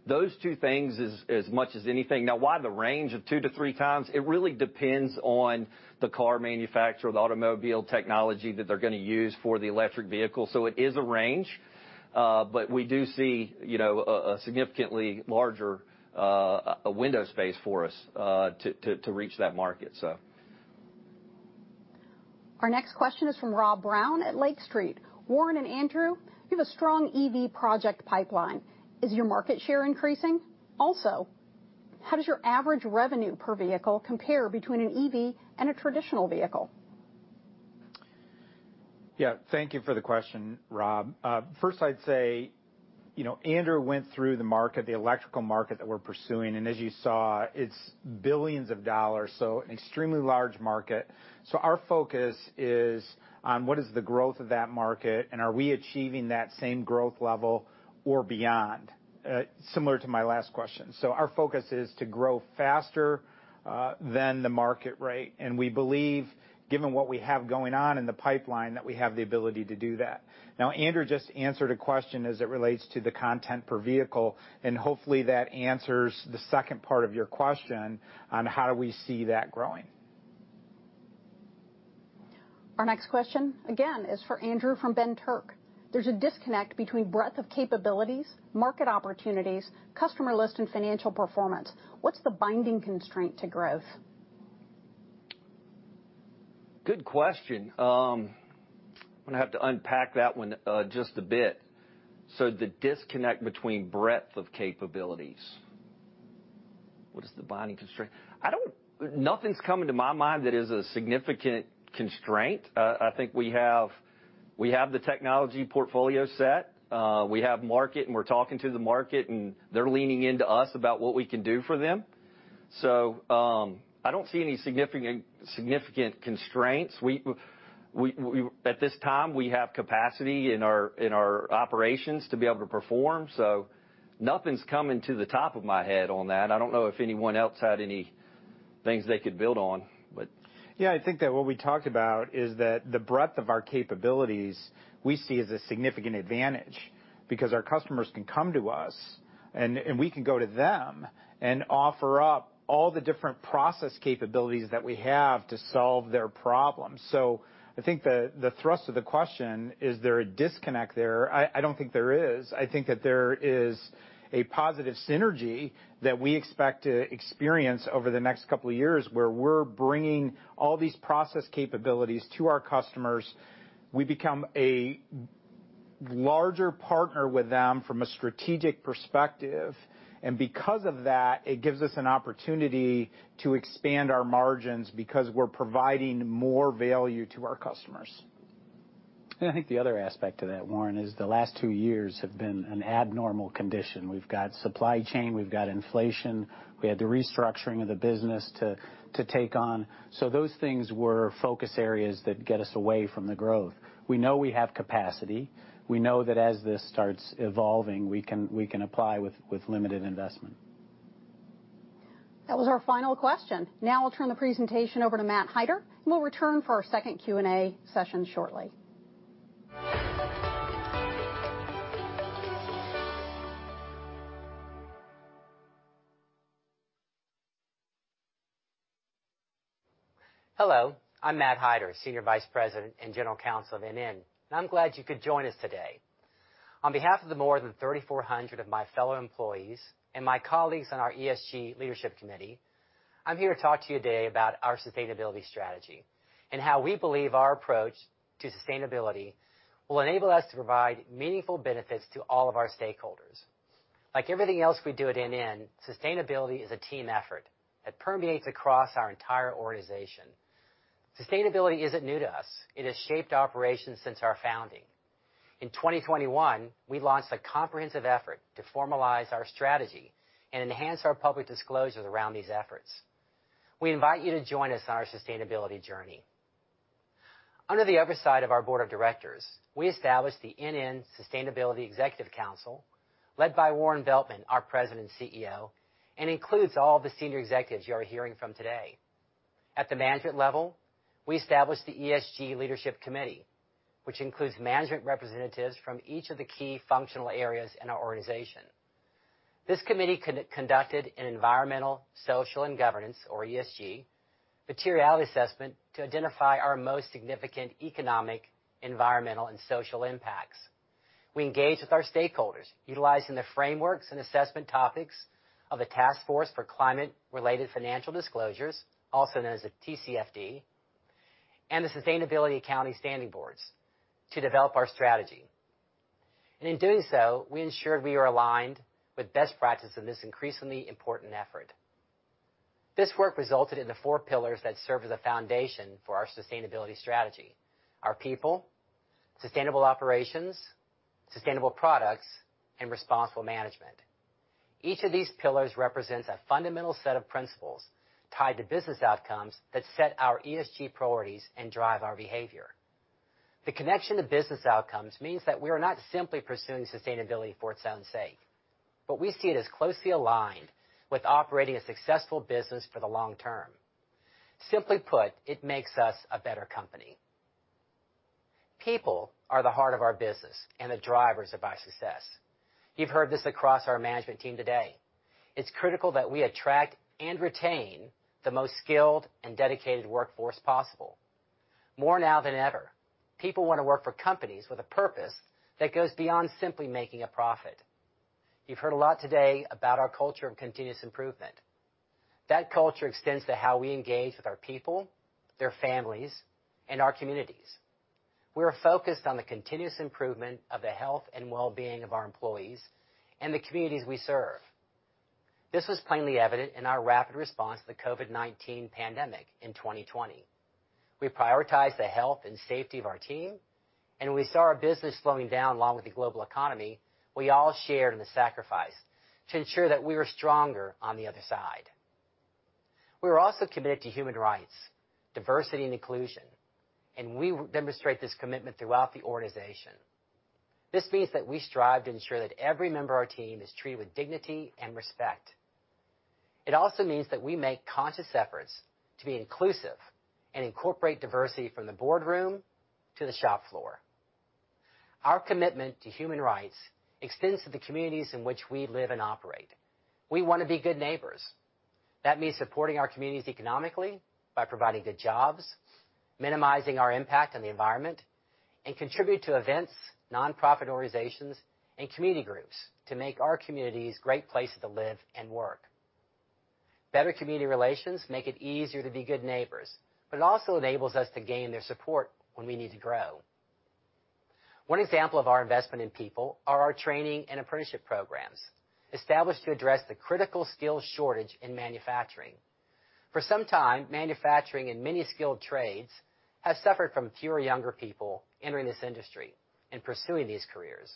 Those two things as much as anything. Now why the range of 2x-3x? It really depends on the car manufacturer or the automobile technology that they're gonna use for the electric vehicle. It is a range, but we do see a significantly larger window space for us to reach that market, so. Our next question is from Rob Brown at Lake Street. Warren and Andrew, you have a strong EV project pipeline. Is your market share increasing? Also, how does your average revenue per vehicle compare between an EV and a traditional vehicle? Yeah. Thank you for the question, Rob. First I'd say, you know, Andrew went through the market, the electrical market that we're pursuing, and as you saw, it's billions of dollars, so an extremely large market. Our focus is on what is the growth of that market, and are we achieving that same growth level or beyond? Similar to my last question. Our focus is to grow faster than the market rate, and we believe, given what we have going on in the pipeline, that we have the ability to do that. Now, Andrew just answered a question as it relates to the content per vehicle, and hopefully that answers the second part of your question on how we see that growing. Our next question, again, is for Andrew from Ben Turk. There's a disconnect between breadth of capabilities, market opportunities, customer list, and financial performance. What's the binding constraint to growth? Good question. I'm gonna have to unpack that one, just a bit. The disconnect between breadth of capabilities. What is the binding constraint? Nothing's coming to my mind that is a significant constraint. I think we have the technology portfolio set. We have market, and we're talking to the market, and they're leaning into us about what we can do for them. I don't see any significant constraints. At this time, we have capacity in our operations to be able to perform, so nothing's coming to the top of my head on that. I don't know if anyone else had any things they could build on, but. Yeah, I think that what we talked about is that the breadth of our capabilities we see as a significant advantage because our customers can come to us, and we can go to them, and offer up all the different process capabilities that we have to solve their problems. I think the thrust of the question is there a disconnect there? I don't think there is. I think that there is a positive synergy that we expect to experience over the next couple of years where we're bringing all these process capabilities to our customers. We become a larger partner with them from a strategic perspective, and because of that, it gives us an opportunity to expand our margins because we're providing more value to our customers. I think the other aspect to that, Warren, is the last two years have been an abnormal condition. We've got supply chain, we've got inflation, we had the restructuring of the business to take on. Those things were focus areas that get us away from the growth. We know we have capacity. We know that as this starts evolving, we can apply with limited investment. That was our final question. Now I'll turn the presentation over to Matthew Heiter, and we'll return for our second Q&A session shortly. Hello, I'm Matthew Heiter, Senior Vice President and General Counsel of NN. I'm glad you could join us today. On behalf of the more than 3,400 of my fellow employees and my colleagues on our ESG Leadership Committee, I'm here to talk to you today about our sustainability strategy and how we believe our approach to sustainability will enable us to provide meaningful benefits to all of our stakeholders. Like everything else we do at NN, sustainability is a team effort. It permeates across our entire organization. Sustainability isn't new to us. It has shaped operations since our founding. In 2021, we launched a comprehensive effort to formalize our strategy and enhance our public disclosures around these efforts. We invite you to join us on our sustainability journey. Under the oversight of our board of directors, we established the NN Sustainability Executive Council, led by Warren Veltman, our President and CEO, and includes all the senior executives you are hearing from today. At the management level, we established the ESG Leadership Committee, which includes management representatives from each of the key functional areas in our organization. This committee conducted an environmental, social, and governance, or ESG, materiality assessment to identify our most significant economic, environmental, and social impacts. We engaged with our stakeholders, utilizing the frameworks and assessment topics of the Task Force on Climate-related Financial Disclosures, also known as the TCFD, and the Sustainability Accounting Standards Board to develop our strategy. In doing so, we ensured we are aligned with best practice in this increasingly important effort. This work resulted in the four pillars that serve as a foundation for our sustainability strategy. Our people, sustainable operations, sustainable products, and responsible management. Each of these pillars represents a fundamental set of principles tied to business outcomes that set our ESG priorities and drive our behavior. The connection to business outcomes means that we are not simply pursuing sustainability for its own sake, but we see it as closely aligned with operating a successful business for the long term. Simply put, it makes us a better company. People are the heart of our business and the drivers of our success. You've heard this across our management team today. It's critical that we attract and retain the most skilled and dedicated workforce possible. More now than ever, people wanna work for companies with a purpose that goes beyond simply making a profit. You've heard a lot today about our culture of continuous improvement. That culture extends to how we engage with our people, their families, and our communities. We're focused on the continuous improvement of the health and wellbeing of our employees and the communities we serve. This was plainly evident in our rapid response to the COVID-19 pandemic in 2020. We prioritized the health and safety of our team, and when we saw our business slowing down along with the global economy, we all shared in the sacrifice to ensure that we were stronger on the other side. We're also committed to human rights, diversity, and inclusion, and we demonstrate this commitment throughout the organization. This means that we strive to ensure that every member of our team is treated with dignity and respect. It also means that we make conscious efforts to be inclusive and incorporate diversity from the boardroom to the shop floor. Our commitment to human rights extends to the communities in which we live and operate. We wanna be good neighbors. That means supporting our communities economically by providing good jobs, minimizing our impact on the environment, and contribute to events, nonprofit organizations, and community groups to make our communities great places to live and work. Better community relations make it easier to be good neighbors, but it also enables us to gain their support when we need to grow. One example of our investment in people are our training and apprenticeship programs, established to address the critical skills shortage in manufacturing. For some time, manufacturing and many skilled trades have suffered from fewer younger people entering this industry and pursuing these careers.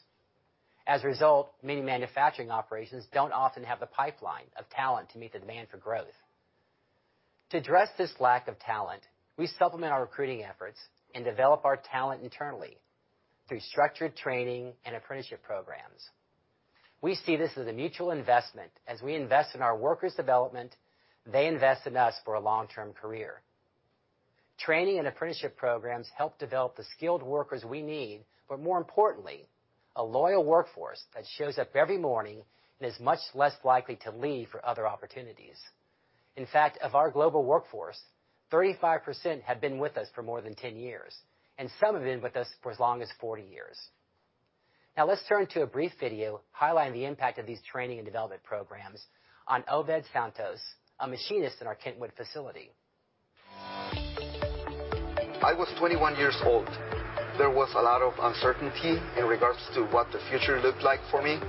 As a result, many manufacturing operations don't often have the pipeline of talent to meet the demand for growth. To address this lack of talent, we supplement our recruiting efforts and develop our talent internally through structured training and apprenticeship programs. We see this as a mutual investment. As we invest in our workers' development, they invest in us for a long-term career. Training and apprenticeship programs help develop the skilled workers we need, but more importantly, a loyal workforce that shows up every morning and is much less likely to leave for other opportunities. In fact, of our global workforce, 35% have been with us for more than 10 years, and some have been with us for as long as 40 years. Now, let's turn to a brief video highlighting the impact of these training and development programs on Obed Santos, a machinist in our Kentwood facility. I was 21 years old. There was a lot of uncertainty in regards to what the future looked like for me.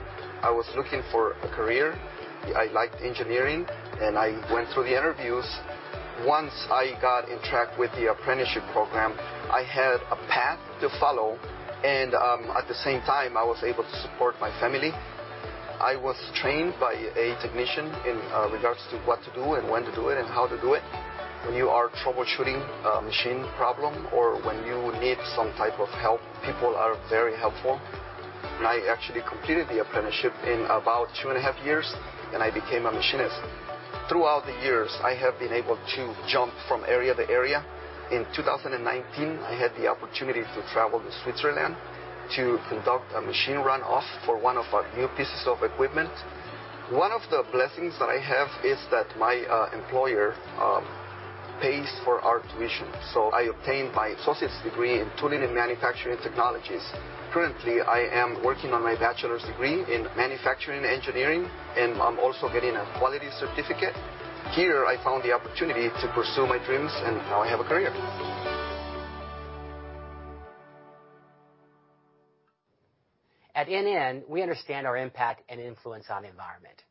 I was looking for a career. I liked engineering, and I went through the interviews. Once I got in track with the apprenticeship program, I had a path to follow and, at the same time, I was able to support my family. I was trained by a technician in, regards to what to do and when to do it and how to do it. When you are troubleshooting a machine problem or when you need some type of help, people are very helpful. I actually completed the apprenticeship in about 2.5 years, and I became a machinist. Throughout the years, I have been able to jump from area to area. In 2019, I had the opportunity to travel to Switzerland to conduct a machine run-off for one of our new pieces of equipment. One of the blessings that I have is that my employer pays for our tuition, so I obtained my associate's degree in tooling and manufacturing technologies. Currently, I am working on my bachelor's degree in manufacturing engineering, and I'm also getting a quality certificate. Here, I found the opportunity to pursue my dreams, and now I have a career. At NN, we understand our impact and influence on the environment.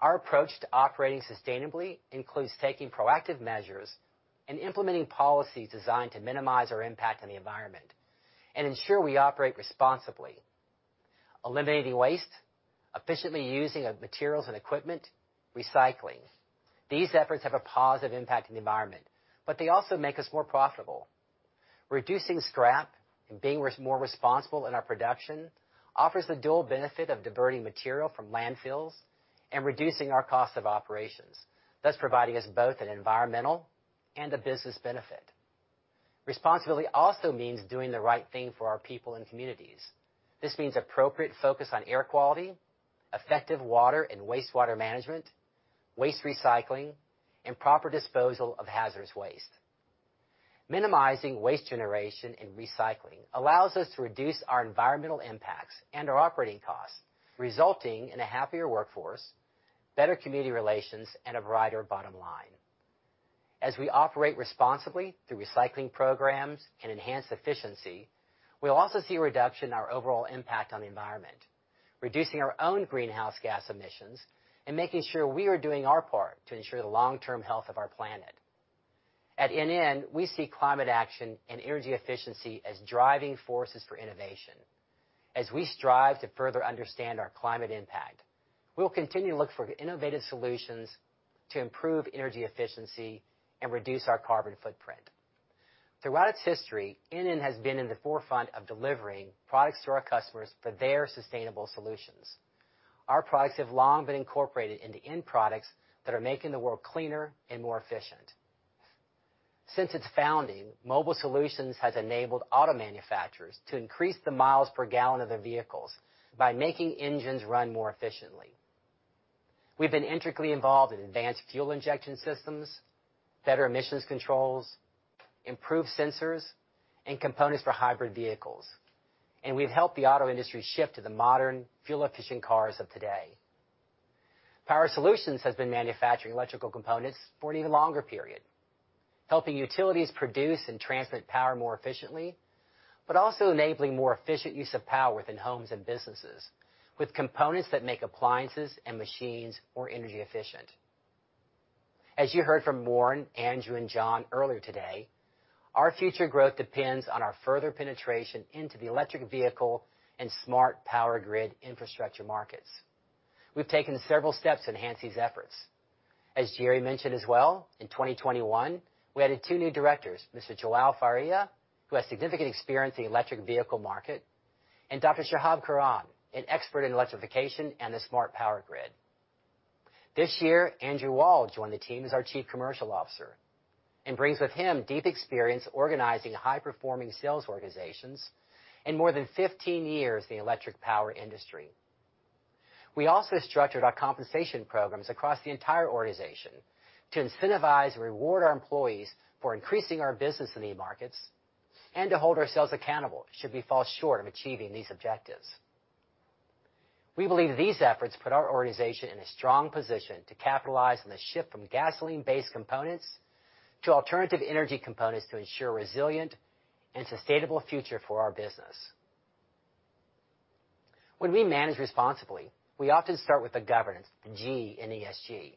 Our approach to operating sustainably includes taking proactive measures and implementing policies designed to minimize our impact on the environment and ensure we operate responsibly. Eliminating waste, efficiently using materials and equipment, recycling. These efforts have a positive impact on the environment, but they also make us more profitable. Reducing scrap and being more responsible in our production offers the dual benefit of diverting material from landfills and reducing our cost of operations, thus providing us both an environmental and a business benefit. Responsibility also means doing the right thing for our people and communities. This means appropriate focus on air quality, effective water and wastewater management, waste recycling, and proper disposal of hazardous waste. Minimizing waste generation and recycling allows us to reduce our environmental impacts and our operating costs, resulting in a happier workforce, better community relations, and a brighter bottom line. As we operate responsibly through recycling programs and enhanced efficiency, we'll also see a reduction in our overall impact on the environment, reducing our own greenhouse gas emissions and making sure we are doing our part to ensure the long-term health of our planet. At NN, we see climate action and energy efficiency as driving forces for innovation. As we strive to further understand our climate impact, we'll continue to look for innovative solutions to improve energy efficiency and reduce our carbon footprint. Throughout its history, NN has been in the forefront of delivering products to our customers for their sustainable solutions. Our products have long been incorporated into end products that are making the world cleaner and more efficient. Since its founding, Mobile Solutions has enabled auto manufacturers to increase the miles per gallon of their vehicles by making engines run more efficiently. We've been integrally involved in advanced fuel injection systems, better emissions controls, improved sensors, and components for hybrid vehicles, and we've helped the auto industry shift to the modern fuel-efficient cars of today. Power Solutions has been manufacturing electrical components for an even longer period, helping utilities produce and transmit power more efficiently, but also enabling more efficient use of power within homes and businesses with components that make appliances and machines more energy efficient. As you heard from Warren, Andrew, and John earlier today, our future growth depends on our further penetration into the electric vehicle and smart power grid infrastructure markets. We've taken several steps to enhance these efforts. As Jerry mentioned as well, in 2021, we added two new directors, Mr. João Faria, who has significant experience in the electric vehicle market, and Dr. Shihab Kuran, an expert in electrification and the smart power grid. This year, Andrew Wall joined the team as our Chief Commercial Officer, and brings with him deep experience organizing high-performing sales organizations and more than 15 years in the electric power industry. We also structured our compensation programs across the entire organization to incentivize and reward our employees for increasing our business in these markets, and to hold ourselves accountable should we fall short of achieving these objectives. We believe these efforts put our organization in a strong position to capitalize on the shift from gasoline-based components to alternative energy components to ensure resilient and sustainable future for our business. When we manage responsibly, we often start with the governance, G in ESG,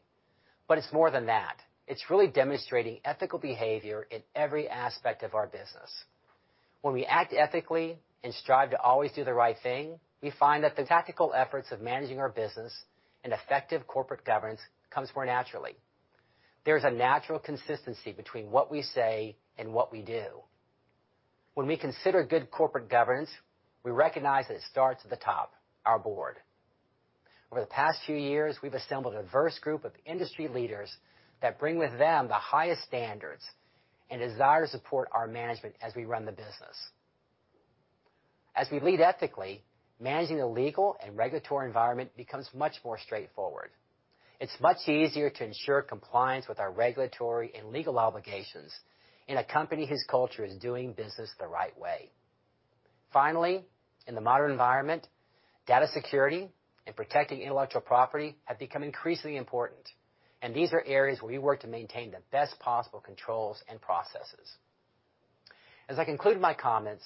but it's more than that. It's really demonstrating ethical behavior in every aspect of our business. When we act ethically and strive to always do the right thing, we find that the tactical efforts of managing our business and effective corporate governance comes more naturally. There's a natural consistency between what we say and what we do. When we consider good corporate governance, we recognize that it starts at the top, our board. Over the past few years, we've assembled a diverse group of industry leaders that bring with them the highest standards and desire to support our management as we run the business. As we lead ethically, managing the legal and regulatory environment becomes much more straightforward. It's much easier to ensure compliance with our regulatory and legal obligations in a company whose culture is doing business the right way. Finally, in the modern environment, data security and protecting intellectual property have become increasingly important, and these are areas where we work to maintain the best possible controls and processes. As I conclude my comments,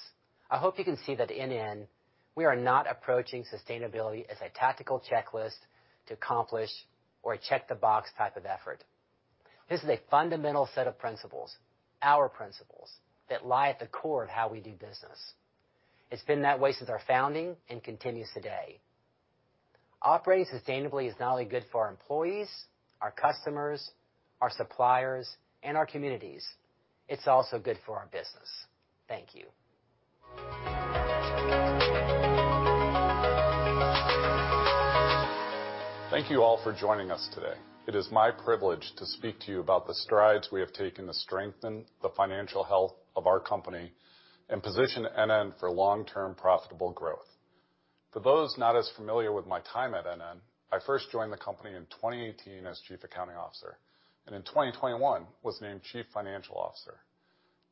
I hope you can see that at NN, we are not approaching sustainability as a tactical checklist to accomplish or a check-the-box type of effort. This is a fundamental set of principles, our principles, that lie at the core of how we do business. It's been that way since our founding and continues today. Operating sustainably is not only good for our employees, our customers, our suppliers, and our communities, it's also good for our business. Thank you. Thank you all for joining us today. It is my privilege to speak to you about the strides we have taken to strengthen the financial health of our company and position NN for long-term profitable growth. For those not as familiar with my time at NN, I first joined the company in 2018 as chief accounting officer, and in 2021 was named chief financial officer.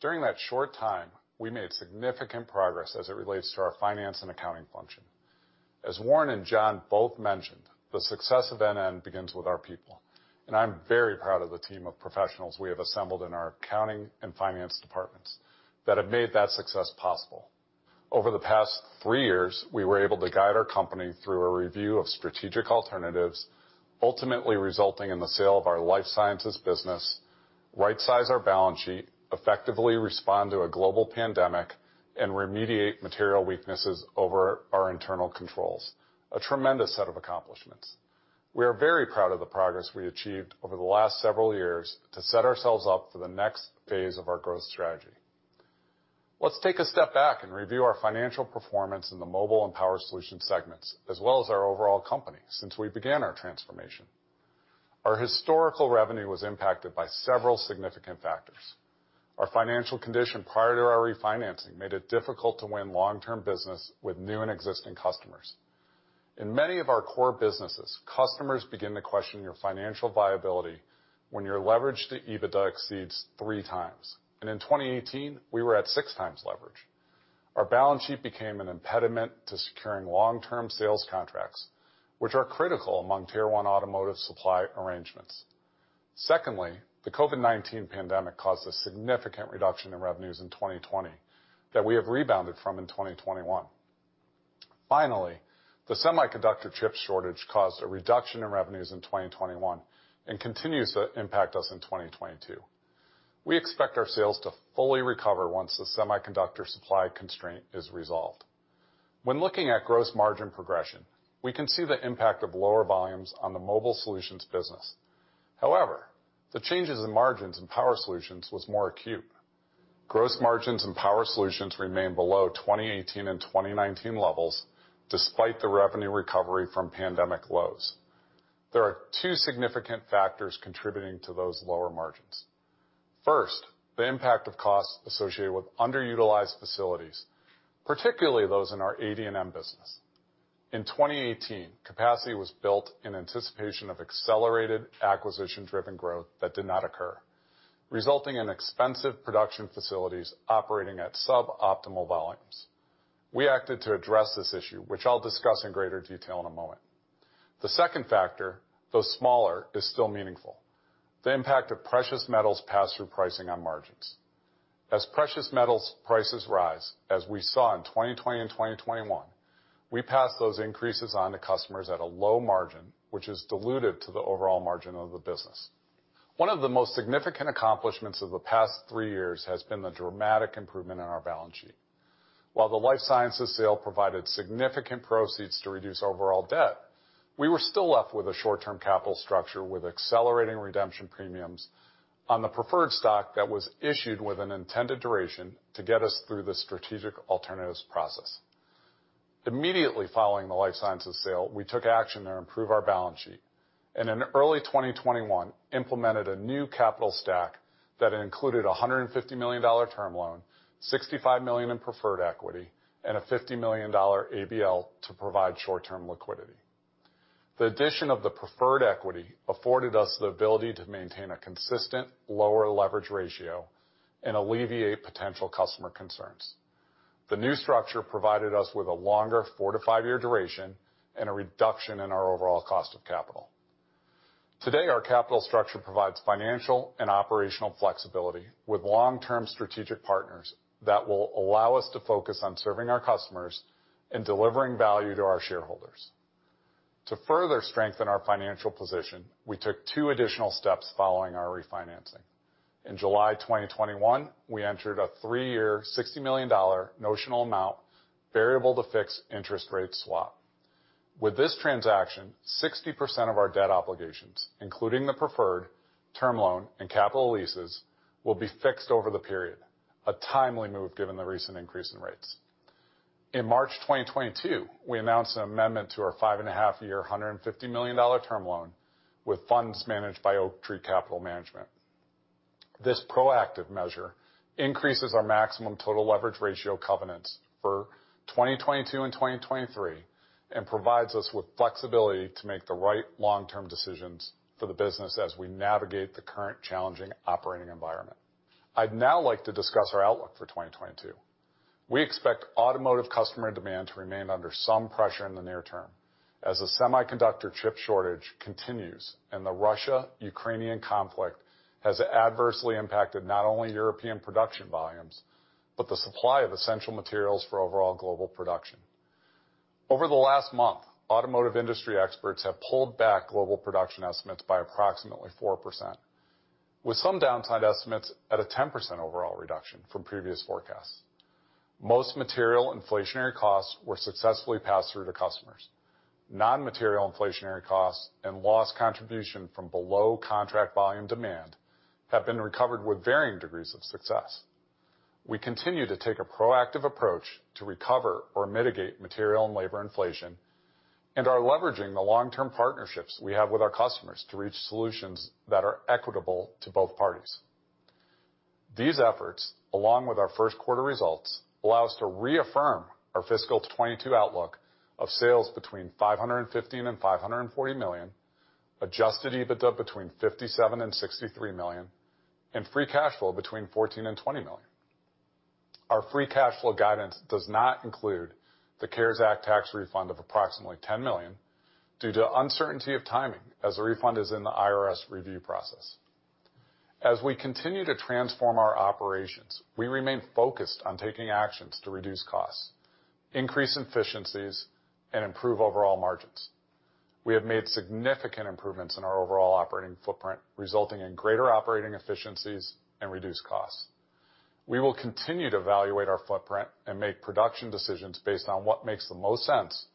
During that short time, we made significant progress as it relates to our finance and accounting function. As Warren and John both mentioned, the success of NN begins with our people, and I'm very proud of the team of professionals we have assembled in our accounting and finance departments that have made that success possible. Over the past three years, we were able to guide our company through a review of strategic alternatives, ultimately resulting in the sale of our life sciences business, rightsize our balance sheet, effectively respond to a global pandemic, and remediate material weaknesses over our internal controls. A tremendous set of accomplishments. We are very proud of the progress we achieved over the last several years to set ourselves up for the next phase of our growth strategy. Let's take a step back and review our financial performance in the Mobile Solutions and Power Solutions segments, as well as our overall company since we began our transformation. Our historical revenue was impacted by several significant factors. Our financial condition prior to our refinancing made it difficult to win long-term business with new and existing customers. In many of our core businesses, customers begin to question your financial viability when your leverage to EBITDA exceeds 3x, and in 2018, we were at 6x leverage. Our balance sheet became an impediment to securing long-term sales contracts, which are critical among Tier 1 automotive supply arrangements. Secondly, the COVID-19 pandemic caused a significant reduction in revenues in 2020 that we have rebounded from in 2021. Finally, the semiconductor chip shortage caused a reduction in revenues in 2021 and continues to impact us in 2022. We expect our sales to fully recover once the semiconductor supply constraint is resolved. When looking at gross margin progression, we can see the impact of lower volumes on the Mobile Solutions business. However, the changes in margins in Power Solutions was more acute. Gross margins in Power Solutions remain below 2018 and 2019 levels despite the revenue recovery from pandemic lows. There are two significant factors contributing to those lower margins. First, the impact of costs associated with underutilized facilities, particularly those in our ADNM business. In 2018, capacity was built in anticipation of accelerated acquisition-driven growth that did not occur, resulting in expensive production facilities operating at suboptimal volumes. We acted to address this issue, which I'll discuss in greater detail in a moment. The second factor, though smaller, is still meaningful. The impact of precious metals pass-through pricing on margins. As precious metals prices rise, as we saw in 2020 and 2021, we passed those increases on to customers at a low margin, which is diluted to the overall margin of the business. One of the most significant accomplishments of the past three years has been the dramatic improvement in our balance sheet. While the life sciences sale provided significant proceeds to reduce overall debt, we were still left with a short-term capital structure with accelerating redemption premiums on the preferred stock that was issued with an intended duration to get us through the strategic alternatives process. Immediately following the life sciences sale, we took action to improve our balance sheet and in early 2021 implemented a new capital stack that included a $150 million term loan, $65 million in preferred equity, and a $50 million ABL to provide short-term liquidity. The addition of the preferred equity afforded us the ability to maintain a consistent lower leverage ratio and alleviate potential customer concerns. The new structure provided us with a longer four to five year duration and a reduction in our overall cost of capital. Today, our capital structure provides financial and operational flexibility with long-term strategic partners that will allow us to focus on serving our customers and delivering value to our shareholders. To further strengthen our financial position, we took two additional steps following our refinancing. In July 2021, we entered a 3-year, $60 million notional amount variable-to-fixed interest rate swap. With this transaction, 60% of our debt obligations, including the preferred term loan and capital leases, will be fixed over the period, a timely move given the recent increase in rates. In March 2022, we announced an amendment to our 5.5-year, $150 million term loan with funds managed by Oaktree Capital Management. This proactive measure increases our maximum total leverage ratio covenants for 2022 and 2023 and provides us with flexibility to make the right long-term decisions for the business as we navigate the current challenging operating environment. I'd now like to discuss our outlook for 2022. We expect automotive customer demand to remain under some pressure in the near term as the semiconductor chip shortage continues and the Russia-Ukraine conflict has adversely impacted not only European production volumes, but the supply of essential materials for overall global production. Over the last month, automotive industry experts have pulled back global production estimates by approximately 4%, with some downside estimates at a 10% overall reduction from previous forecasts. Most material inflationary costs were successfully passed through to customers. Non-material inflationary costs and lost contribution from below contract volume demand have been recovered with varying degrees of success. We continue to take a proactive approach to recover or mitigate material and labor inflation and are leveraging the long-term partnerships we have with our customers to reach solutions that are equitable to both parties. These efforts, along with our first quarter results, allow us to reaffirm our fiscal 2022 outlook of sales between $550 million and $540 million, adjusted EBITDA between $57 million and $63 million, and free cash flow between $14 million and $20 million. Our free cash flow guidance does not include the CARES Act tax refund of approximately $10 million due to uncertainty of timing as the refund is in the IRS review process. As we continue to transform our operations, we remain focused on taking actions to reduce costs, increase efficiencies, and improve overall margins. We have made significant improvements in our overall operating footprint, resulting in greater operating efficiencies and reduced costs. We will continue to evaluate our footprint and make production decisions based on what makes the most sense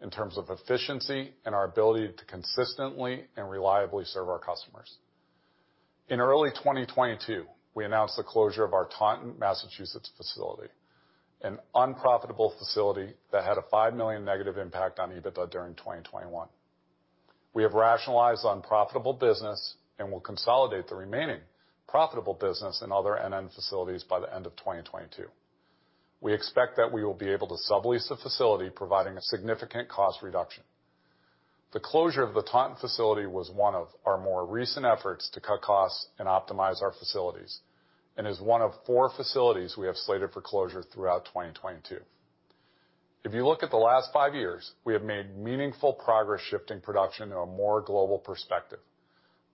in terms of efficiency and our ability to consistently and reliably serve our customers. In early 2022, we announced the closure of our Taunton, Massachusetts facility, an unprofitable facility that had a $5 million negative impact on EBITDA during 2021. We have rationalized unprofitable business and will consolidate the remaining profitable business in other NN facilities by the end of 2022. We expect that we will be able to sublease the facility, providing a significant cost reduction. The closure of the Taunton facility was one of our more recent efforts to cut costs and optimize our facilities and is one of four facilities we have slated for closure throughout 2022. If you look at the last five years, we have made meaningful progress shifting production to a more global perspective.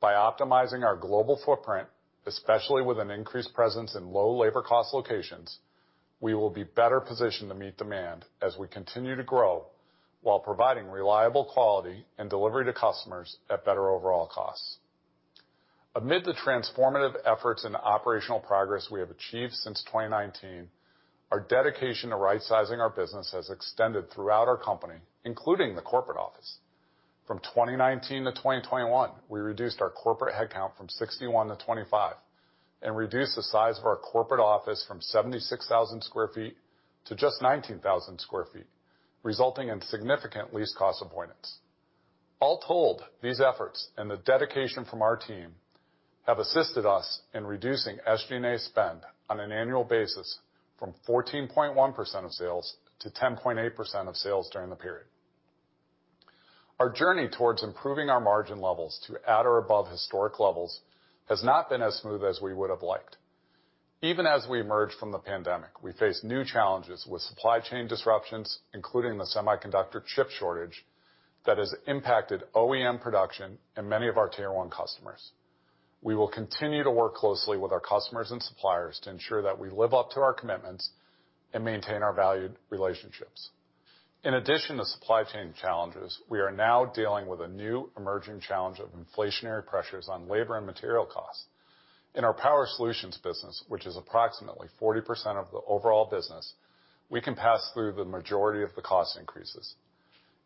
By optimizing our global footprint, especially with an increased presence in low labor cost locations. We will be better positioned to meet demand as we continue to grow while providing reliable quality and delivery to customers at better overall costs. Amid the transformative efforts and operational progress we have achieved since 2019, our dedication to rightsizing our business has extended throughout our company, including the corporate office. From 2019 to 2021, we reduced our corporate headcount from 61 to 25, and reduced the size of our corporate office from 76,000 sq ft to just 19,000 sq ft, resulting in significant lease cost avoidance. All told, these efforts and the dedication from our team have assisted us in reducing SG&A spend on an annual basis from 14.1% of sales to 10.8% of sales during the period. Our journey towards improving our margin levels to at or above historic levels has not been as smooth as we would have liked. Even as we emerge from the pandemic, we face new challenges with supply chain disruptions, including the semiconductor chip shortage that has impacted OEM production and many of our Tier 1 customers. We will continue to work closely with our customers and suppliers to ensure that we live up to our commitments and maintain our valued relationships. In addition to supply chain challenges, we are now dealing with a new emerging challenge of inflationary pressures on labor and material costs. In our Power Solutions business, which is approximately 40% of the overall business, we can pass through the majority of the cost increases.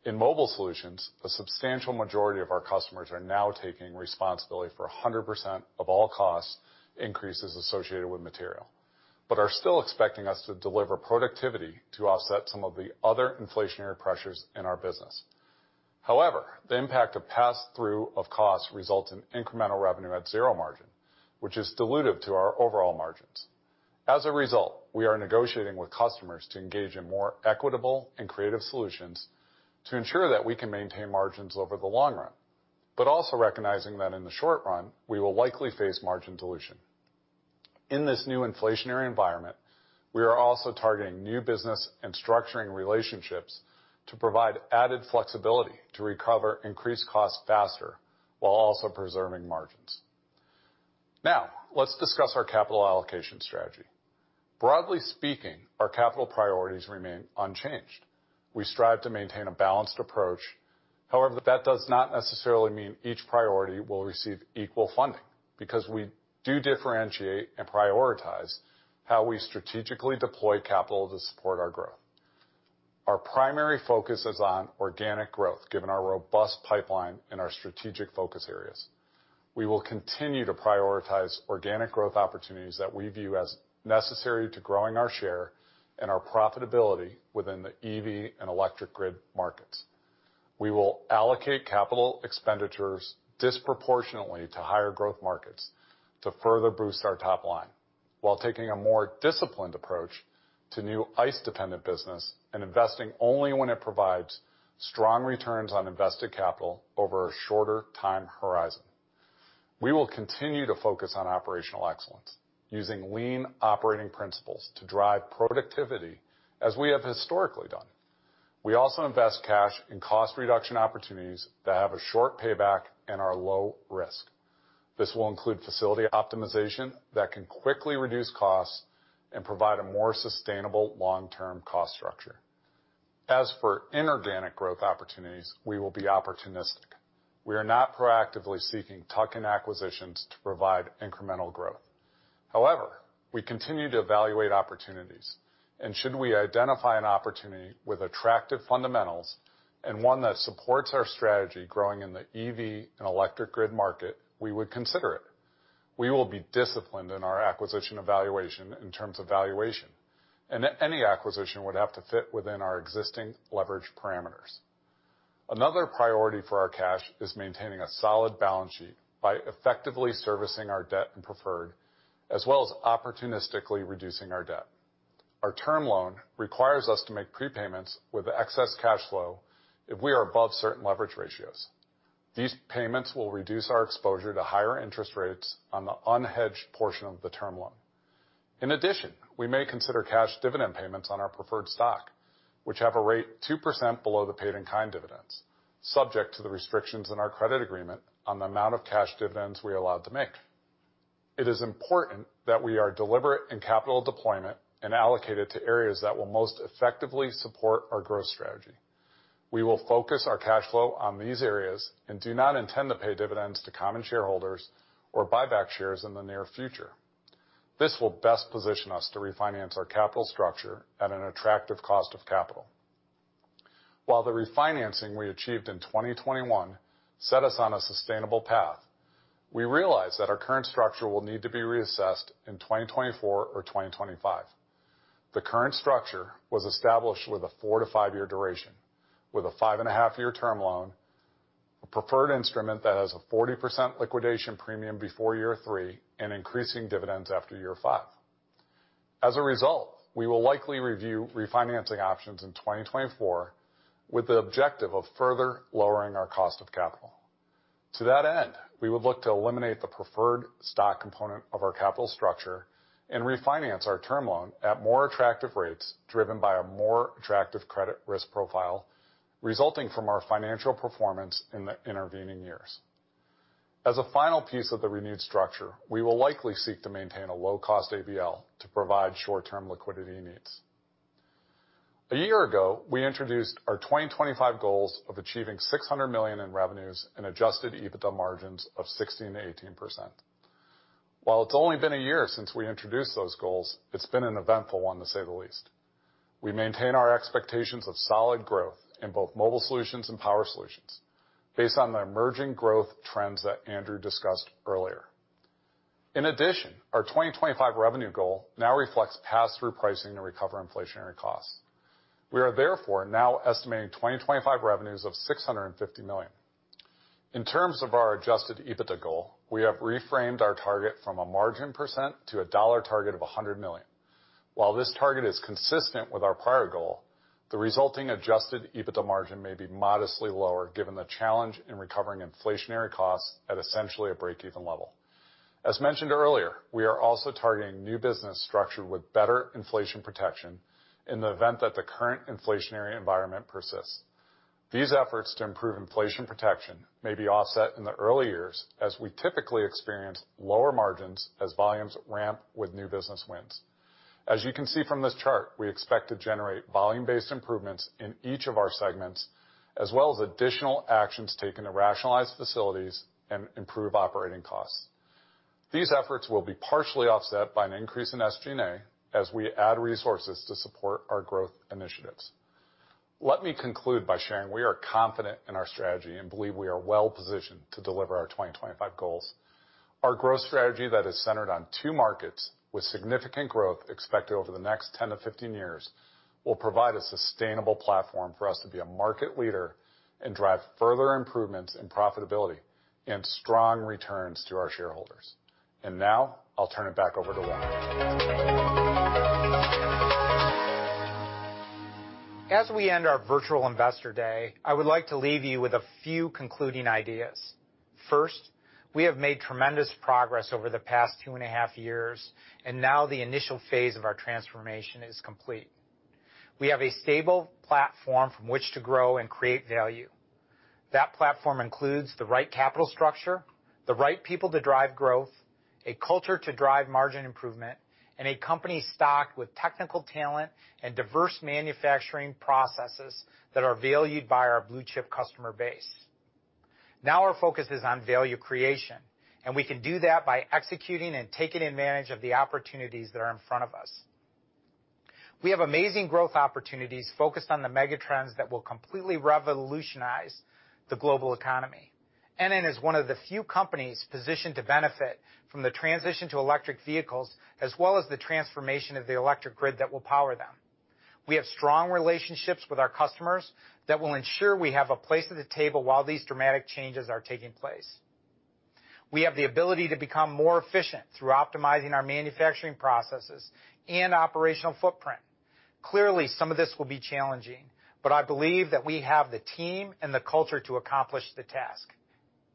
In Mobile Solutions, the substantial majority of our customers are now taking responsibility for 100% of all cost increases associated with material, but are still expecting us to deliver productivity to offset some of the other inflationary pressures in our business. However, the impact of pass-through of costs results in incremental revenue at zero margin, which is dilutive to our overall margins. As a result, we are negotiating with customers to engage in more equitable and creative solutions to ensure that we can maintain margins over the long run, but also recognizing that in the short run, we will likely face margin dilution. In this new inflationary environment, we are also targeting new business and structuring relationships to provide added flexibility to recover increased costs faster while also preserving margins. Now, let's discuss our capital allocation strategy. Broadly speaking, our capital priorities remain unchanged. We strive to maintain a balanced approach. However, that does not necessarily mean each priority will receive equal funding, because we do differentiate and prioritize how we strategically deploy capital to support our growth. Our primary focus is on organic growth, given our robust pipeline and our strategic focus areas. We will continue to prioritize organic growth opportunities that we view as necessary to growing our share and our profitability within the EV and electric grid markets. We will allocate capital expenditures disproportionately to higher growth markets to further boost our top line while taking a more disciplined approach to new ICE-dependent business and investing only when it provides strong returns on invested capital over a shorter time horizon. We will continue to focus on operational excellence using lean operating principles to drive productivity as we have historically done. We also invest cash in cost reduction opportunities that have a short payback and are low risk. This will include facility optimization that can quickly reduce costs and provide a more sustainable long-term cost structure. As for inorganic growth opportunities, we will be opportunistic. We are not proactively seeking tuck-in acquisitions to provide incremental growth. However, we continue to evaluate opportunities, and should we identify an opportunity with attractive fundamentals and one that supports our strategy growing in the EV and electric grid market, we would consider it. We will be disciplined in our acquisition evaluation in terms of valuation, and any acquisition would have to fit within our existing leverage parameters. Another priority for our cash is maintaining a solid balance sheet by effectively servicing our debt and preferred, as well as opportunistically reducing our debt. Our term loan requires us to make prepayments with excess cash flow if we are above certain leverage ratios. These payments will reduce our exposure to higher interest rates on the unhedged portion of the term loan. In addition, we may consider cash dividend payments on our preferred stock, which have a rate 2% below the paid-in-kind dividends, subject to the restrictions in our credit agreement on the amount of cash dividends we are allowed to make. It is important that we are deliberate in capital deployment and allocate it to areas that will most effectively support our growth strategy. We will focus our cash flow on these areas and do not intend to pay dividends to common shareholders or buy back shares in the near future. This will best position us to refinance our capital structure at an attractive cost of capital. While the refinancing we achieved in 2021 set us on a sustainable path, we realize that our current structure will need to be reassessed in 2024 or 2025. The current structure was established with a four to five year duration, with a 5.5-year term loan, a preferred instrument that has a 40% liquidation premium before year three and increasing dividends after year five. As a result, we will likely review refinancing options in 2024 with the objective of further lowering our cost of capital. To that end, we would look to eliminate the preferred stock component of our capital structure and refinance our term loan at more attractive rates driven by a more attractive credit risk profile resulting from our financial performance in the intervening years. As a final piece of the renewed structure, we will likely seek to maintain a low-cost ABL to provide short-term liquidity needs. A year ago, we introduced our 2025 goals of achieving $600 million in revenues and adjusted EBITDA margins of 16%-18%. While it's only been a year since we introduced those goals, it's been an eventful one to say the least. We maintain our expectations of solid growth in both Mobile Solutions and Power Solutions based on the emerging growth trends that Andrew discussed earlier. In addition, our 2025 revenue goal now reflects pass-through pricing to recover inflationary costs. We are therefore now estimating 2025 revenues of $650 million. In terms of our adjusted EBITDA goal, we have reframed our target from a margin percent to a dollar target of $100 million. While this target is consistent with our prior goal, the resulting adjusted EBITDA margin may be modestly lower given the challenge in recovering inflationary costs at essentially a break-even level. As mentioned earlier, we are also targeting new business structure with better inflation protection in the event that the current inflationary environment persists. These efforts to improve inflation protection may be offset in the early years as we typically experience lower margins as volumes ramp with new business wins. As you can see from this chart, we expect to generate volume-based improvements in each of our segments, as well as additional actions taken to rationalize facilities and improve operating costs. These efforts will be partially offset by an increase in SG&A as we add resources to support our growth initiatives. Let me conclude by sharing we are confident in our strategy and believe we are well-positioned to deliver our 2025 goals. Our growth strategy that is centered on two markets with significant growth expected over the next 10-15 years will provide a sustainable platform for us to be a market leader and drive further improvements in profitability and strong returns to our shareholders. Now I'll turn it back over to Warren. As we end our Virtual Investor Day, I would like to leave you with a few concluding ideas. First, we have made tremendous progress over the past two and a half years, and now the initial phase of our transformation is complete. We have a stable platform from which to grow and create value. That platform includes the right capital structure, the right people to drive growth, a culture to drive margin improvement, and a company stocked with technical talent and diverse manufacturing processes that are valued by our blue-chip customer base. Now our focus is on value creation, and we can do that by executing and taking advantage of the opportunities that are in front of us. We have amazing growth opportunities focused on the megatrends that will completely revolutionize the global economy. NN is one of the few companies positioned to benefit from the transition to electric vehicles, as well as the transformation of the electric grid that will power them. We have strong relationships with our customers that will ensure we have a place at the table while these dramatic changes are taking place. We have the ability to become more efficient through optimizing our manufacturing processes and operational footprint. Clearly, some of this will be challenging, but I believe that we have the team and the culture to accomplish the task.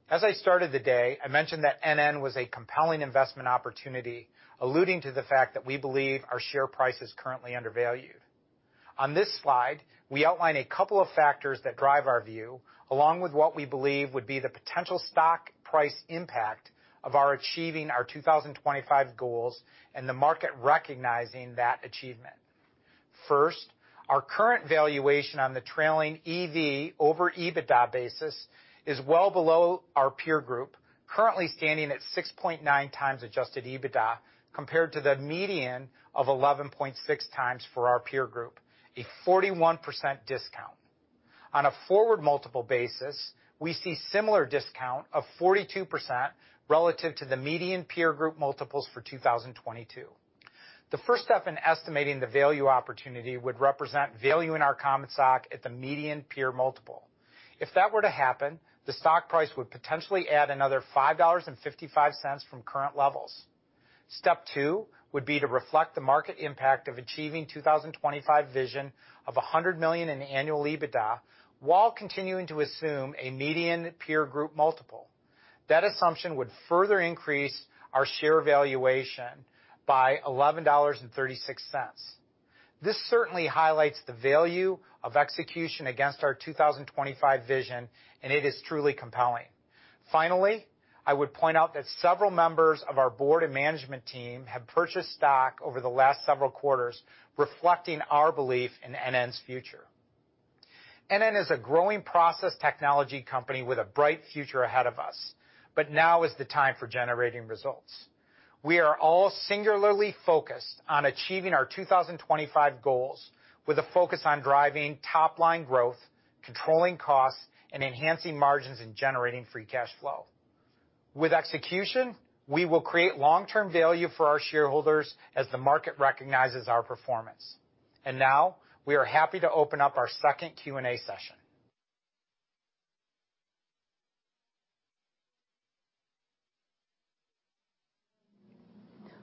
As I started the day, I mentioned that NN was a compelling investment opportunity, alluding to the fact that we believe our share price is currently undervalued. On this slide, we outline a couple of factors that drive our view, along with what we believe would be the potential stock price impact of our achieving our 2025 goals and the market recognizing that achievement. First, our current valuation on the trailing EV over EBITDA basis is well below our peer group, currently standing at 6.9x adjusted EBITDA, compared to the median of 11.6x for our peer group, a 41% discount. On a forward multiple basis, we see similar discount of 42% relative to the median peer group multiples for 2022. The first step in estimating the value opportunity would represent valuing our common stock at the median peer multiple. If that were to happen, the stock price would potentially add another $5.55 from current levels. Step two would be to reflect the market impact of achieving 2025 vision of $100 million in annual EBITDA while continuing to assume a median peer group multiple. That assumption would further increase our share valuation by $11.36. This certainly highlights the value of execution against our 2025 vision, and it is truly compelling. Finally, I would point out that several members of our board and management team have purchased stock over the last several quarters, reflecting our belief in NN's future. NN is a growing process technology company with a bright future ahead of us, but now is the time for generating results. We are all singularly focused on achieving our 2025 goals with a focus on driving top-line growth, controlling costs, and enhancing margins and generating free cash flow. With execution, we will create long-term value for our shareholders as the market recognizes our performance. Now we are happy to open up our second Q&A session.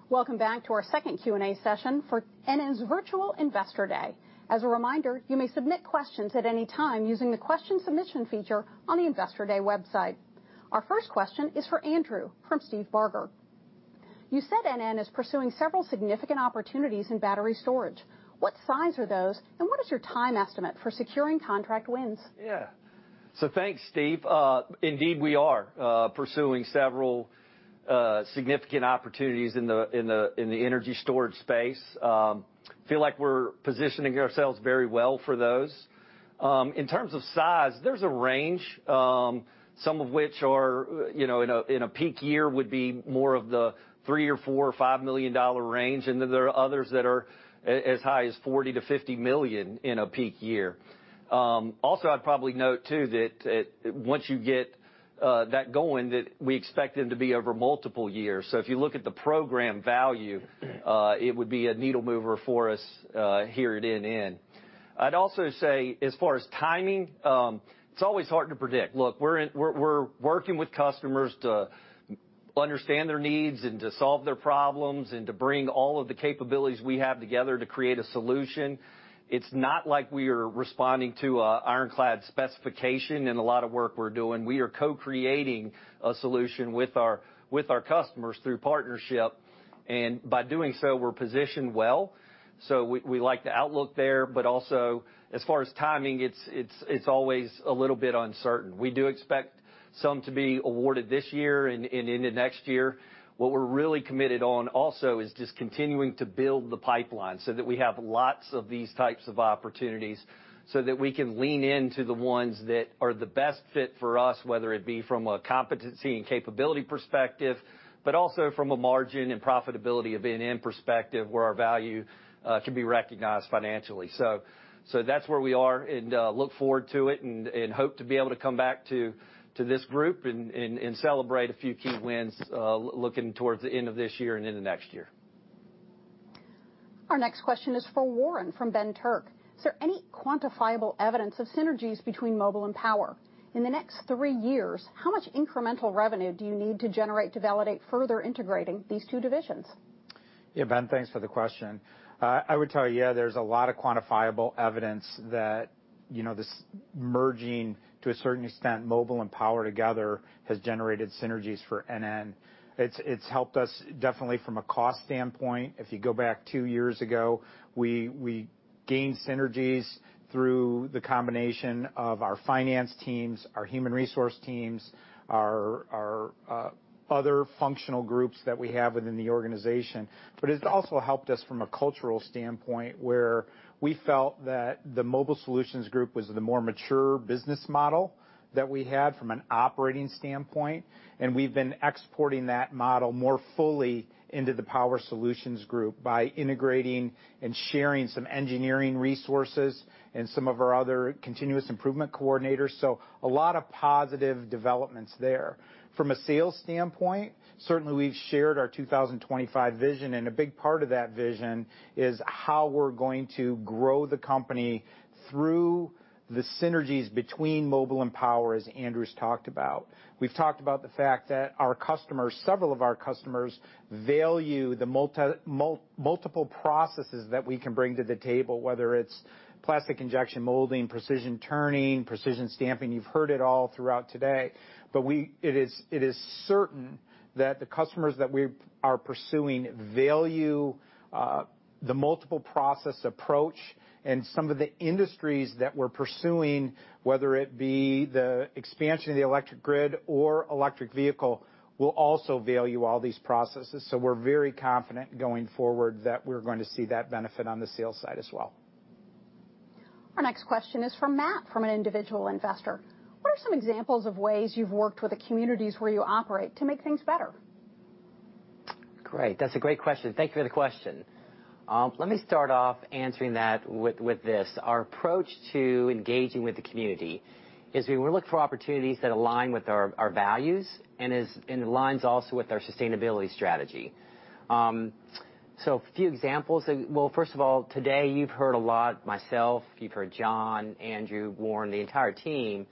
Welcome back to our second Q&A session for NN's Virtual Investor Day. As a reminder, you may submit questions at any time using the question submission feature on the Investor Day website. Our first question is for Andrew from Steve Barger. You said NN is pursuing several significant opportunities in battery storage. What size are those, and what is your time estimate for securing contract wins? Yeah. Thanks, Steve. Indeed we are pursuing several significant opportunities in the energy storage space. Feel like we're positioning ourselves very well for those. In terms of size, there's a range, some of which are in a peak year would be more of the $3 million or $4 million or $5 million range, and then there are others that are as high as $40 million-$50 million in a peak year. Also I'd probably note too that once you get that going, that we expect them to be over multiple years. If you look at the program value, it would be a needle mover for us here at NN. I'd also say as far as timing, it's always hard to predict. Look, we're working with customers to understand their needs and to solve their problems and to bring all of the capabilities we have together to create a solution. It's not like we are responding to a ironclad specification in a lot of work we're doing. We are co-creating a solution with our customers through partnership, and by doing so, we're positioned well. We like the outlook there, but also as far as timing, it's always a little bit uncertain. We do expect some to be awarded this year and into next year. What we're really committed on also is just continuing to build the pipeline so that we have lots of these types of opportunities so that we can lean into the ones that are the best fit for us, whether it be from a competency and capability perspective, but also from a margin and profitability of NN perspective where our value can be recognized financially. That's where we are, and look forward to it and celebrate a few key wins looking towards the end of this year and into next year. Our next question is for Warren from Ben Turk. Is there any quantifiable evidence of synergies between Mobile and Power? In the next three years, how much incremental revenue do you need to generate to validate further integrating these two divisions? Yeah, Ben, thanks for the question. I would tell you, yeah, there's a lot of quantifiable evidence that, you know, this merging to a certain extent, Mobile and Power together, has generated synergies for NN. It's helped us definitely from a cost standpoint. If you go back two years ago, we gained synergies through the combination of our finance teams, our human resources teams, our other functional groups that we have within the organization. It's also helped us from a cultural standpoint, where we felt that the Mobile Solutions group was the more mature business model that we had from an operating standpoint, and we've been exporting that model more fully into the Power Solutions group by integrating and sharing some engineering resources and some of our other continuous improvement coordinators. A lot of positive developments there. From a sales standpoint, certainly we've shared our 2025 vision, and a big part of that vision is how we're going to grow the company through the synergies between mobile and power, as Andrew's talked about. We've talked about the fact that our customers, several of our customers value the multiple processes that we can bring to the table, whether it's plastic injection molding, precision turning, precision stamping. You've heard it all throughout today. It is certain that the customers that we are pursuing value the multiple process approach and some of the industries that we're pursuing, whether it be the expansion of the electric grid or electric vehicle, will also value all these processes. We're very confident going forward that we're going to see that benefit on the sales side as well. Our next question is from Matt, from an individual investor. What are some examples of ways you've worked with the communities where you operate to make things better? Great. That's a great question. Thank you for the question. Let me start off answering that with this. Our approach to engaging with the community is we look for opportunities that align with our values and aligns also with our sustainability strategy. So a few examples. Well, first of all, today you've heard a lot, myself, you've heard John, Andrew, Warren, the entire team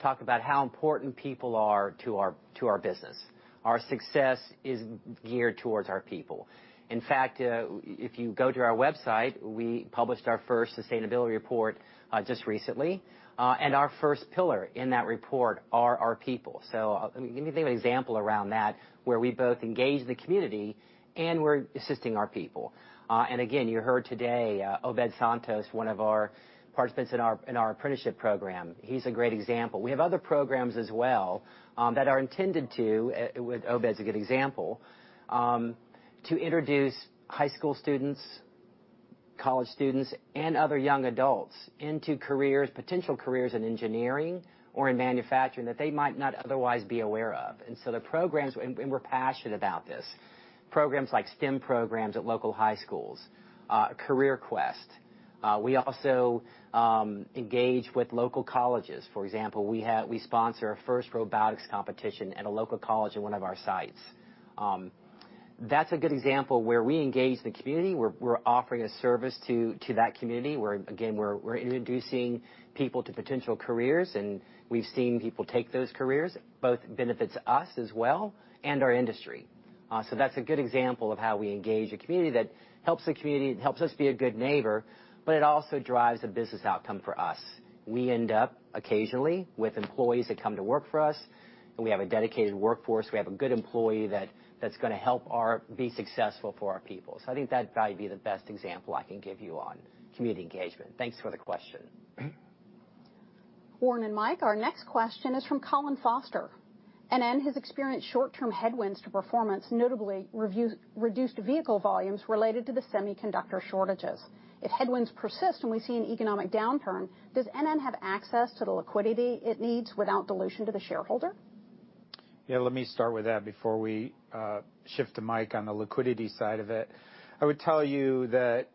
talk about how important people are to our business. Our success is geared towards our people. In fact, if you go to our website, we published our first sustainability report just recently, and our first pillar in that report are our people. So, I mean, let me think of an example around that, where we both engage the community and we're assisting our people. Again, you heard today, Obed Santos, one of our participants in our apprenticeship program, he's a great example. We have other programs as well that are intended to, with Obed as a good example, to introduce high school students, college students, and other young adults into careers, potential careers in engineering or in manufacturing that they might not otherwise be aware of. The programs, we're passionate about this, programs like STEM programs at local high schools, Career Quest. We also engage with local colleges. For example, we sponsor a FIRST Robotics Competition at a local college in one of our sites. That's a good example where we engage the community. We're offering a service to that community. We're introducing people to potential careers, and we've seen people take those careers, both benefits us as well and our industry. That's a good example of how we engage a community that helps the community and helps us be a good neighbor, but it also drives a business outcome for us. We end up occasionally with employees that come to work for us, and we have a dedicated workforce. We have a good employee that's gonna help be successful for our people. I think that'd probably be the best example I can give you on community engagement. Thanks for the question. Warren and Mike, our next question is from Colin Foster. NN has experienced short-term headwinds to performance, notably reduced vehicle volumes related to the semiconductor shortages. If headwinds persist and we see an economic downturn, does NN have access to the liquidity it needs without dilution to the shareholder? Yeah, let me start with that before we shift to Mike on the liquidity side of it. I would tell you that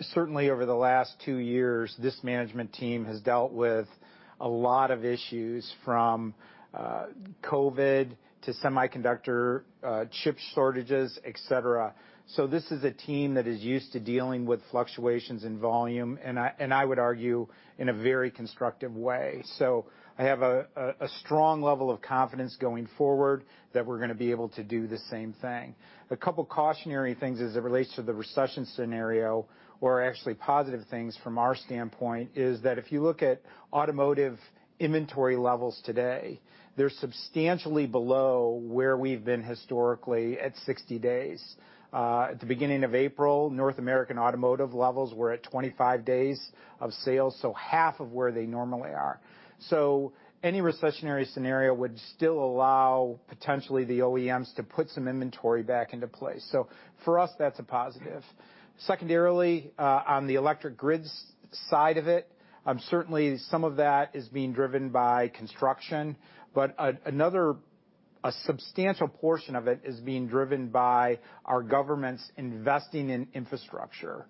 certainly over the last two years, this management team has dealt with a lot of issues, from COVID to semiconductor chip shortages, et cetera. This is a team that is used to dealing with fluctuations in volume, and I would argue in a very constructive way. I have a strong level of confidence going forward that we're gonna be able to do the same thing. A couple cautionary things as it relates to the recession scenario or actually positive things from our standpoint, is that if you look at automotive inventory levels today, they're substantially below where we've been historically at 60 days. At the beginning of April, North American automotive levels were at 25 days of sales, so half of where they normally are. Any recessionary scenario would still allow potentially the OEMs to put some inventory back into place. For us, that's a positive. Secondarily, on the electric grids side of it, certainly some of that is being driven by construction, but another substantial portion of it is being driven by our governments investing in infrastructure.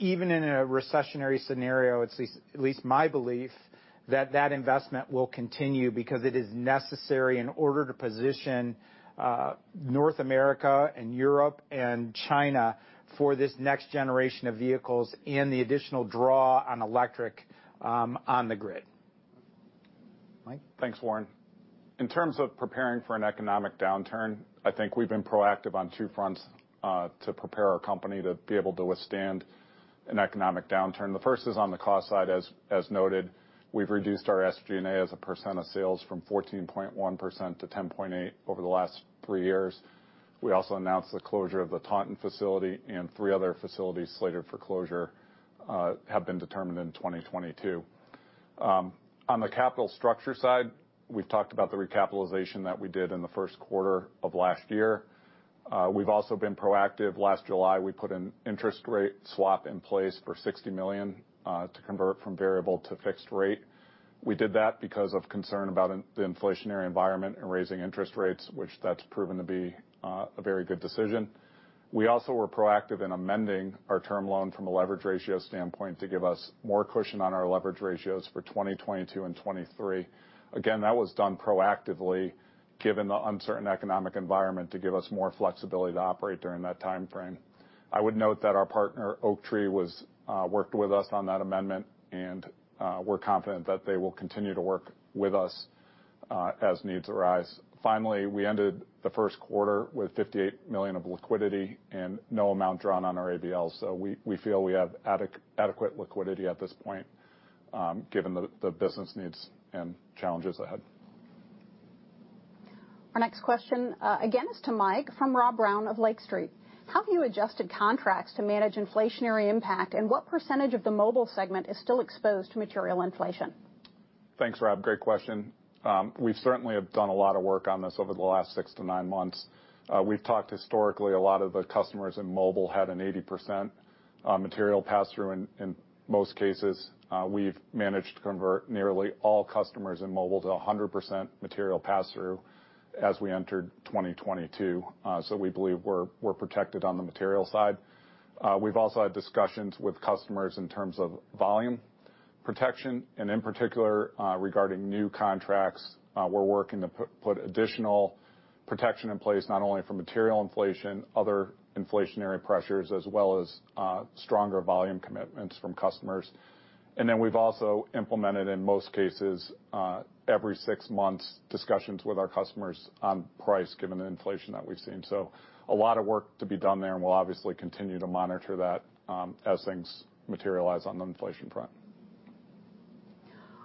Even in a recessionary scenario, it's at least my belief that that investment will continue because it is necessary in order to position North America and Europe and China for this next generation of vehicles and the additional draw on electric on the grid. Mike? Thanks, Warren. In terms of preparing for an economic downturn, I think we've been proactive on two fronts to prepare our company to be able to withstand an economic downturn. The first is on the cost side. As noted, we've reduced our SG&A as a percent of sales from 14.1% to 10.8% over the last three years. We also announced the closure of the Taunton facility and three other facilities slated for closure have been determined in 2022. On the capital structure side, we've talked about the recapitalization that we did in the first quarter of last year. We've also been proactive. Last July, we put an interest rate swap in place for $60 million to convert from variable to fixed rate. We did that because of concern about in the inflationary environment and raising interest rates, which that's proven to be a very good decision. We also were proactive in amending our term loan from a leverage ratio standpoint to give us more cushion on our leverage ratios for 2022 and 2023. Again, that was done proactively, given the uncertain economic environment, to give us more flexibility to operate during that timeframe. I would note that our partner, Oaktree, worked with us on that amendment, and we're confident that they will continue to work with us as needs arise. Finally, we ended the first quarter with $58 million of liquidity and no amount drawn on our ABLs. We feel we have adequate liquidity at this point, given the business needs and challenges ahead. Our next question, again is to Mike, from Rob Brown of Lake Street. How have you adjusted contracts to manage inflationary impact, and what percentage of the mobile segment is still exposed to material inflation? Thanks, Rob. Great question. We certainly have done a lot of work on this over the last six to nine months. We've talked historically, a lot of the customers in mobile had an 80%, material pass-through in most cases. We've managed to convert nearly all customers in mobile to a 100% material pass-through as we entered 2022. So we believe we're protected on the material side. We've also had discussions with customers in terms of volume protection and, in particular, regarding new contracts. We're working to put additional protection in place, not only for material inflation, other inflationary pressures, as well as stronger volume commitments from customers. Then we've also implemented, in most cases, every six months, discussions with our customers on price given the inflation that we've seen. A lot of work to be done there, and we'll obviously continue to monitor that, as things materialize on the inflation front.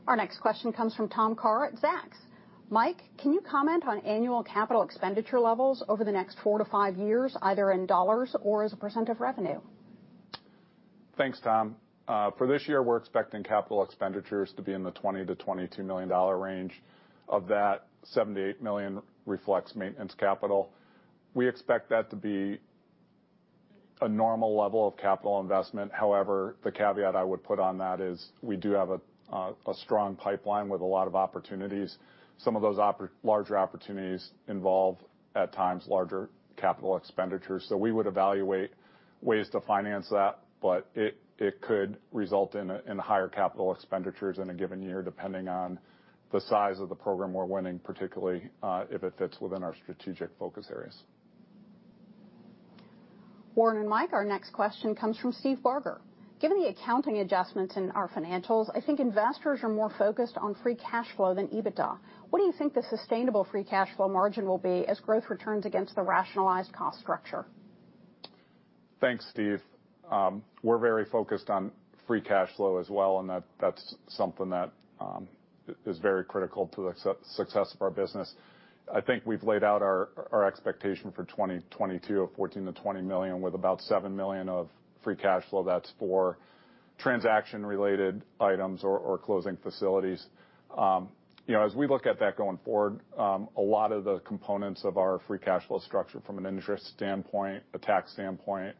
Our next question comes from Tom Carr at Zacks. Mike, can you comment on annual capital expenditure levels over the next four to five years, either in dollars or as a percent of revenue? Thanks, Tom. For this year, we're expecting capital expenditures to be in the $20 million-$22 million range. Of that, $7 millio-$8 million reflects maintenance capital. We expect that to be a normal level of capital investment. However, the caveat I would put on that is we do have a strong pipeline with a lot of opportunities. Some of those larger opportunities involve, at times, larger capital expenditures. We would evaluate ways to finance that, but it could result in higher capital expenditures in a given year, depending on the size of the program we're winning, particularly if it fits within our strategic focus areas. Warren and Mike, our next question comes from Steve Barger. Given the accounting adjustments in our financials, I think investors are more focused on free cash flow than EBITDA. What do you think the sustainable free cash flow margin will be as growth returns against the rationalized cost structure? Thanks, Steve. We're very focused on free cash flow as well, and that's something that is very critical to the success of our business. I think we've laid out our expectation for 2022 of $14 million-$20 million, with about $7 million of free cash flow. That's for transaction-related items or closing facilities. You know, as we look at that going forward, a lot of the components of our free cash flow structure from an interest standpoint, a tax standpoint,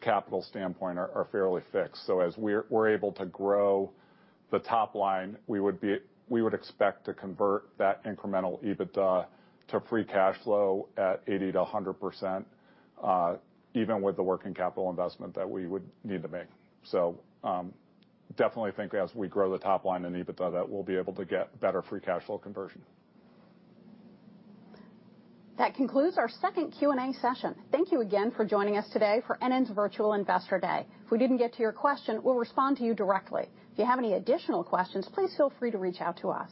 capital standpoint are fairly fixed. As we're able to grow the top line, we would expect to convert that incremental EBITDA to free cash flow at 80%-100%, even with the working capital investment that we would need to make. Definitely think as we grow the top line in EBITDA that we'll be able to get better free cash flow conversion. That concludes our second Q&A session. Thank you again for joining us today for NN's Virtual Investor Day. If we didn't get to your question, we'll respond to you directly. If you have any additional questions, please feel free to reach out to us.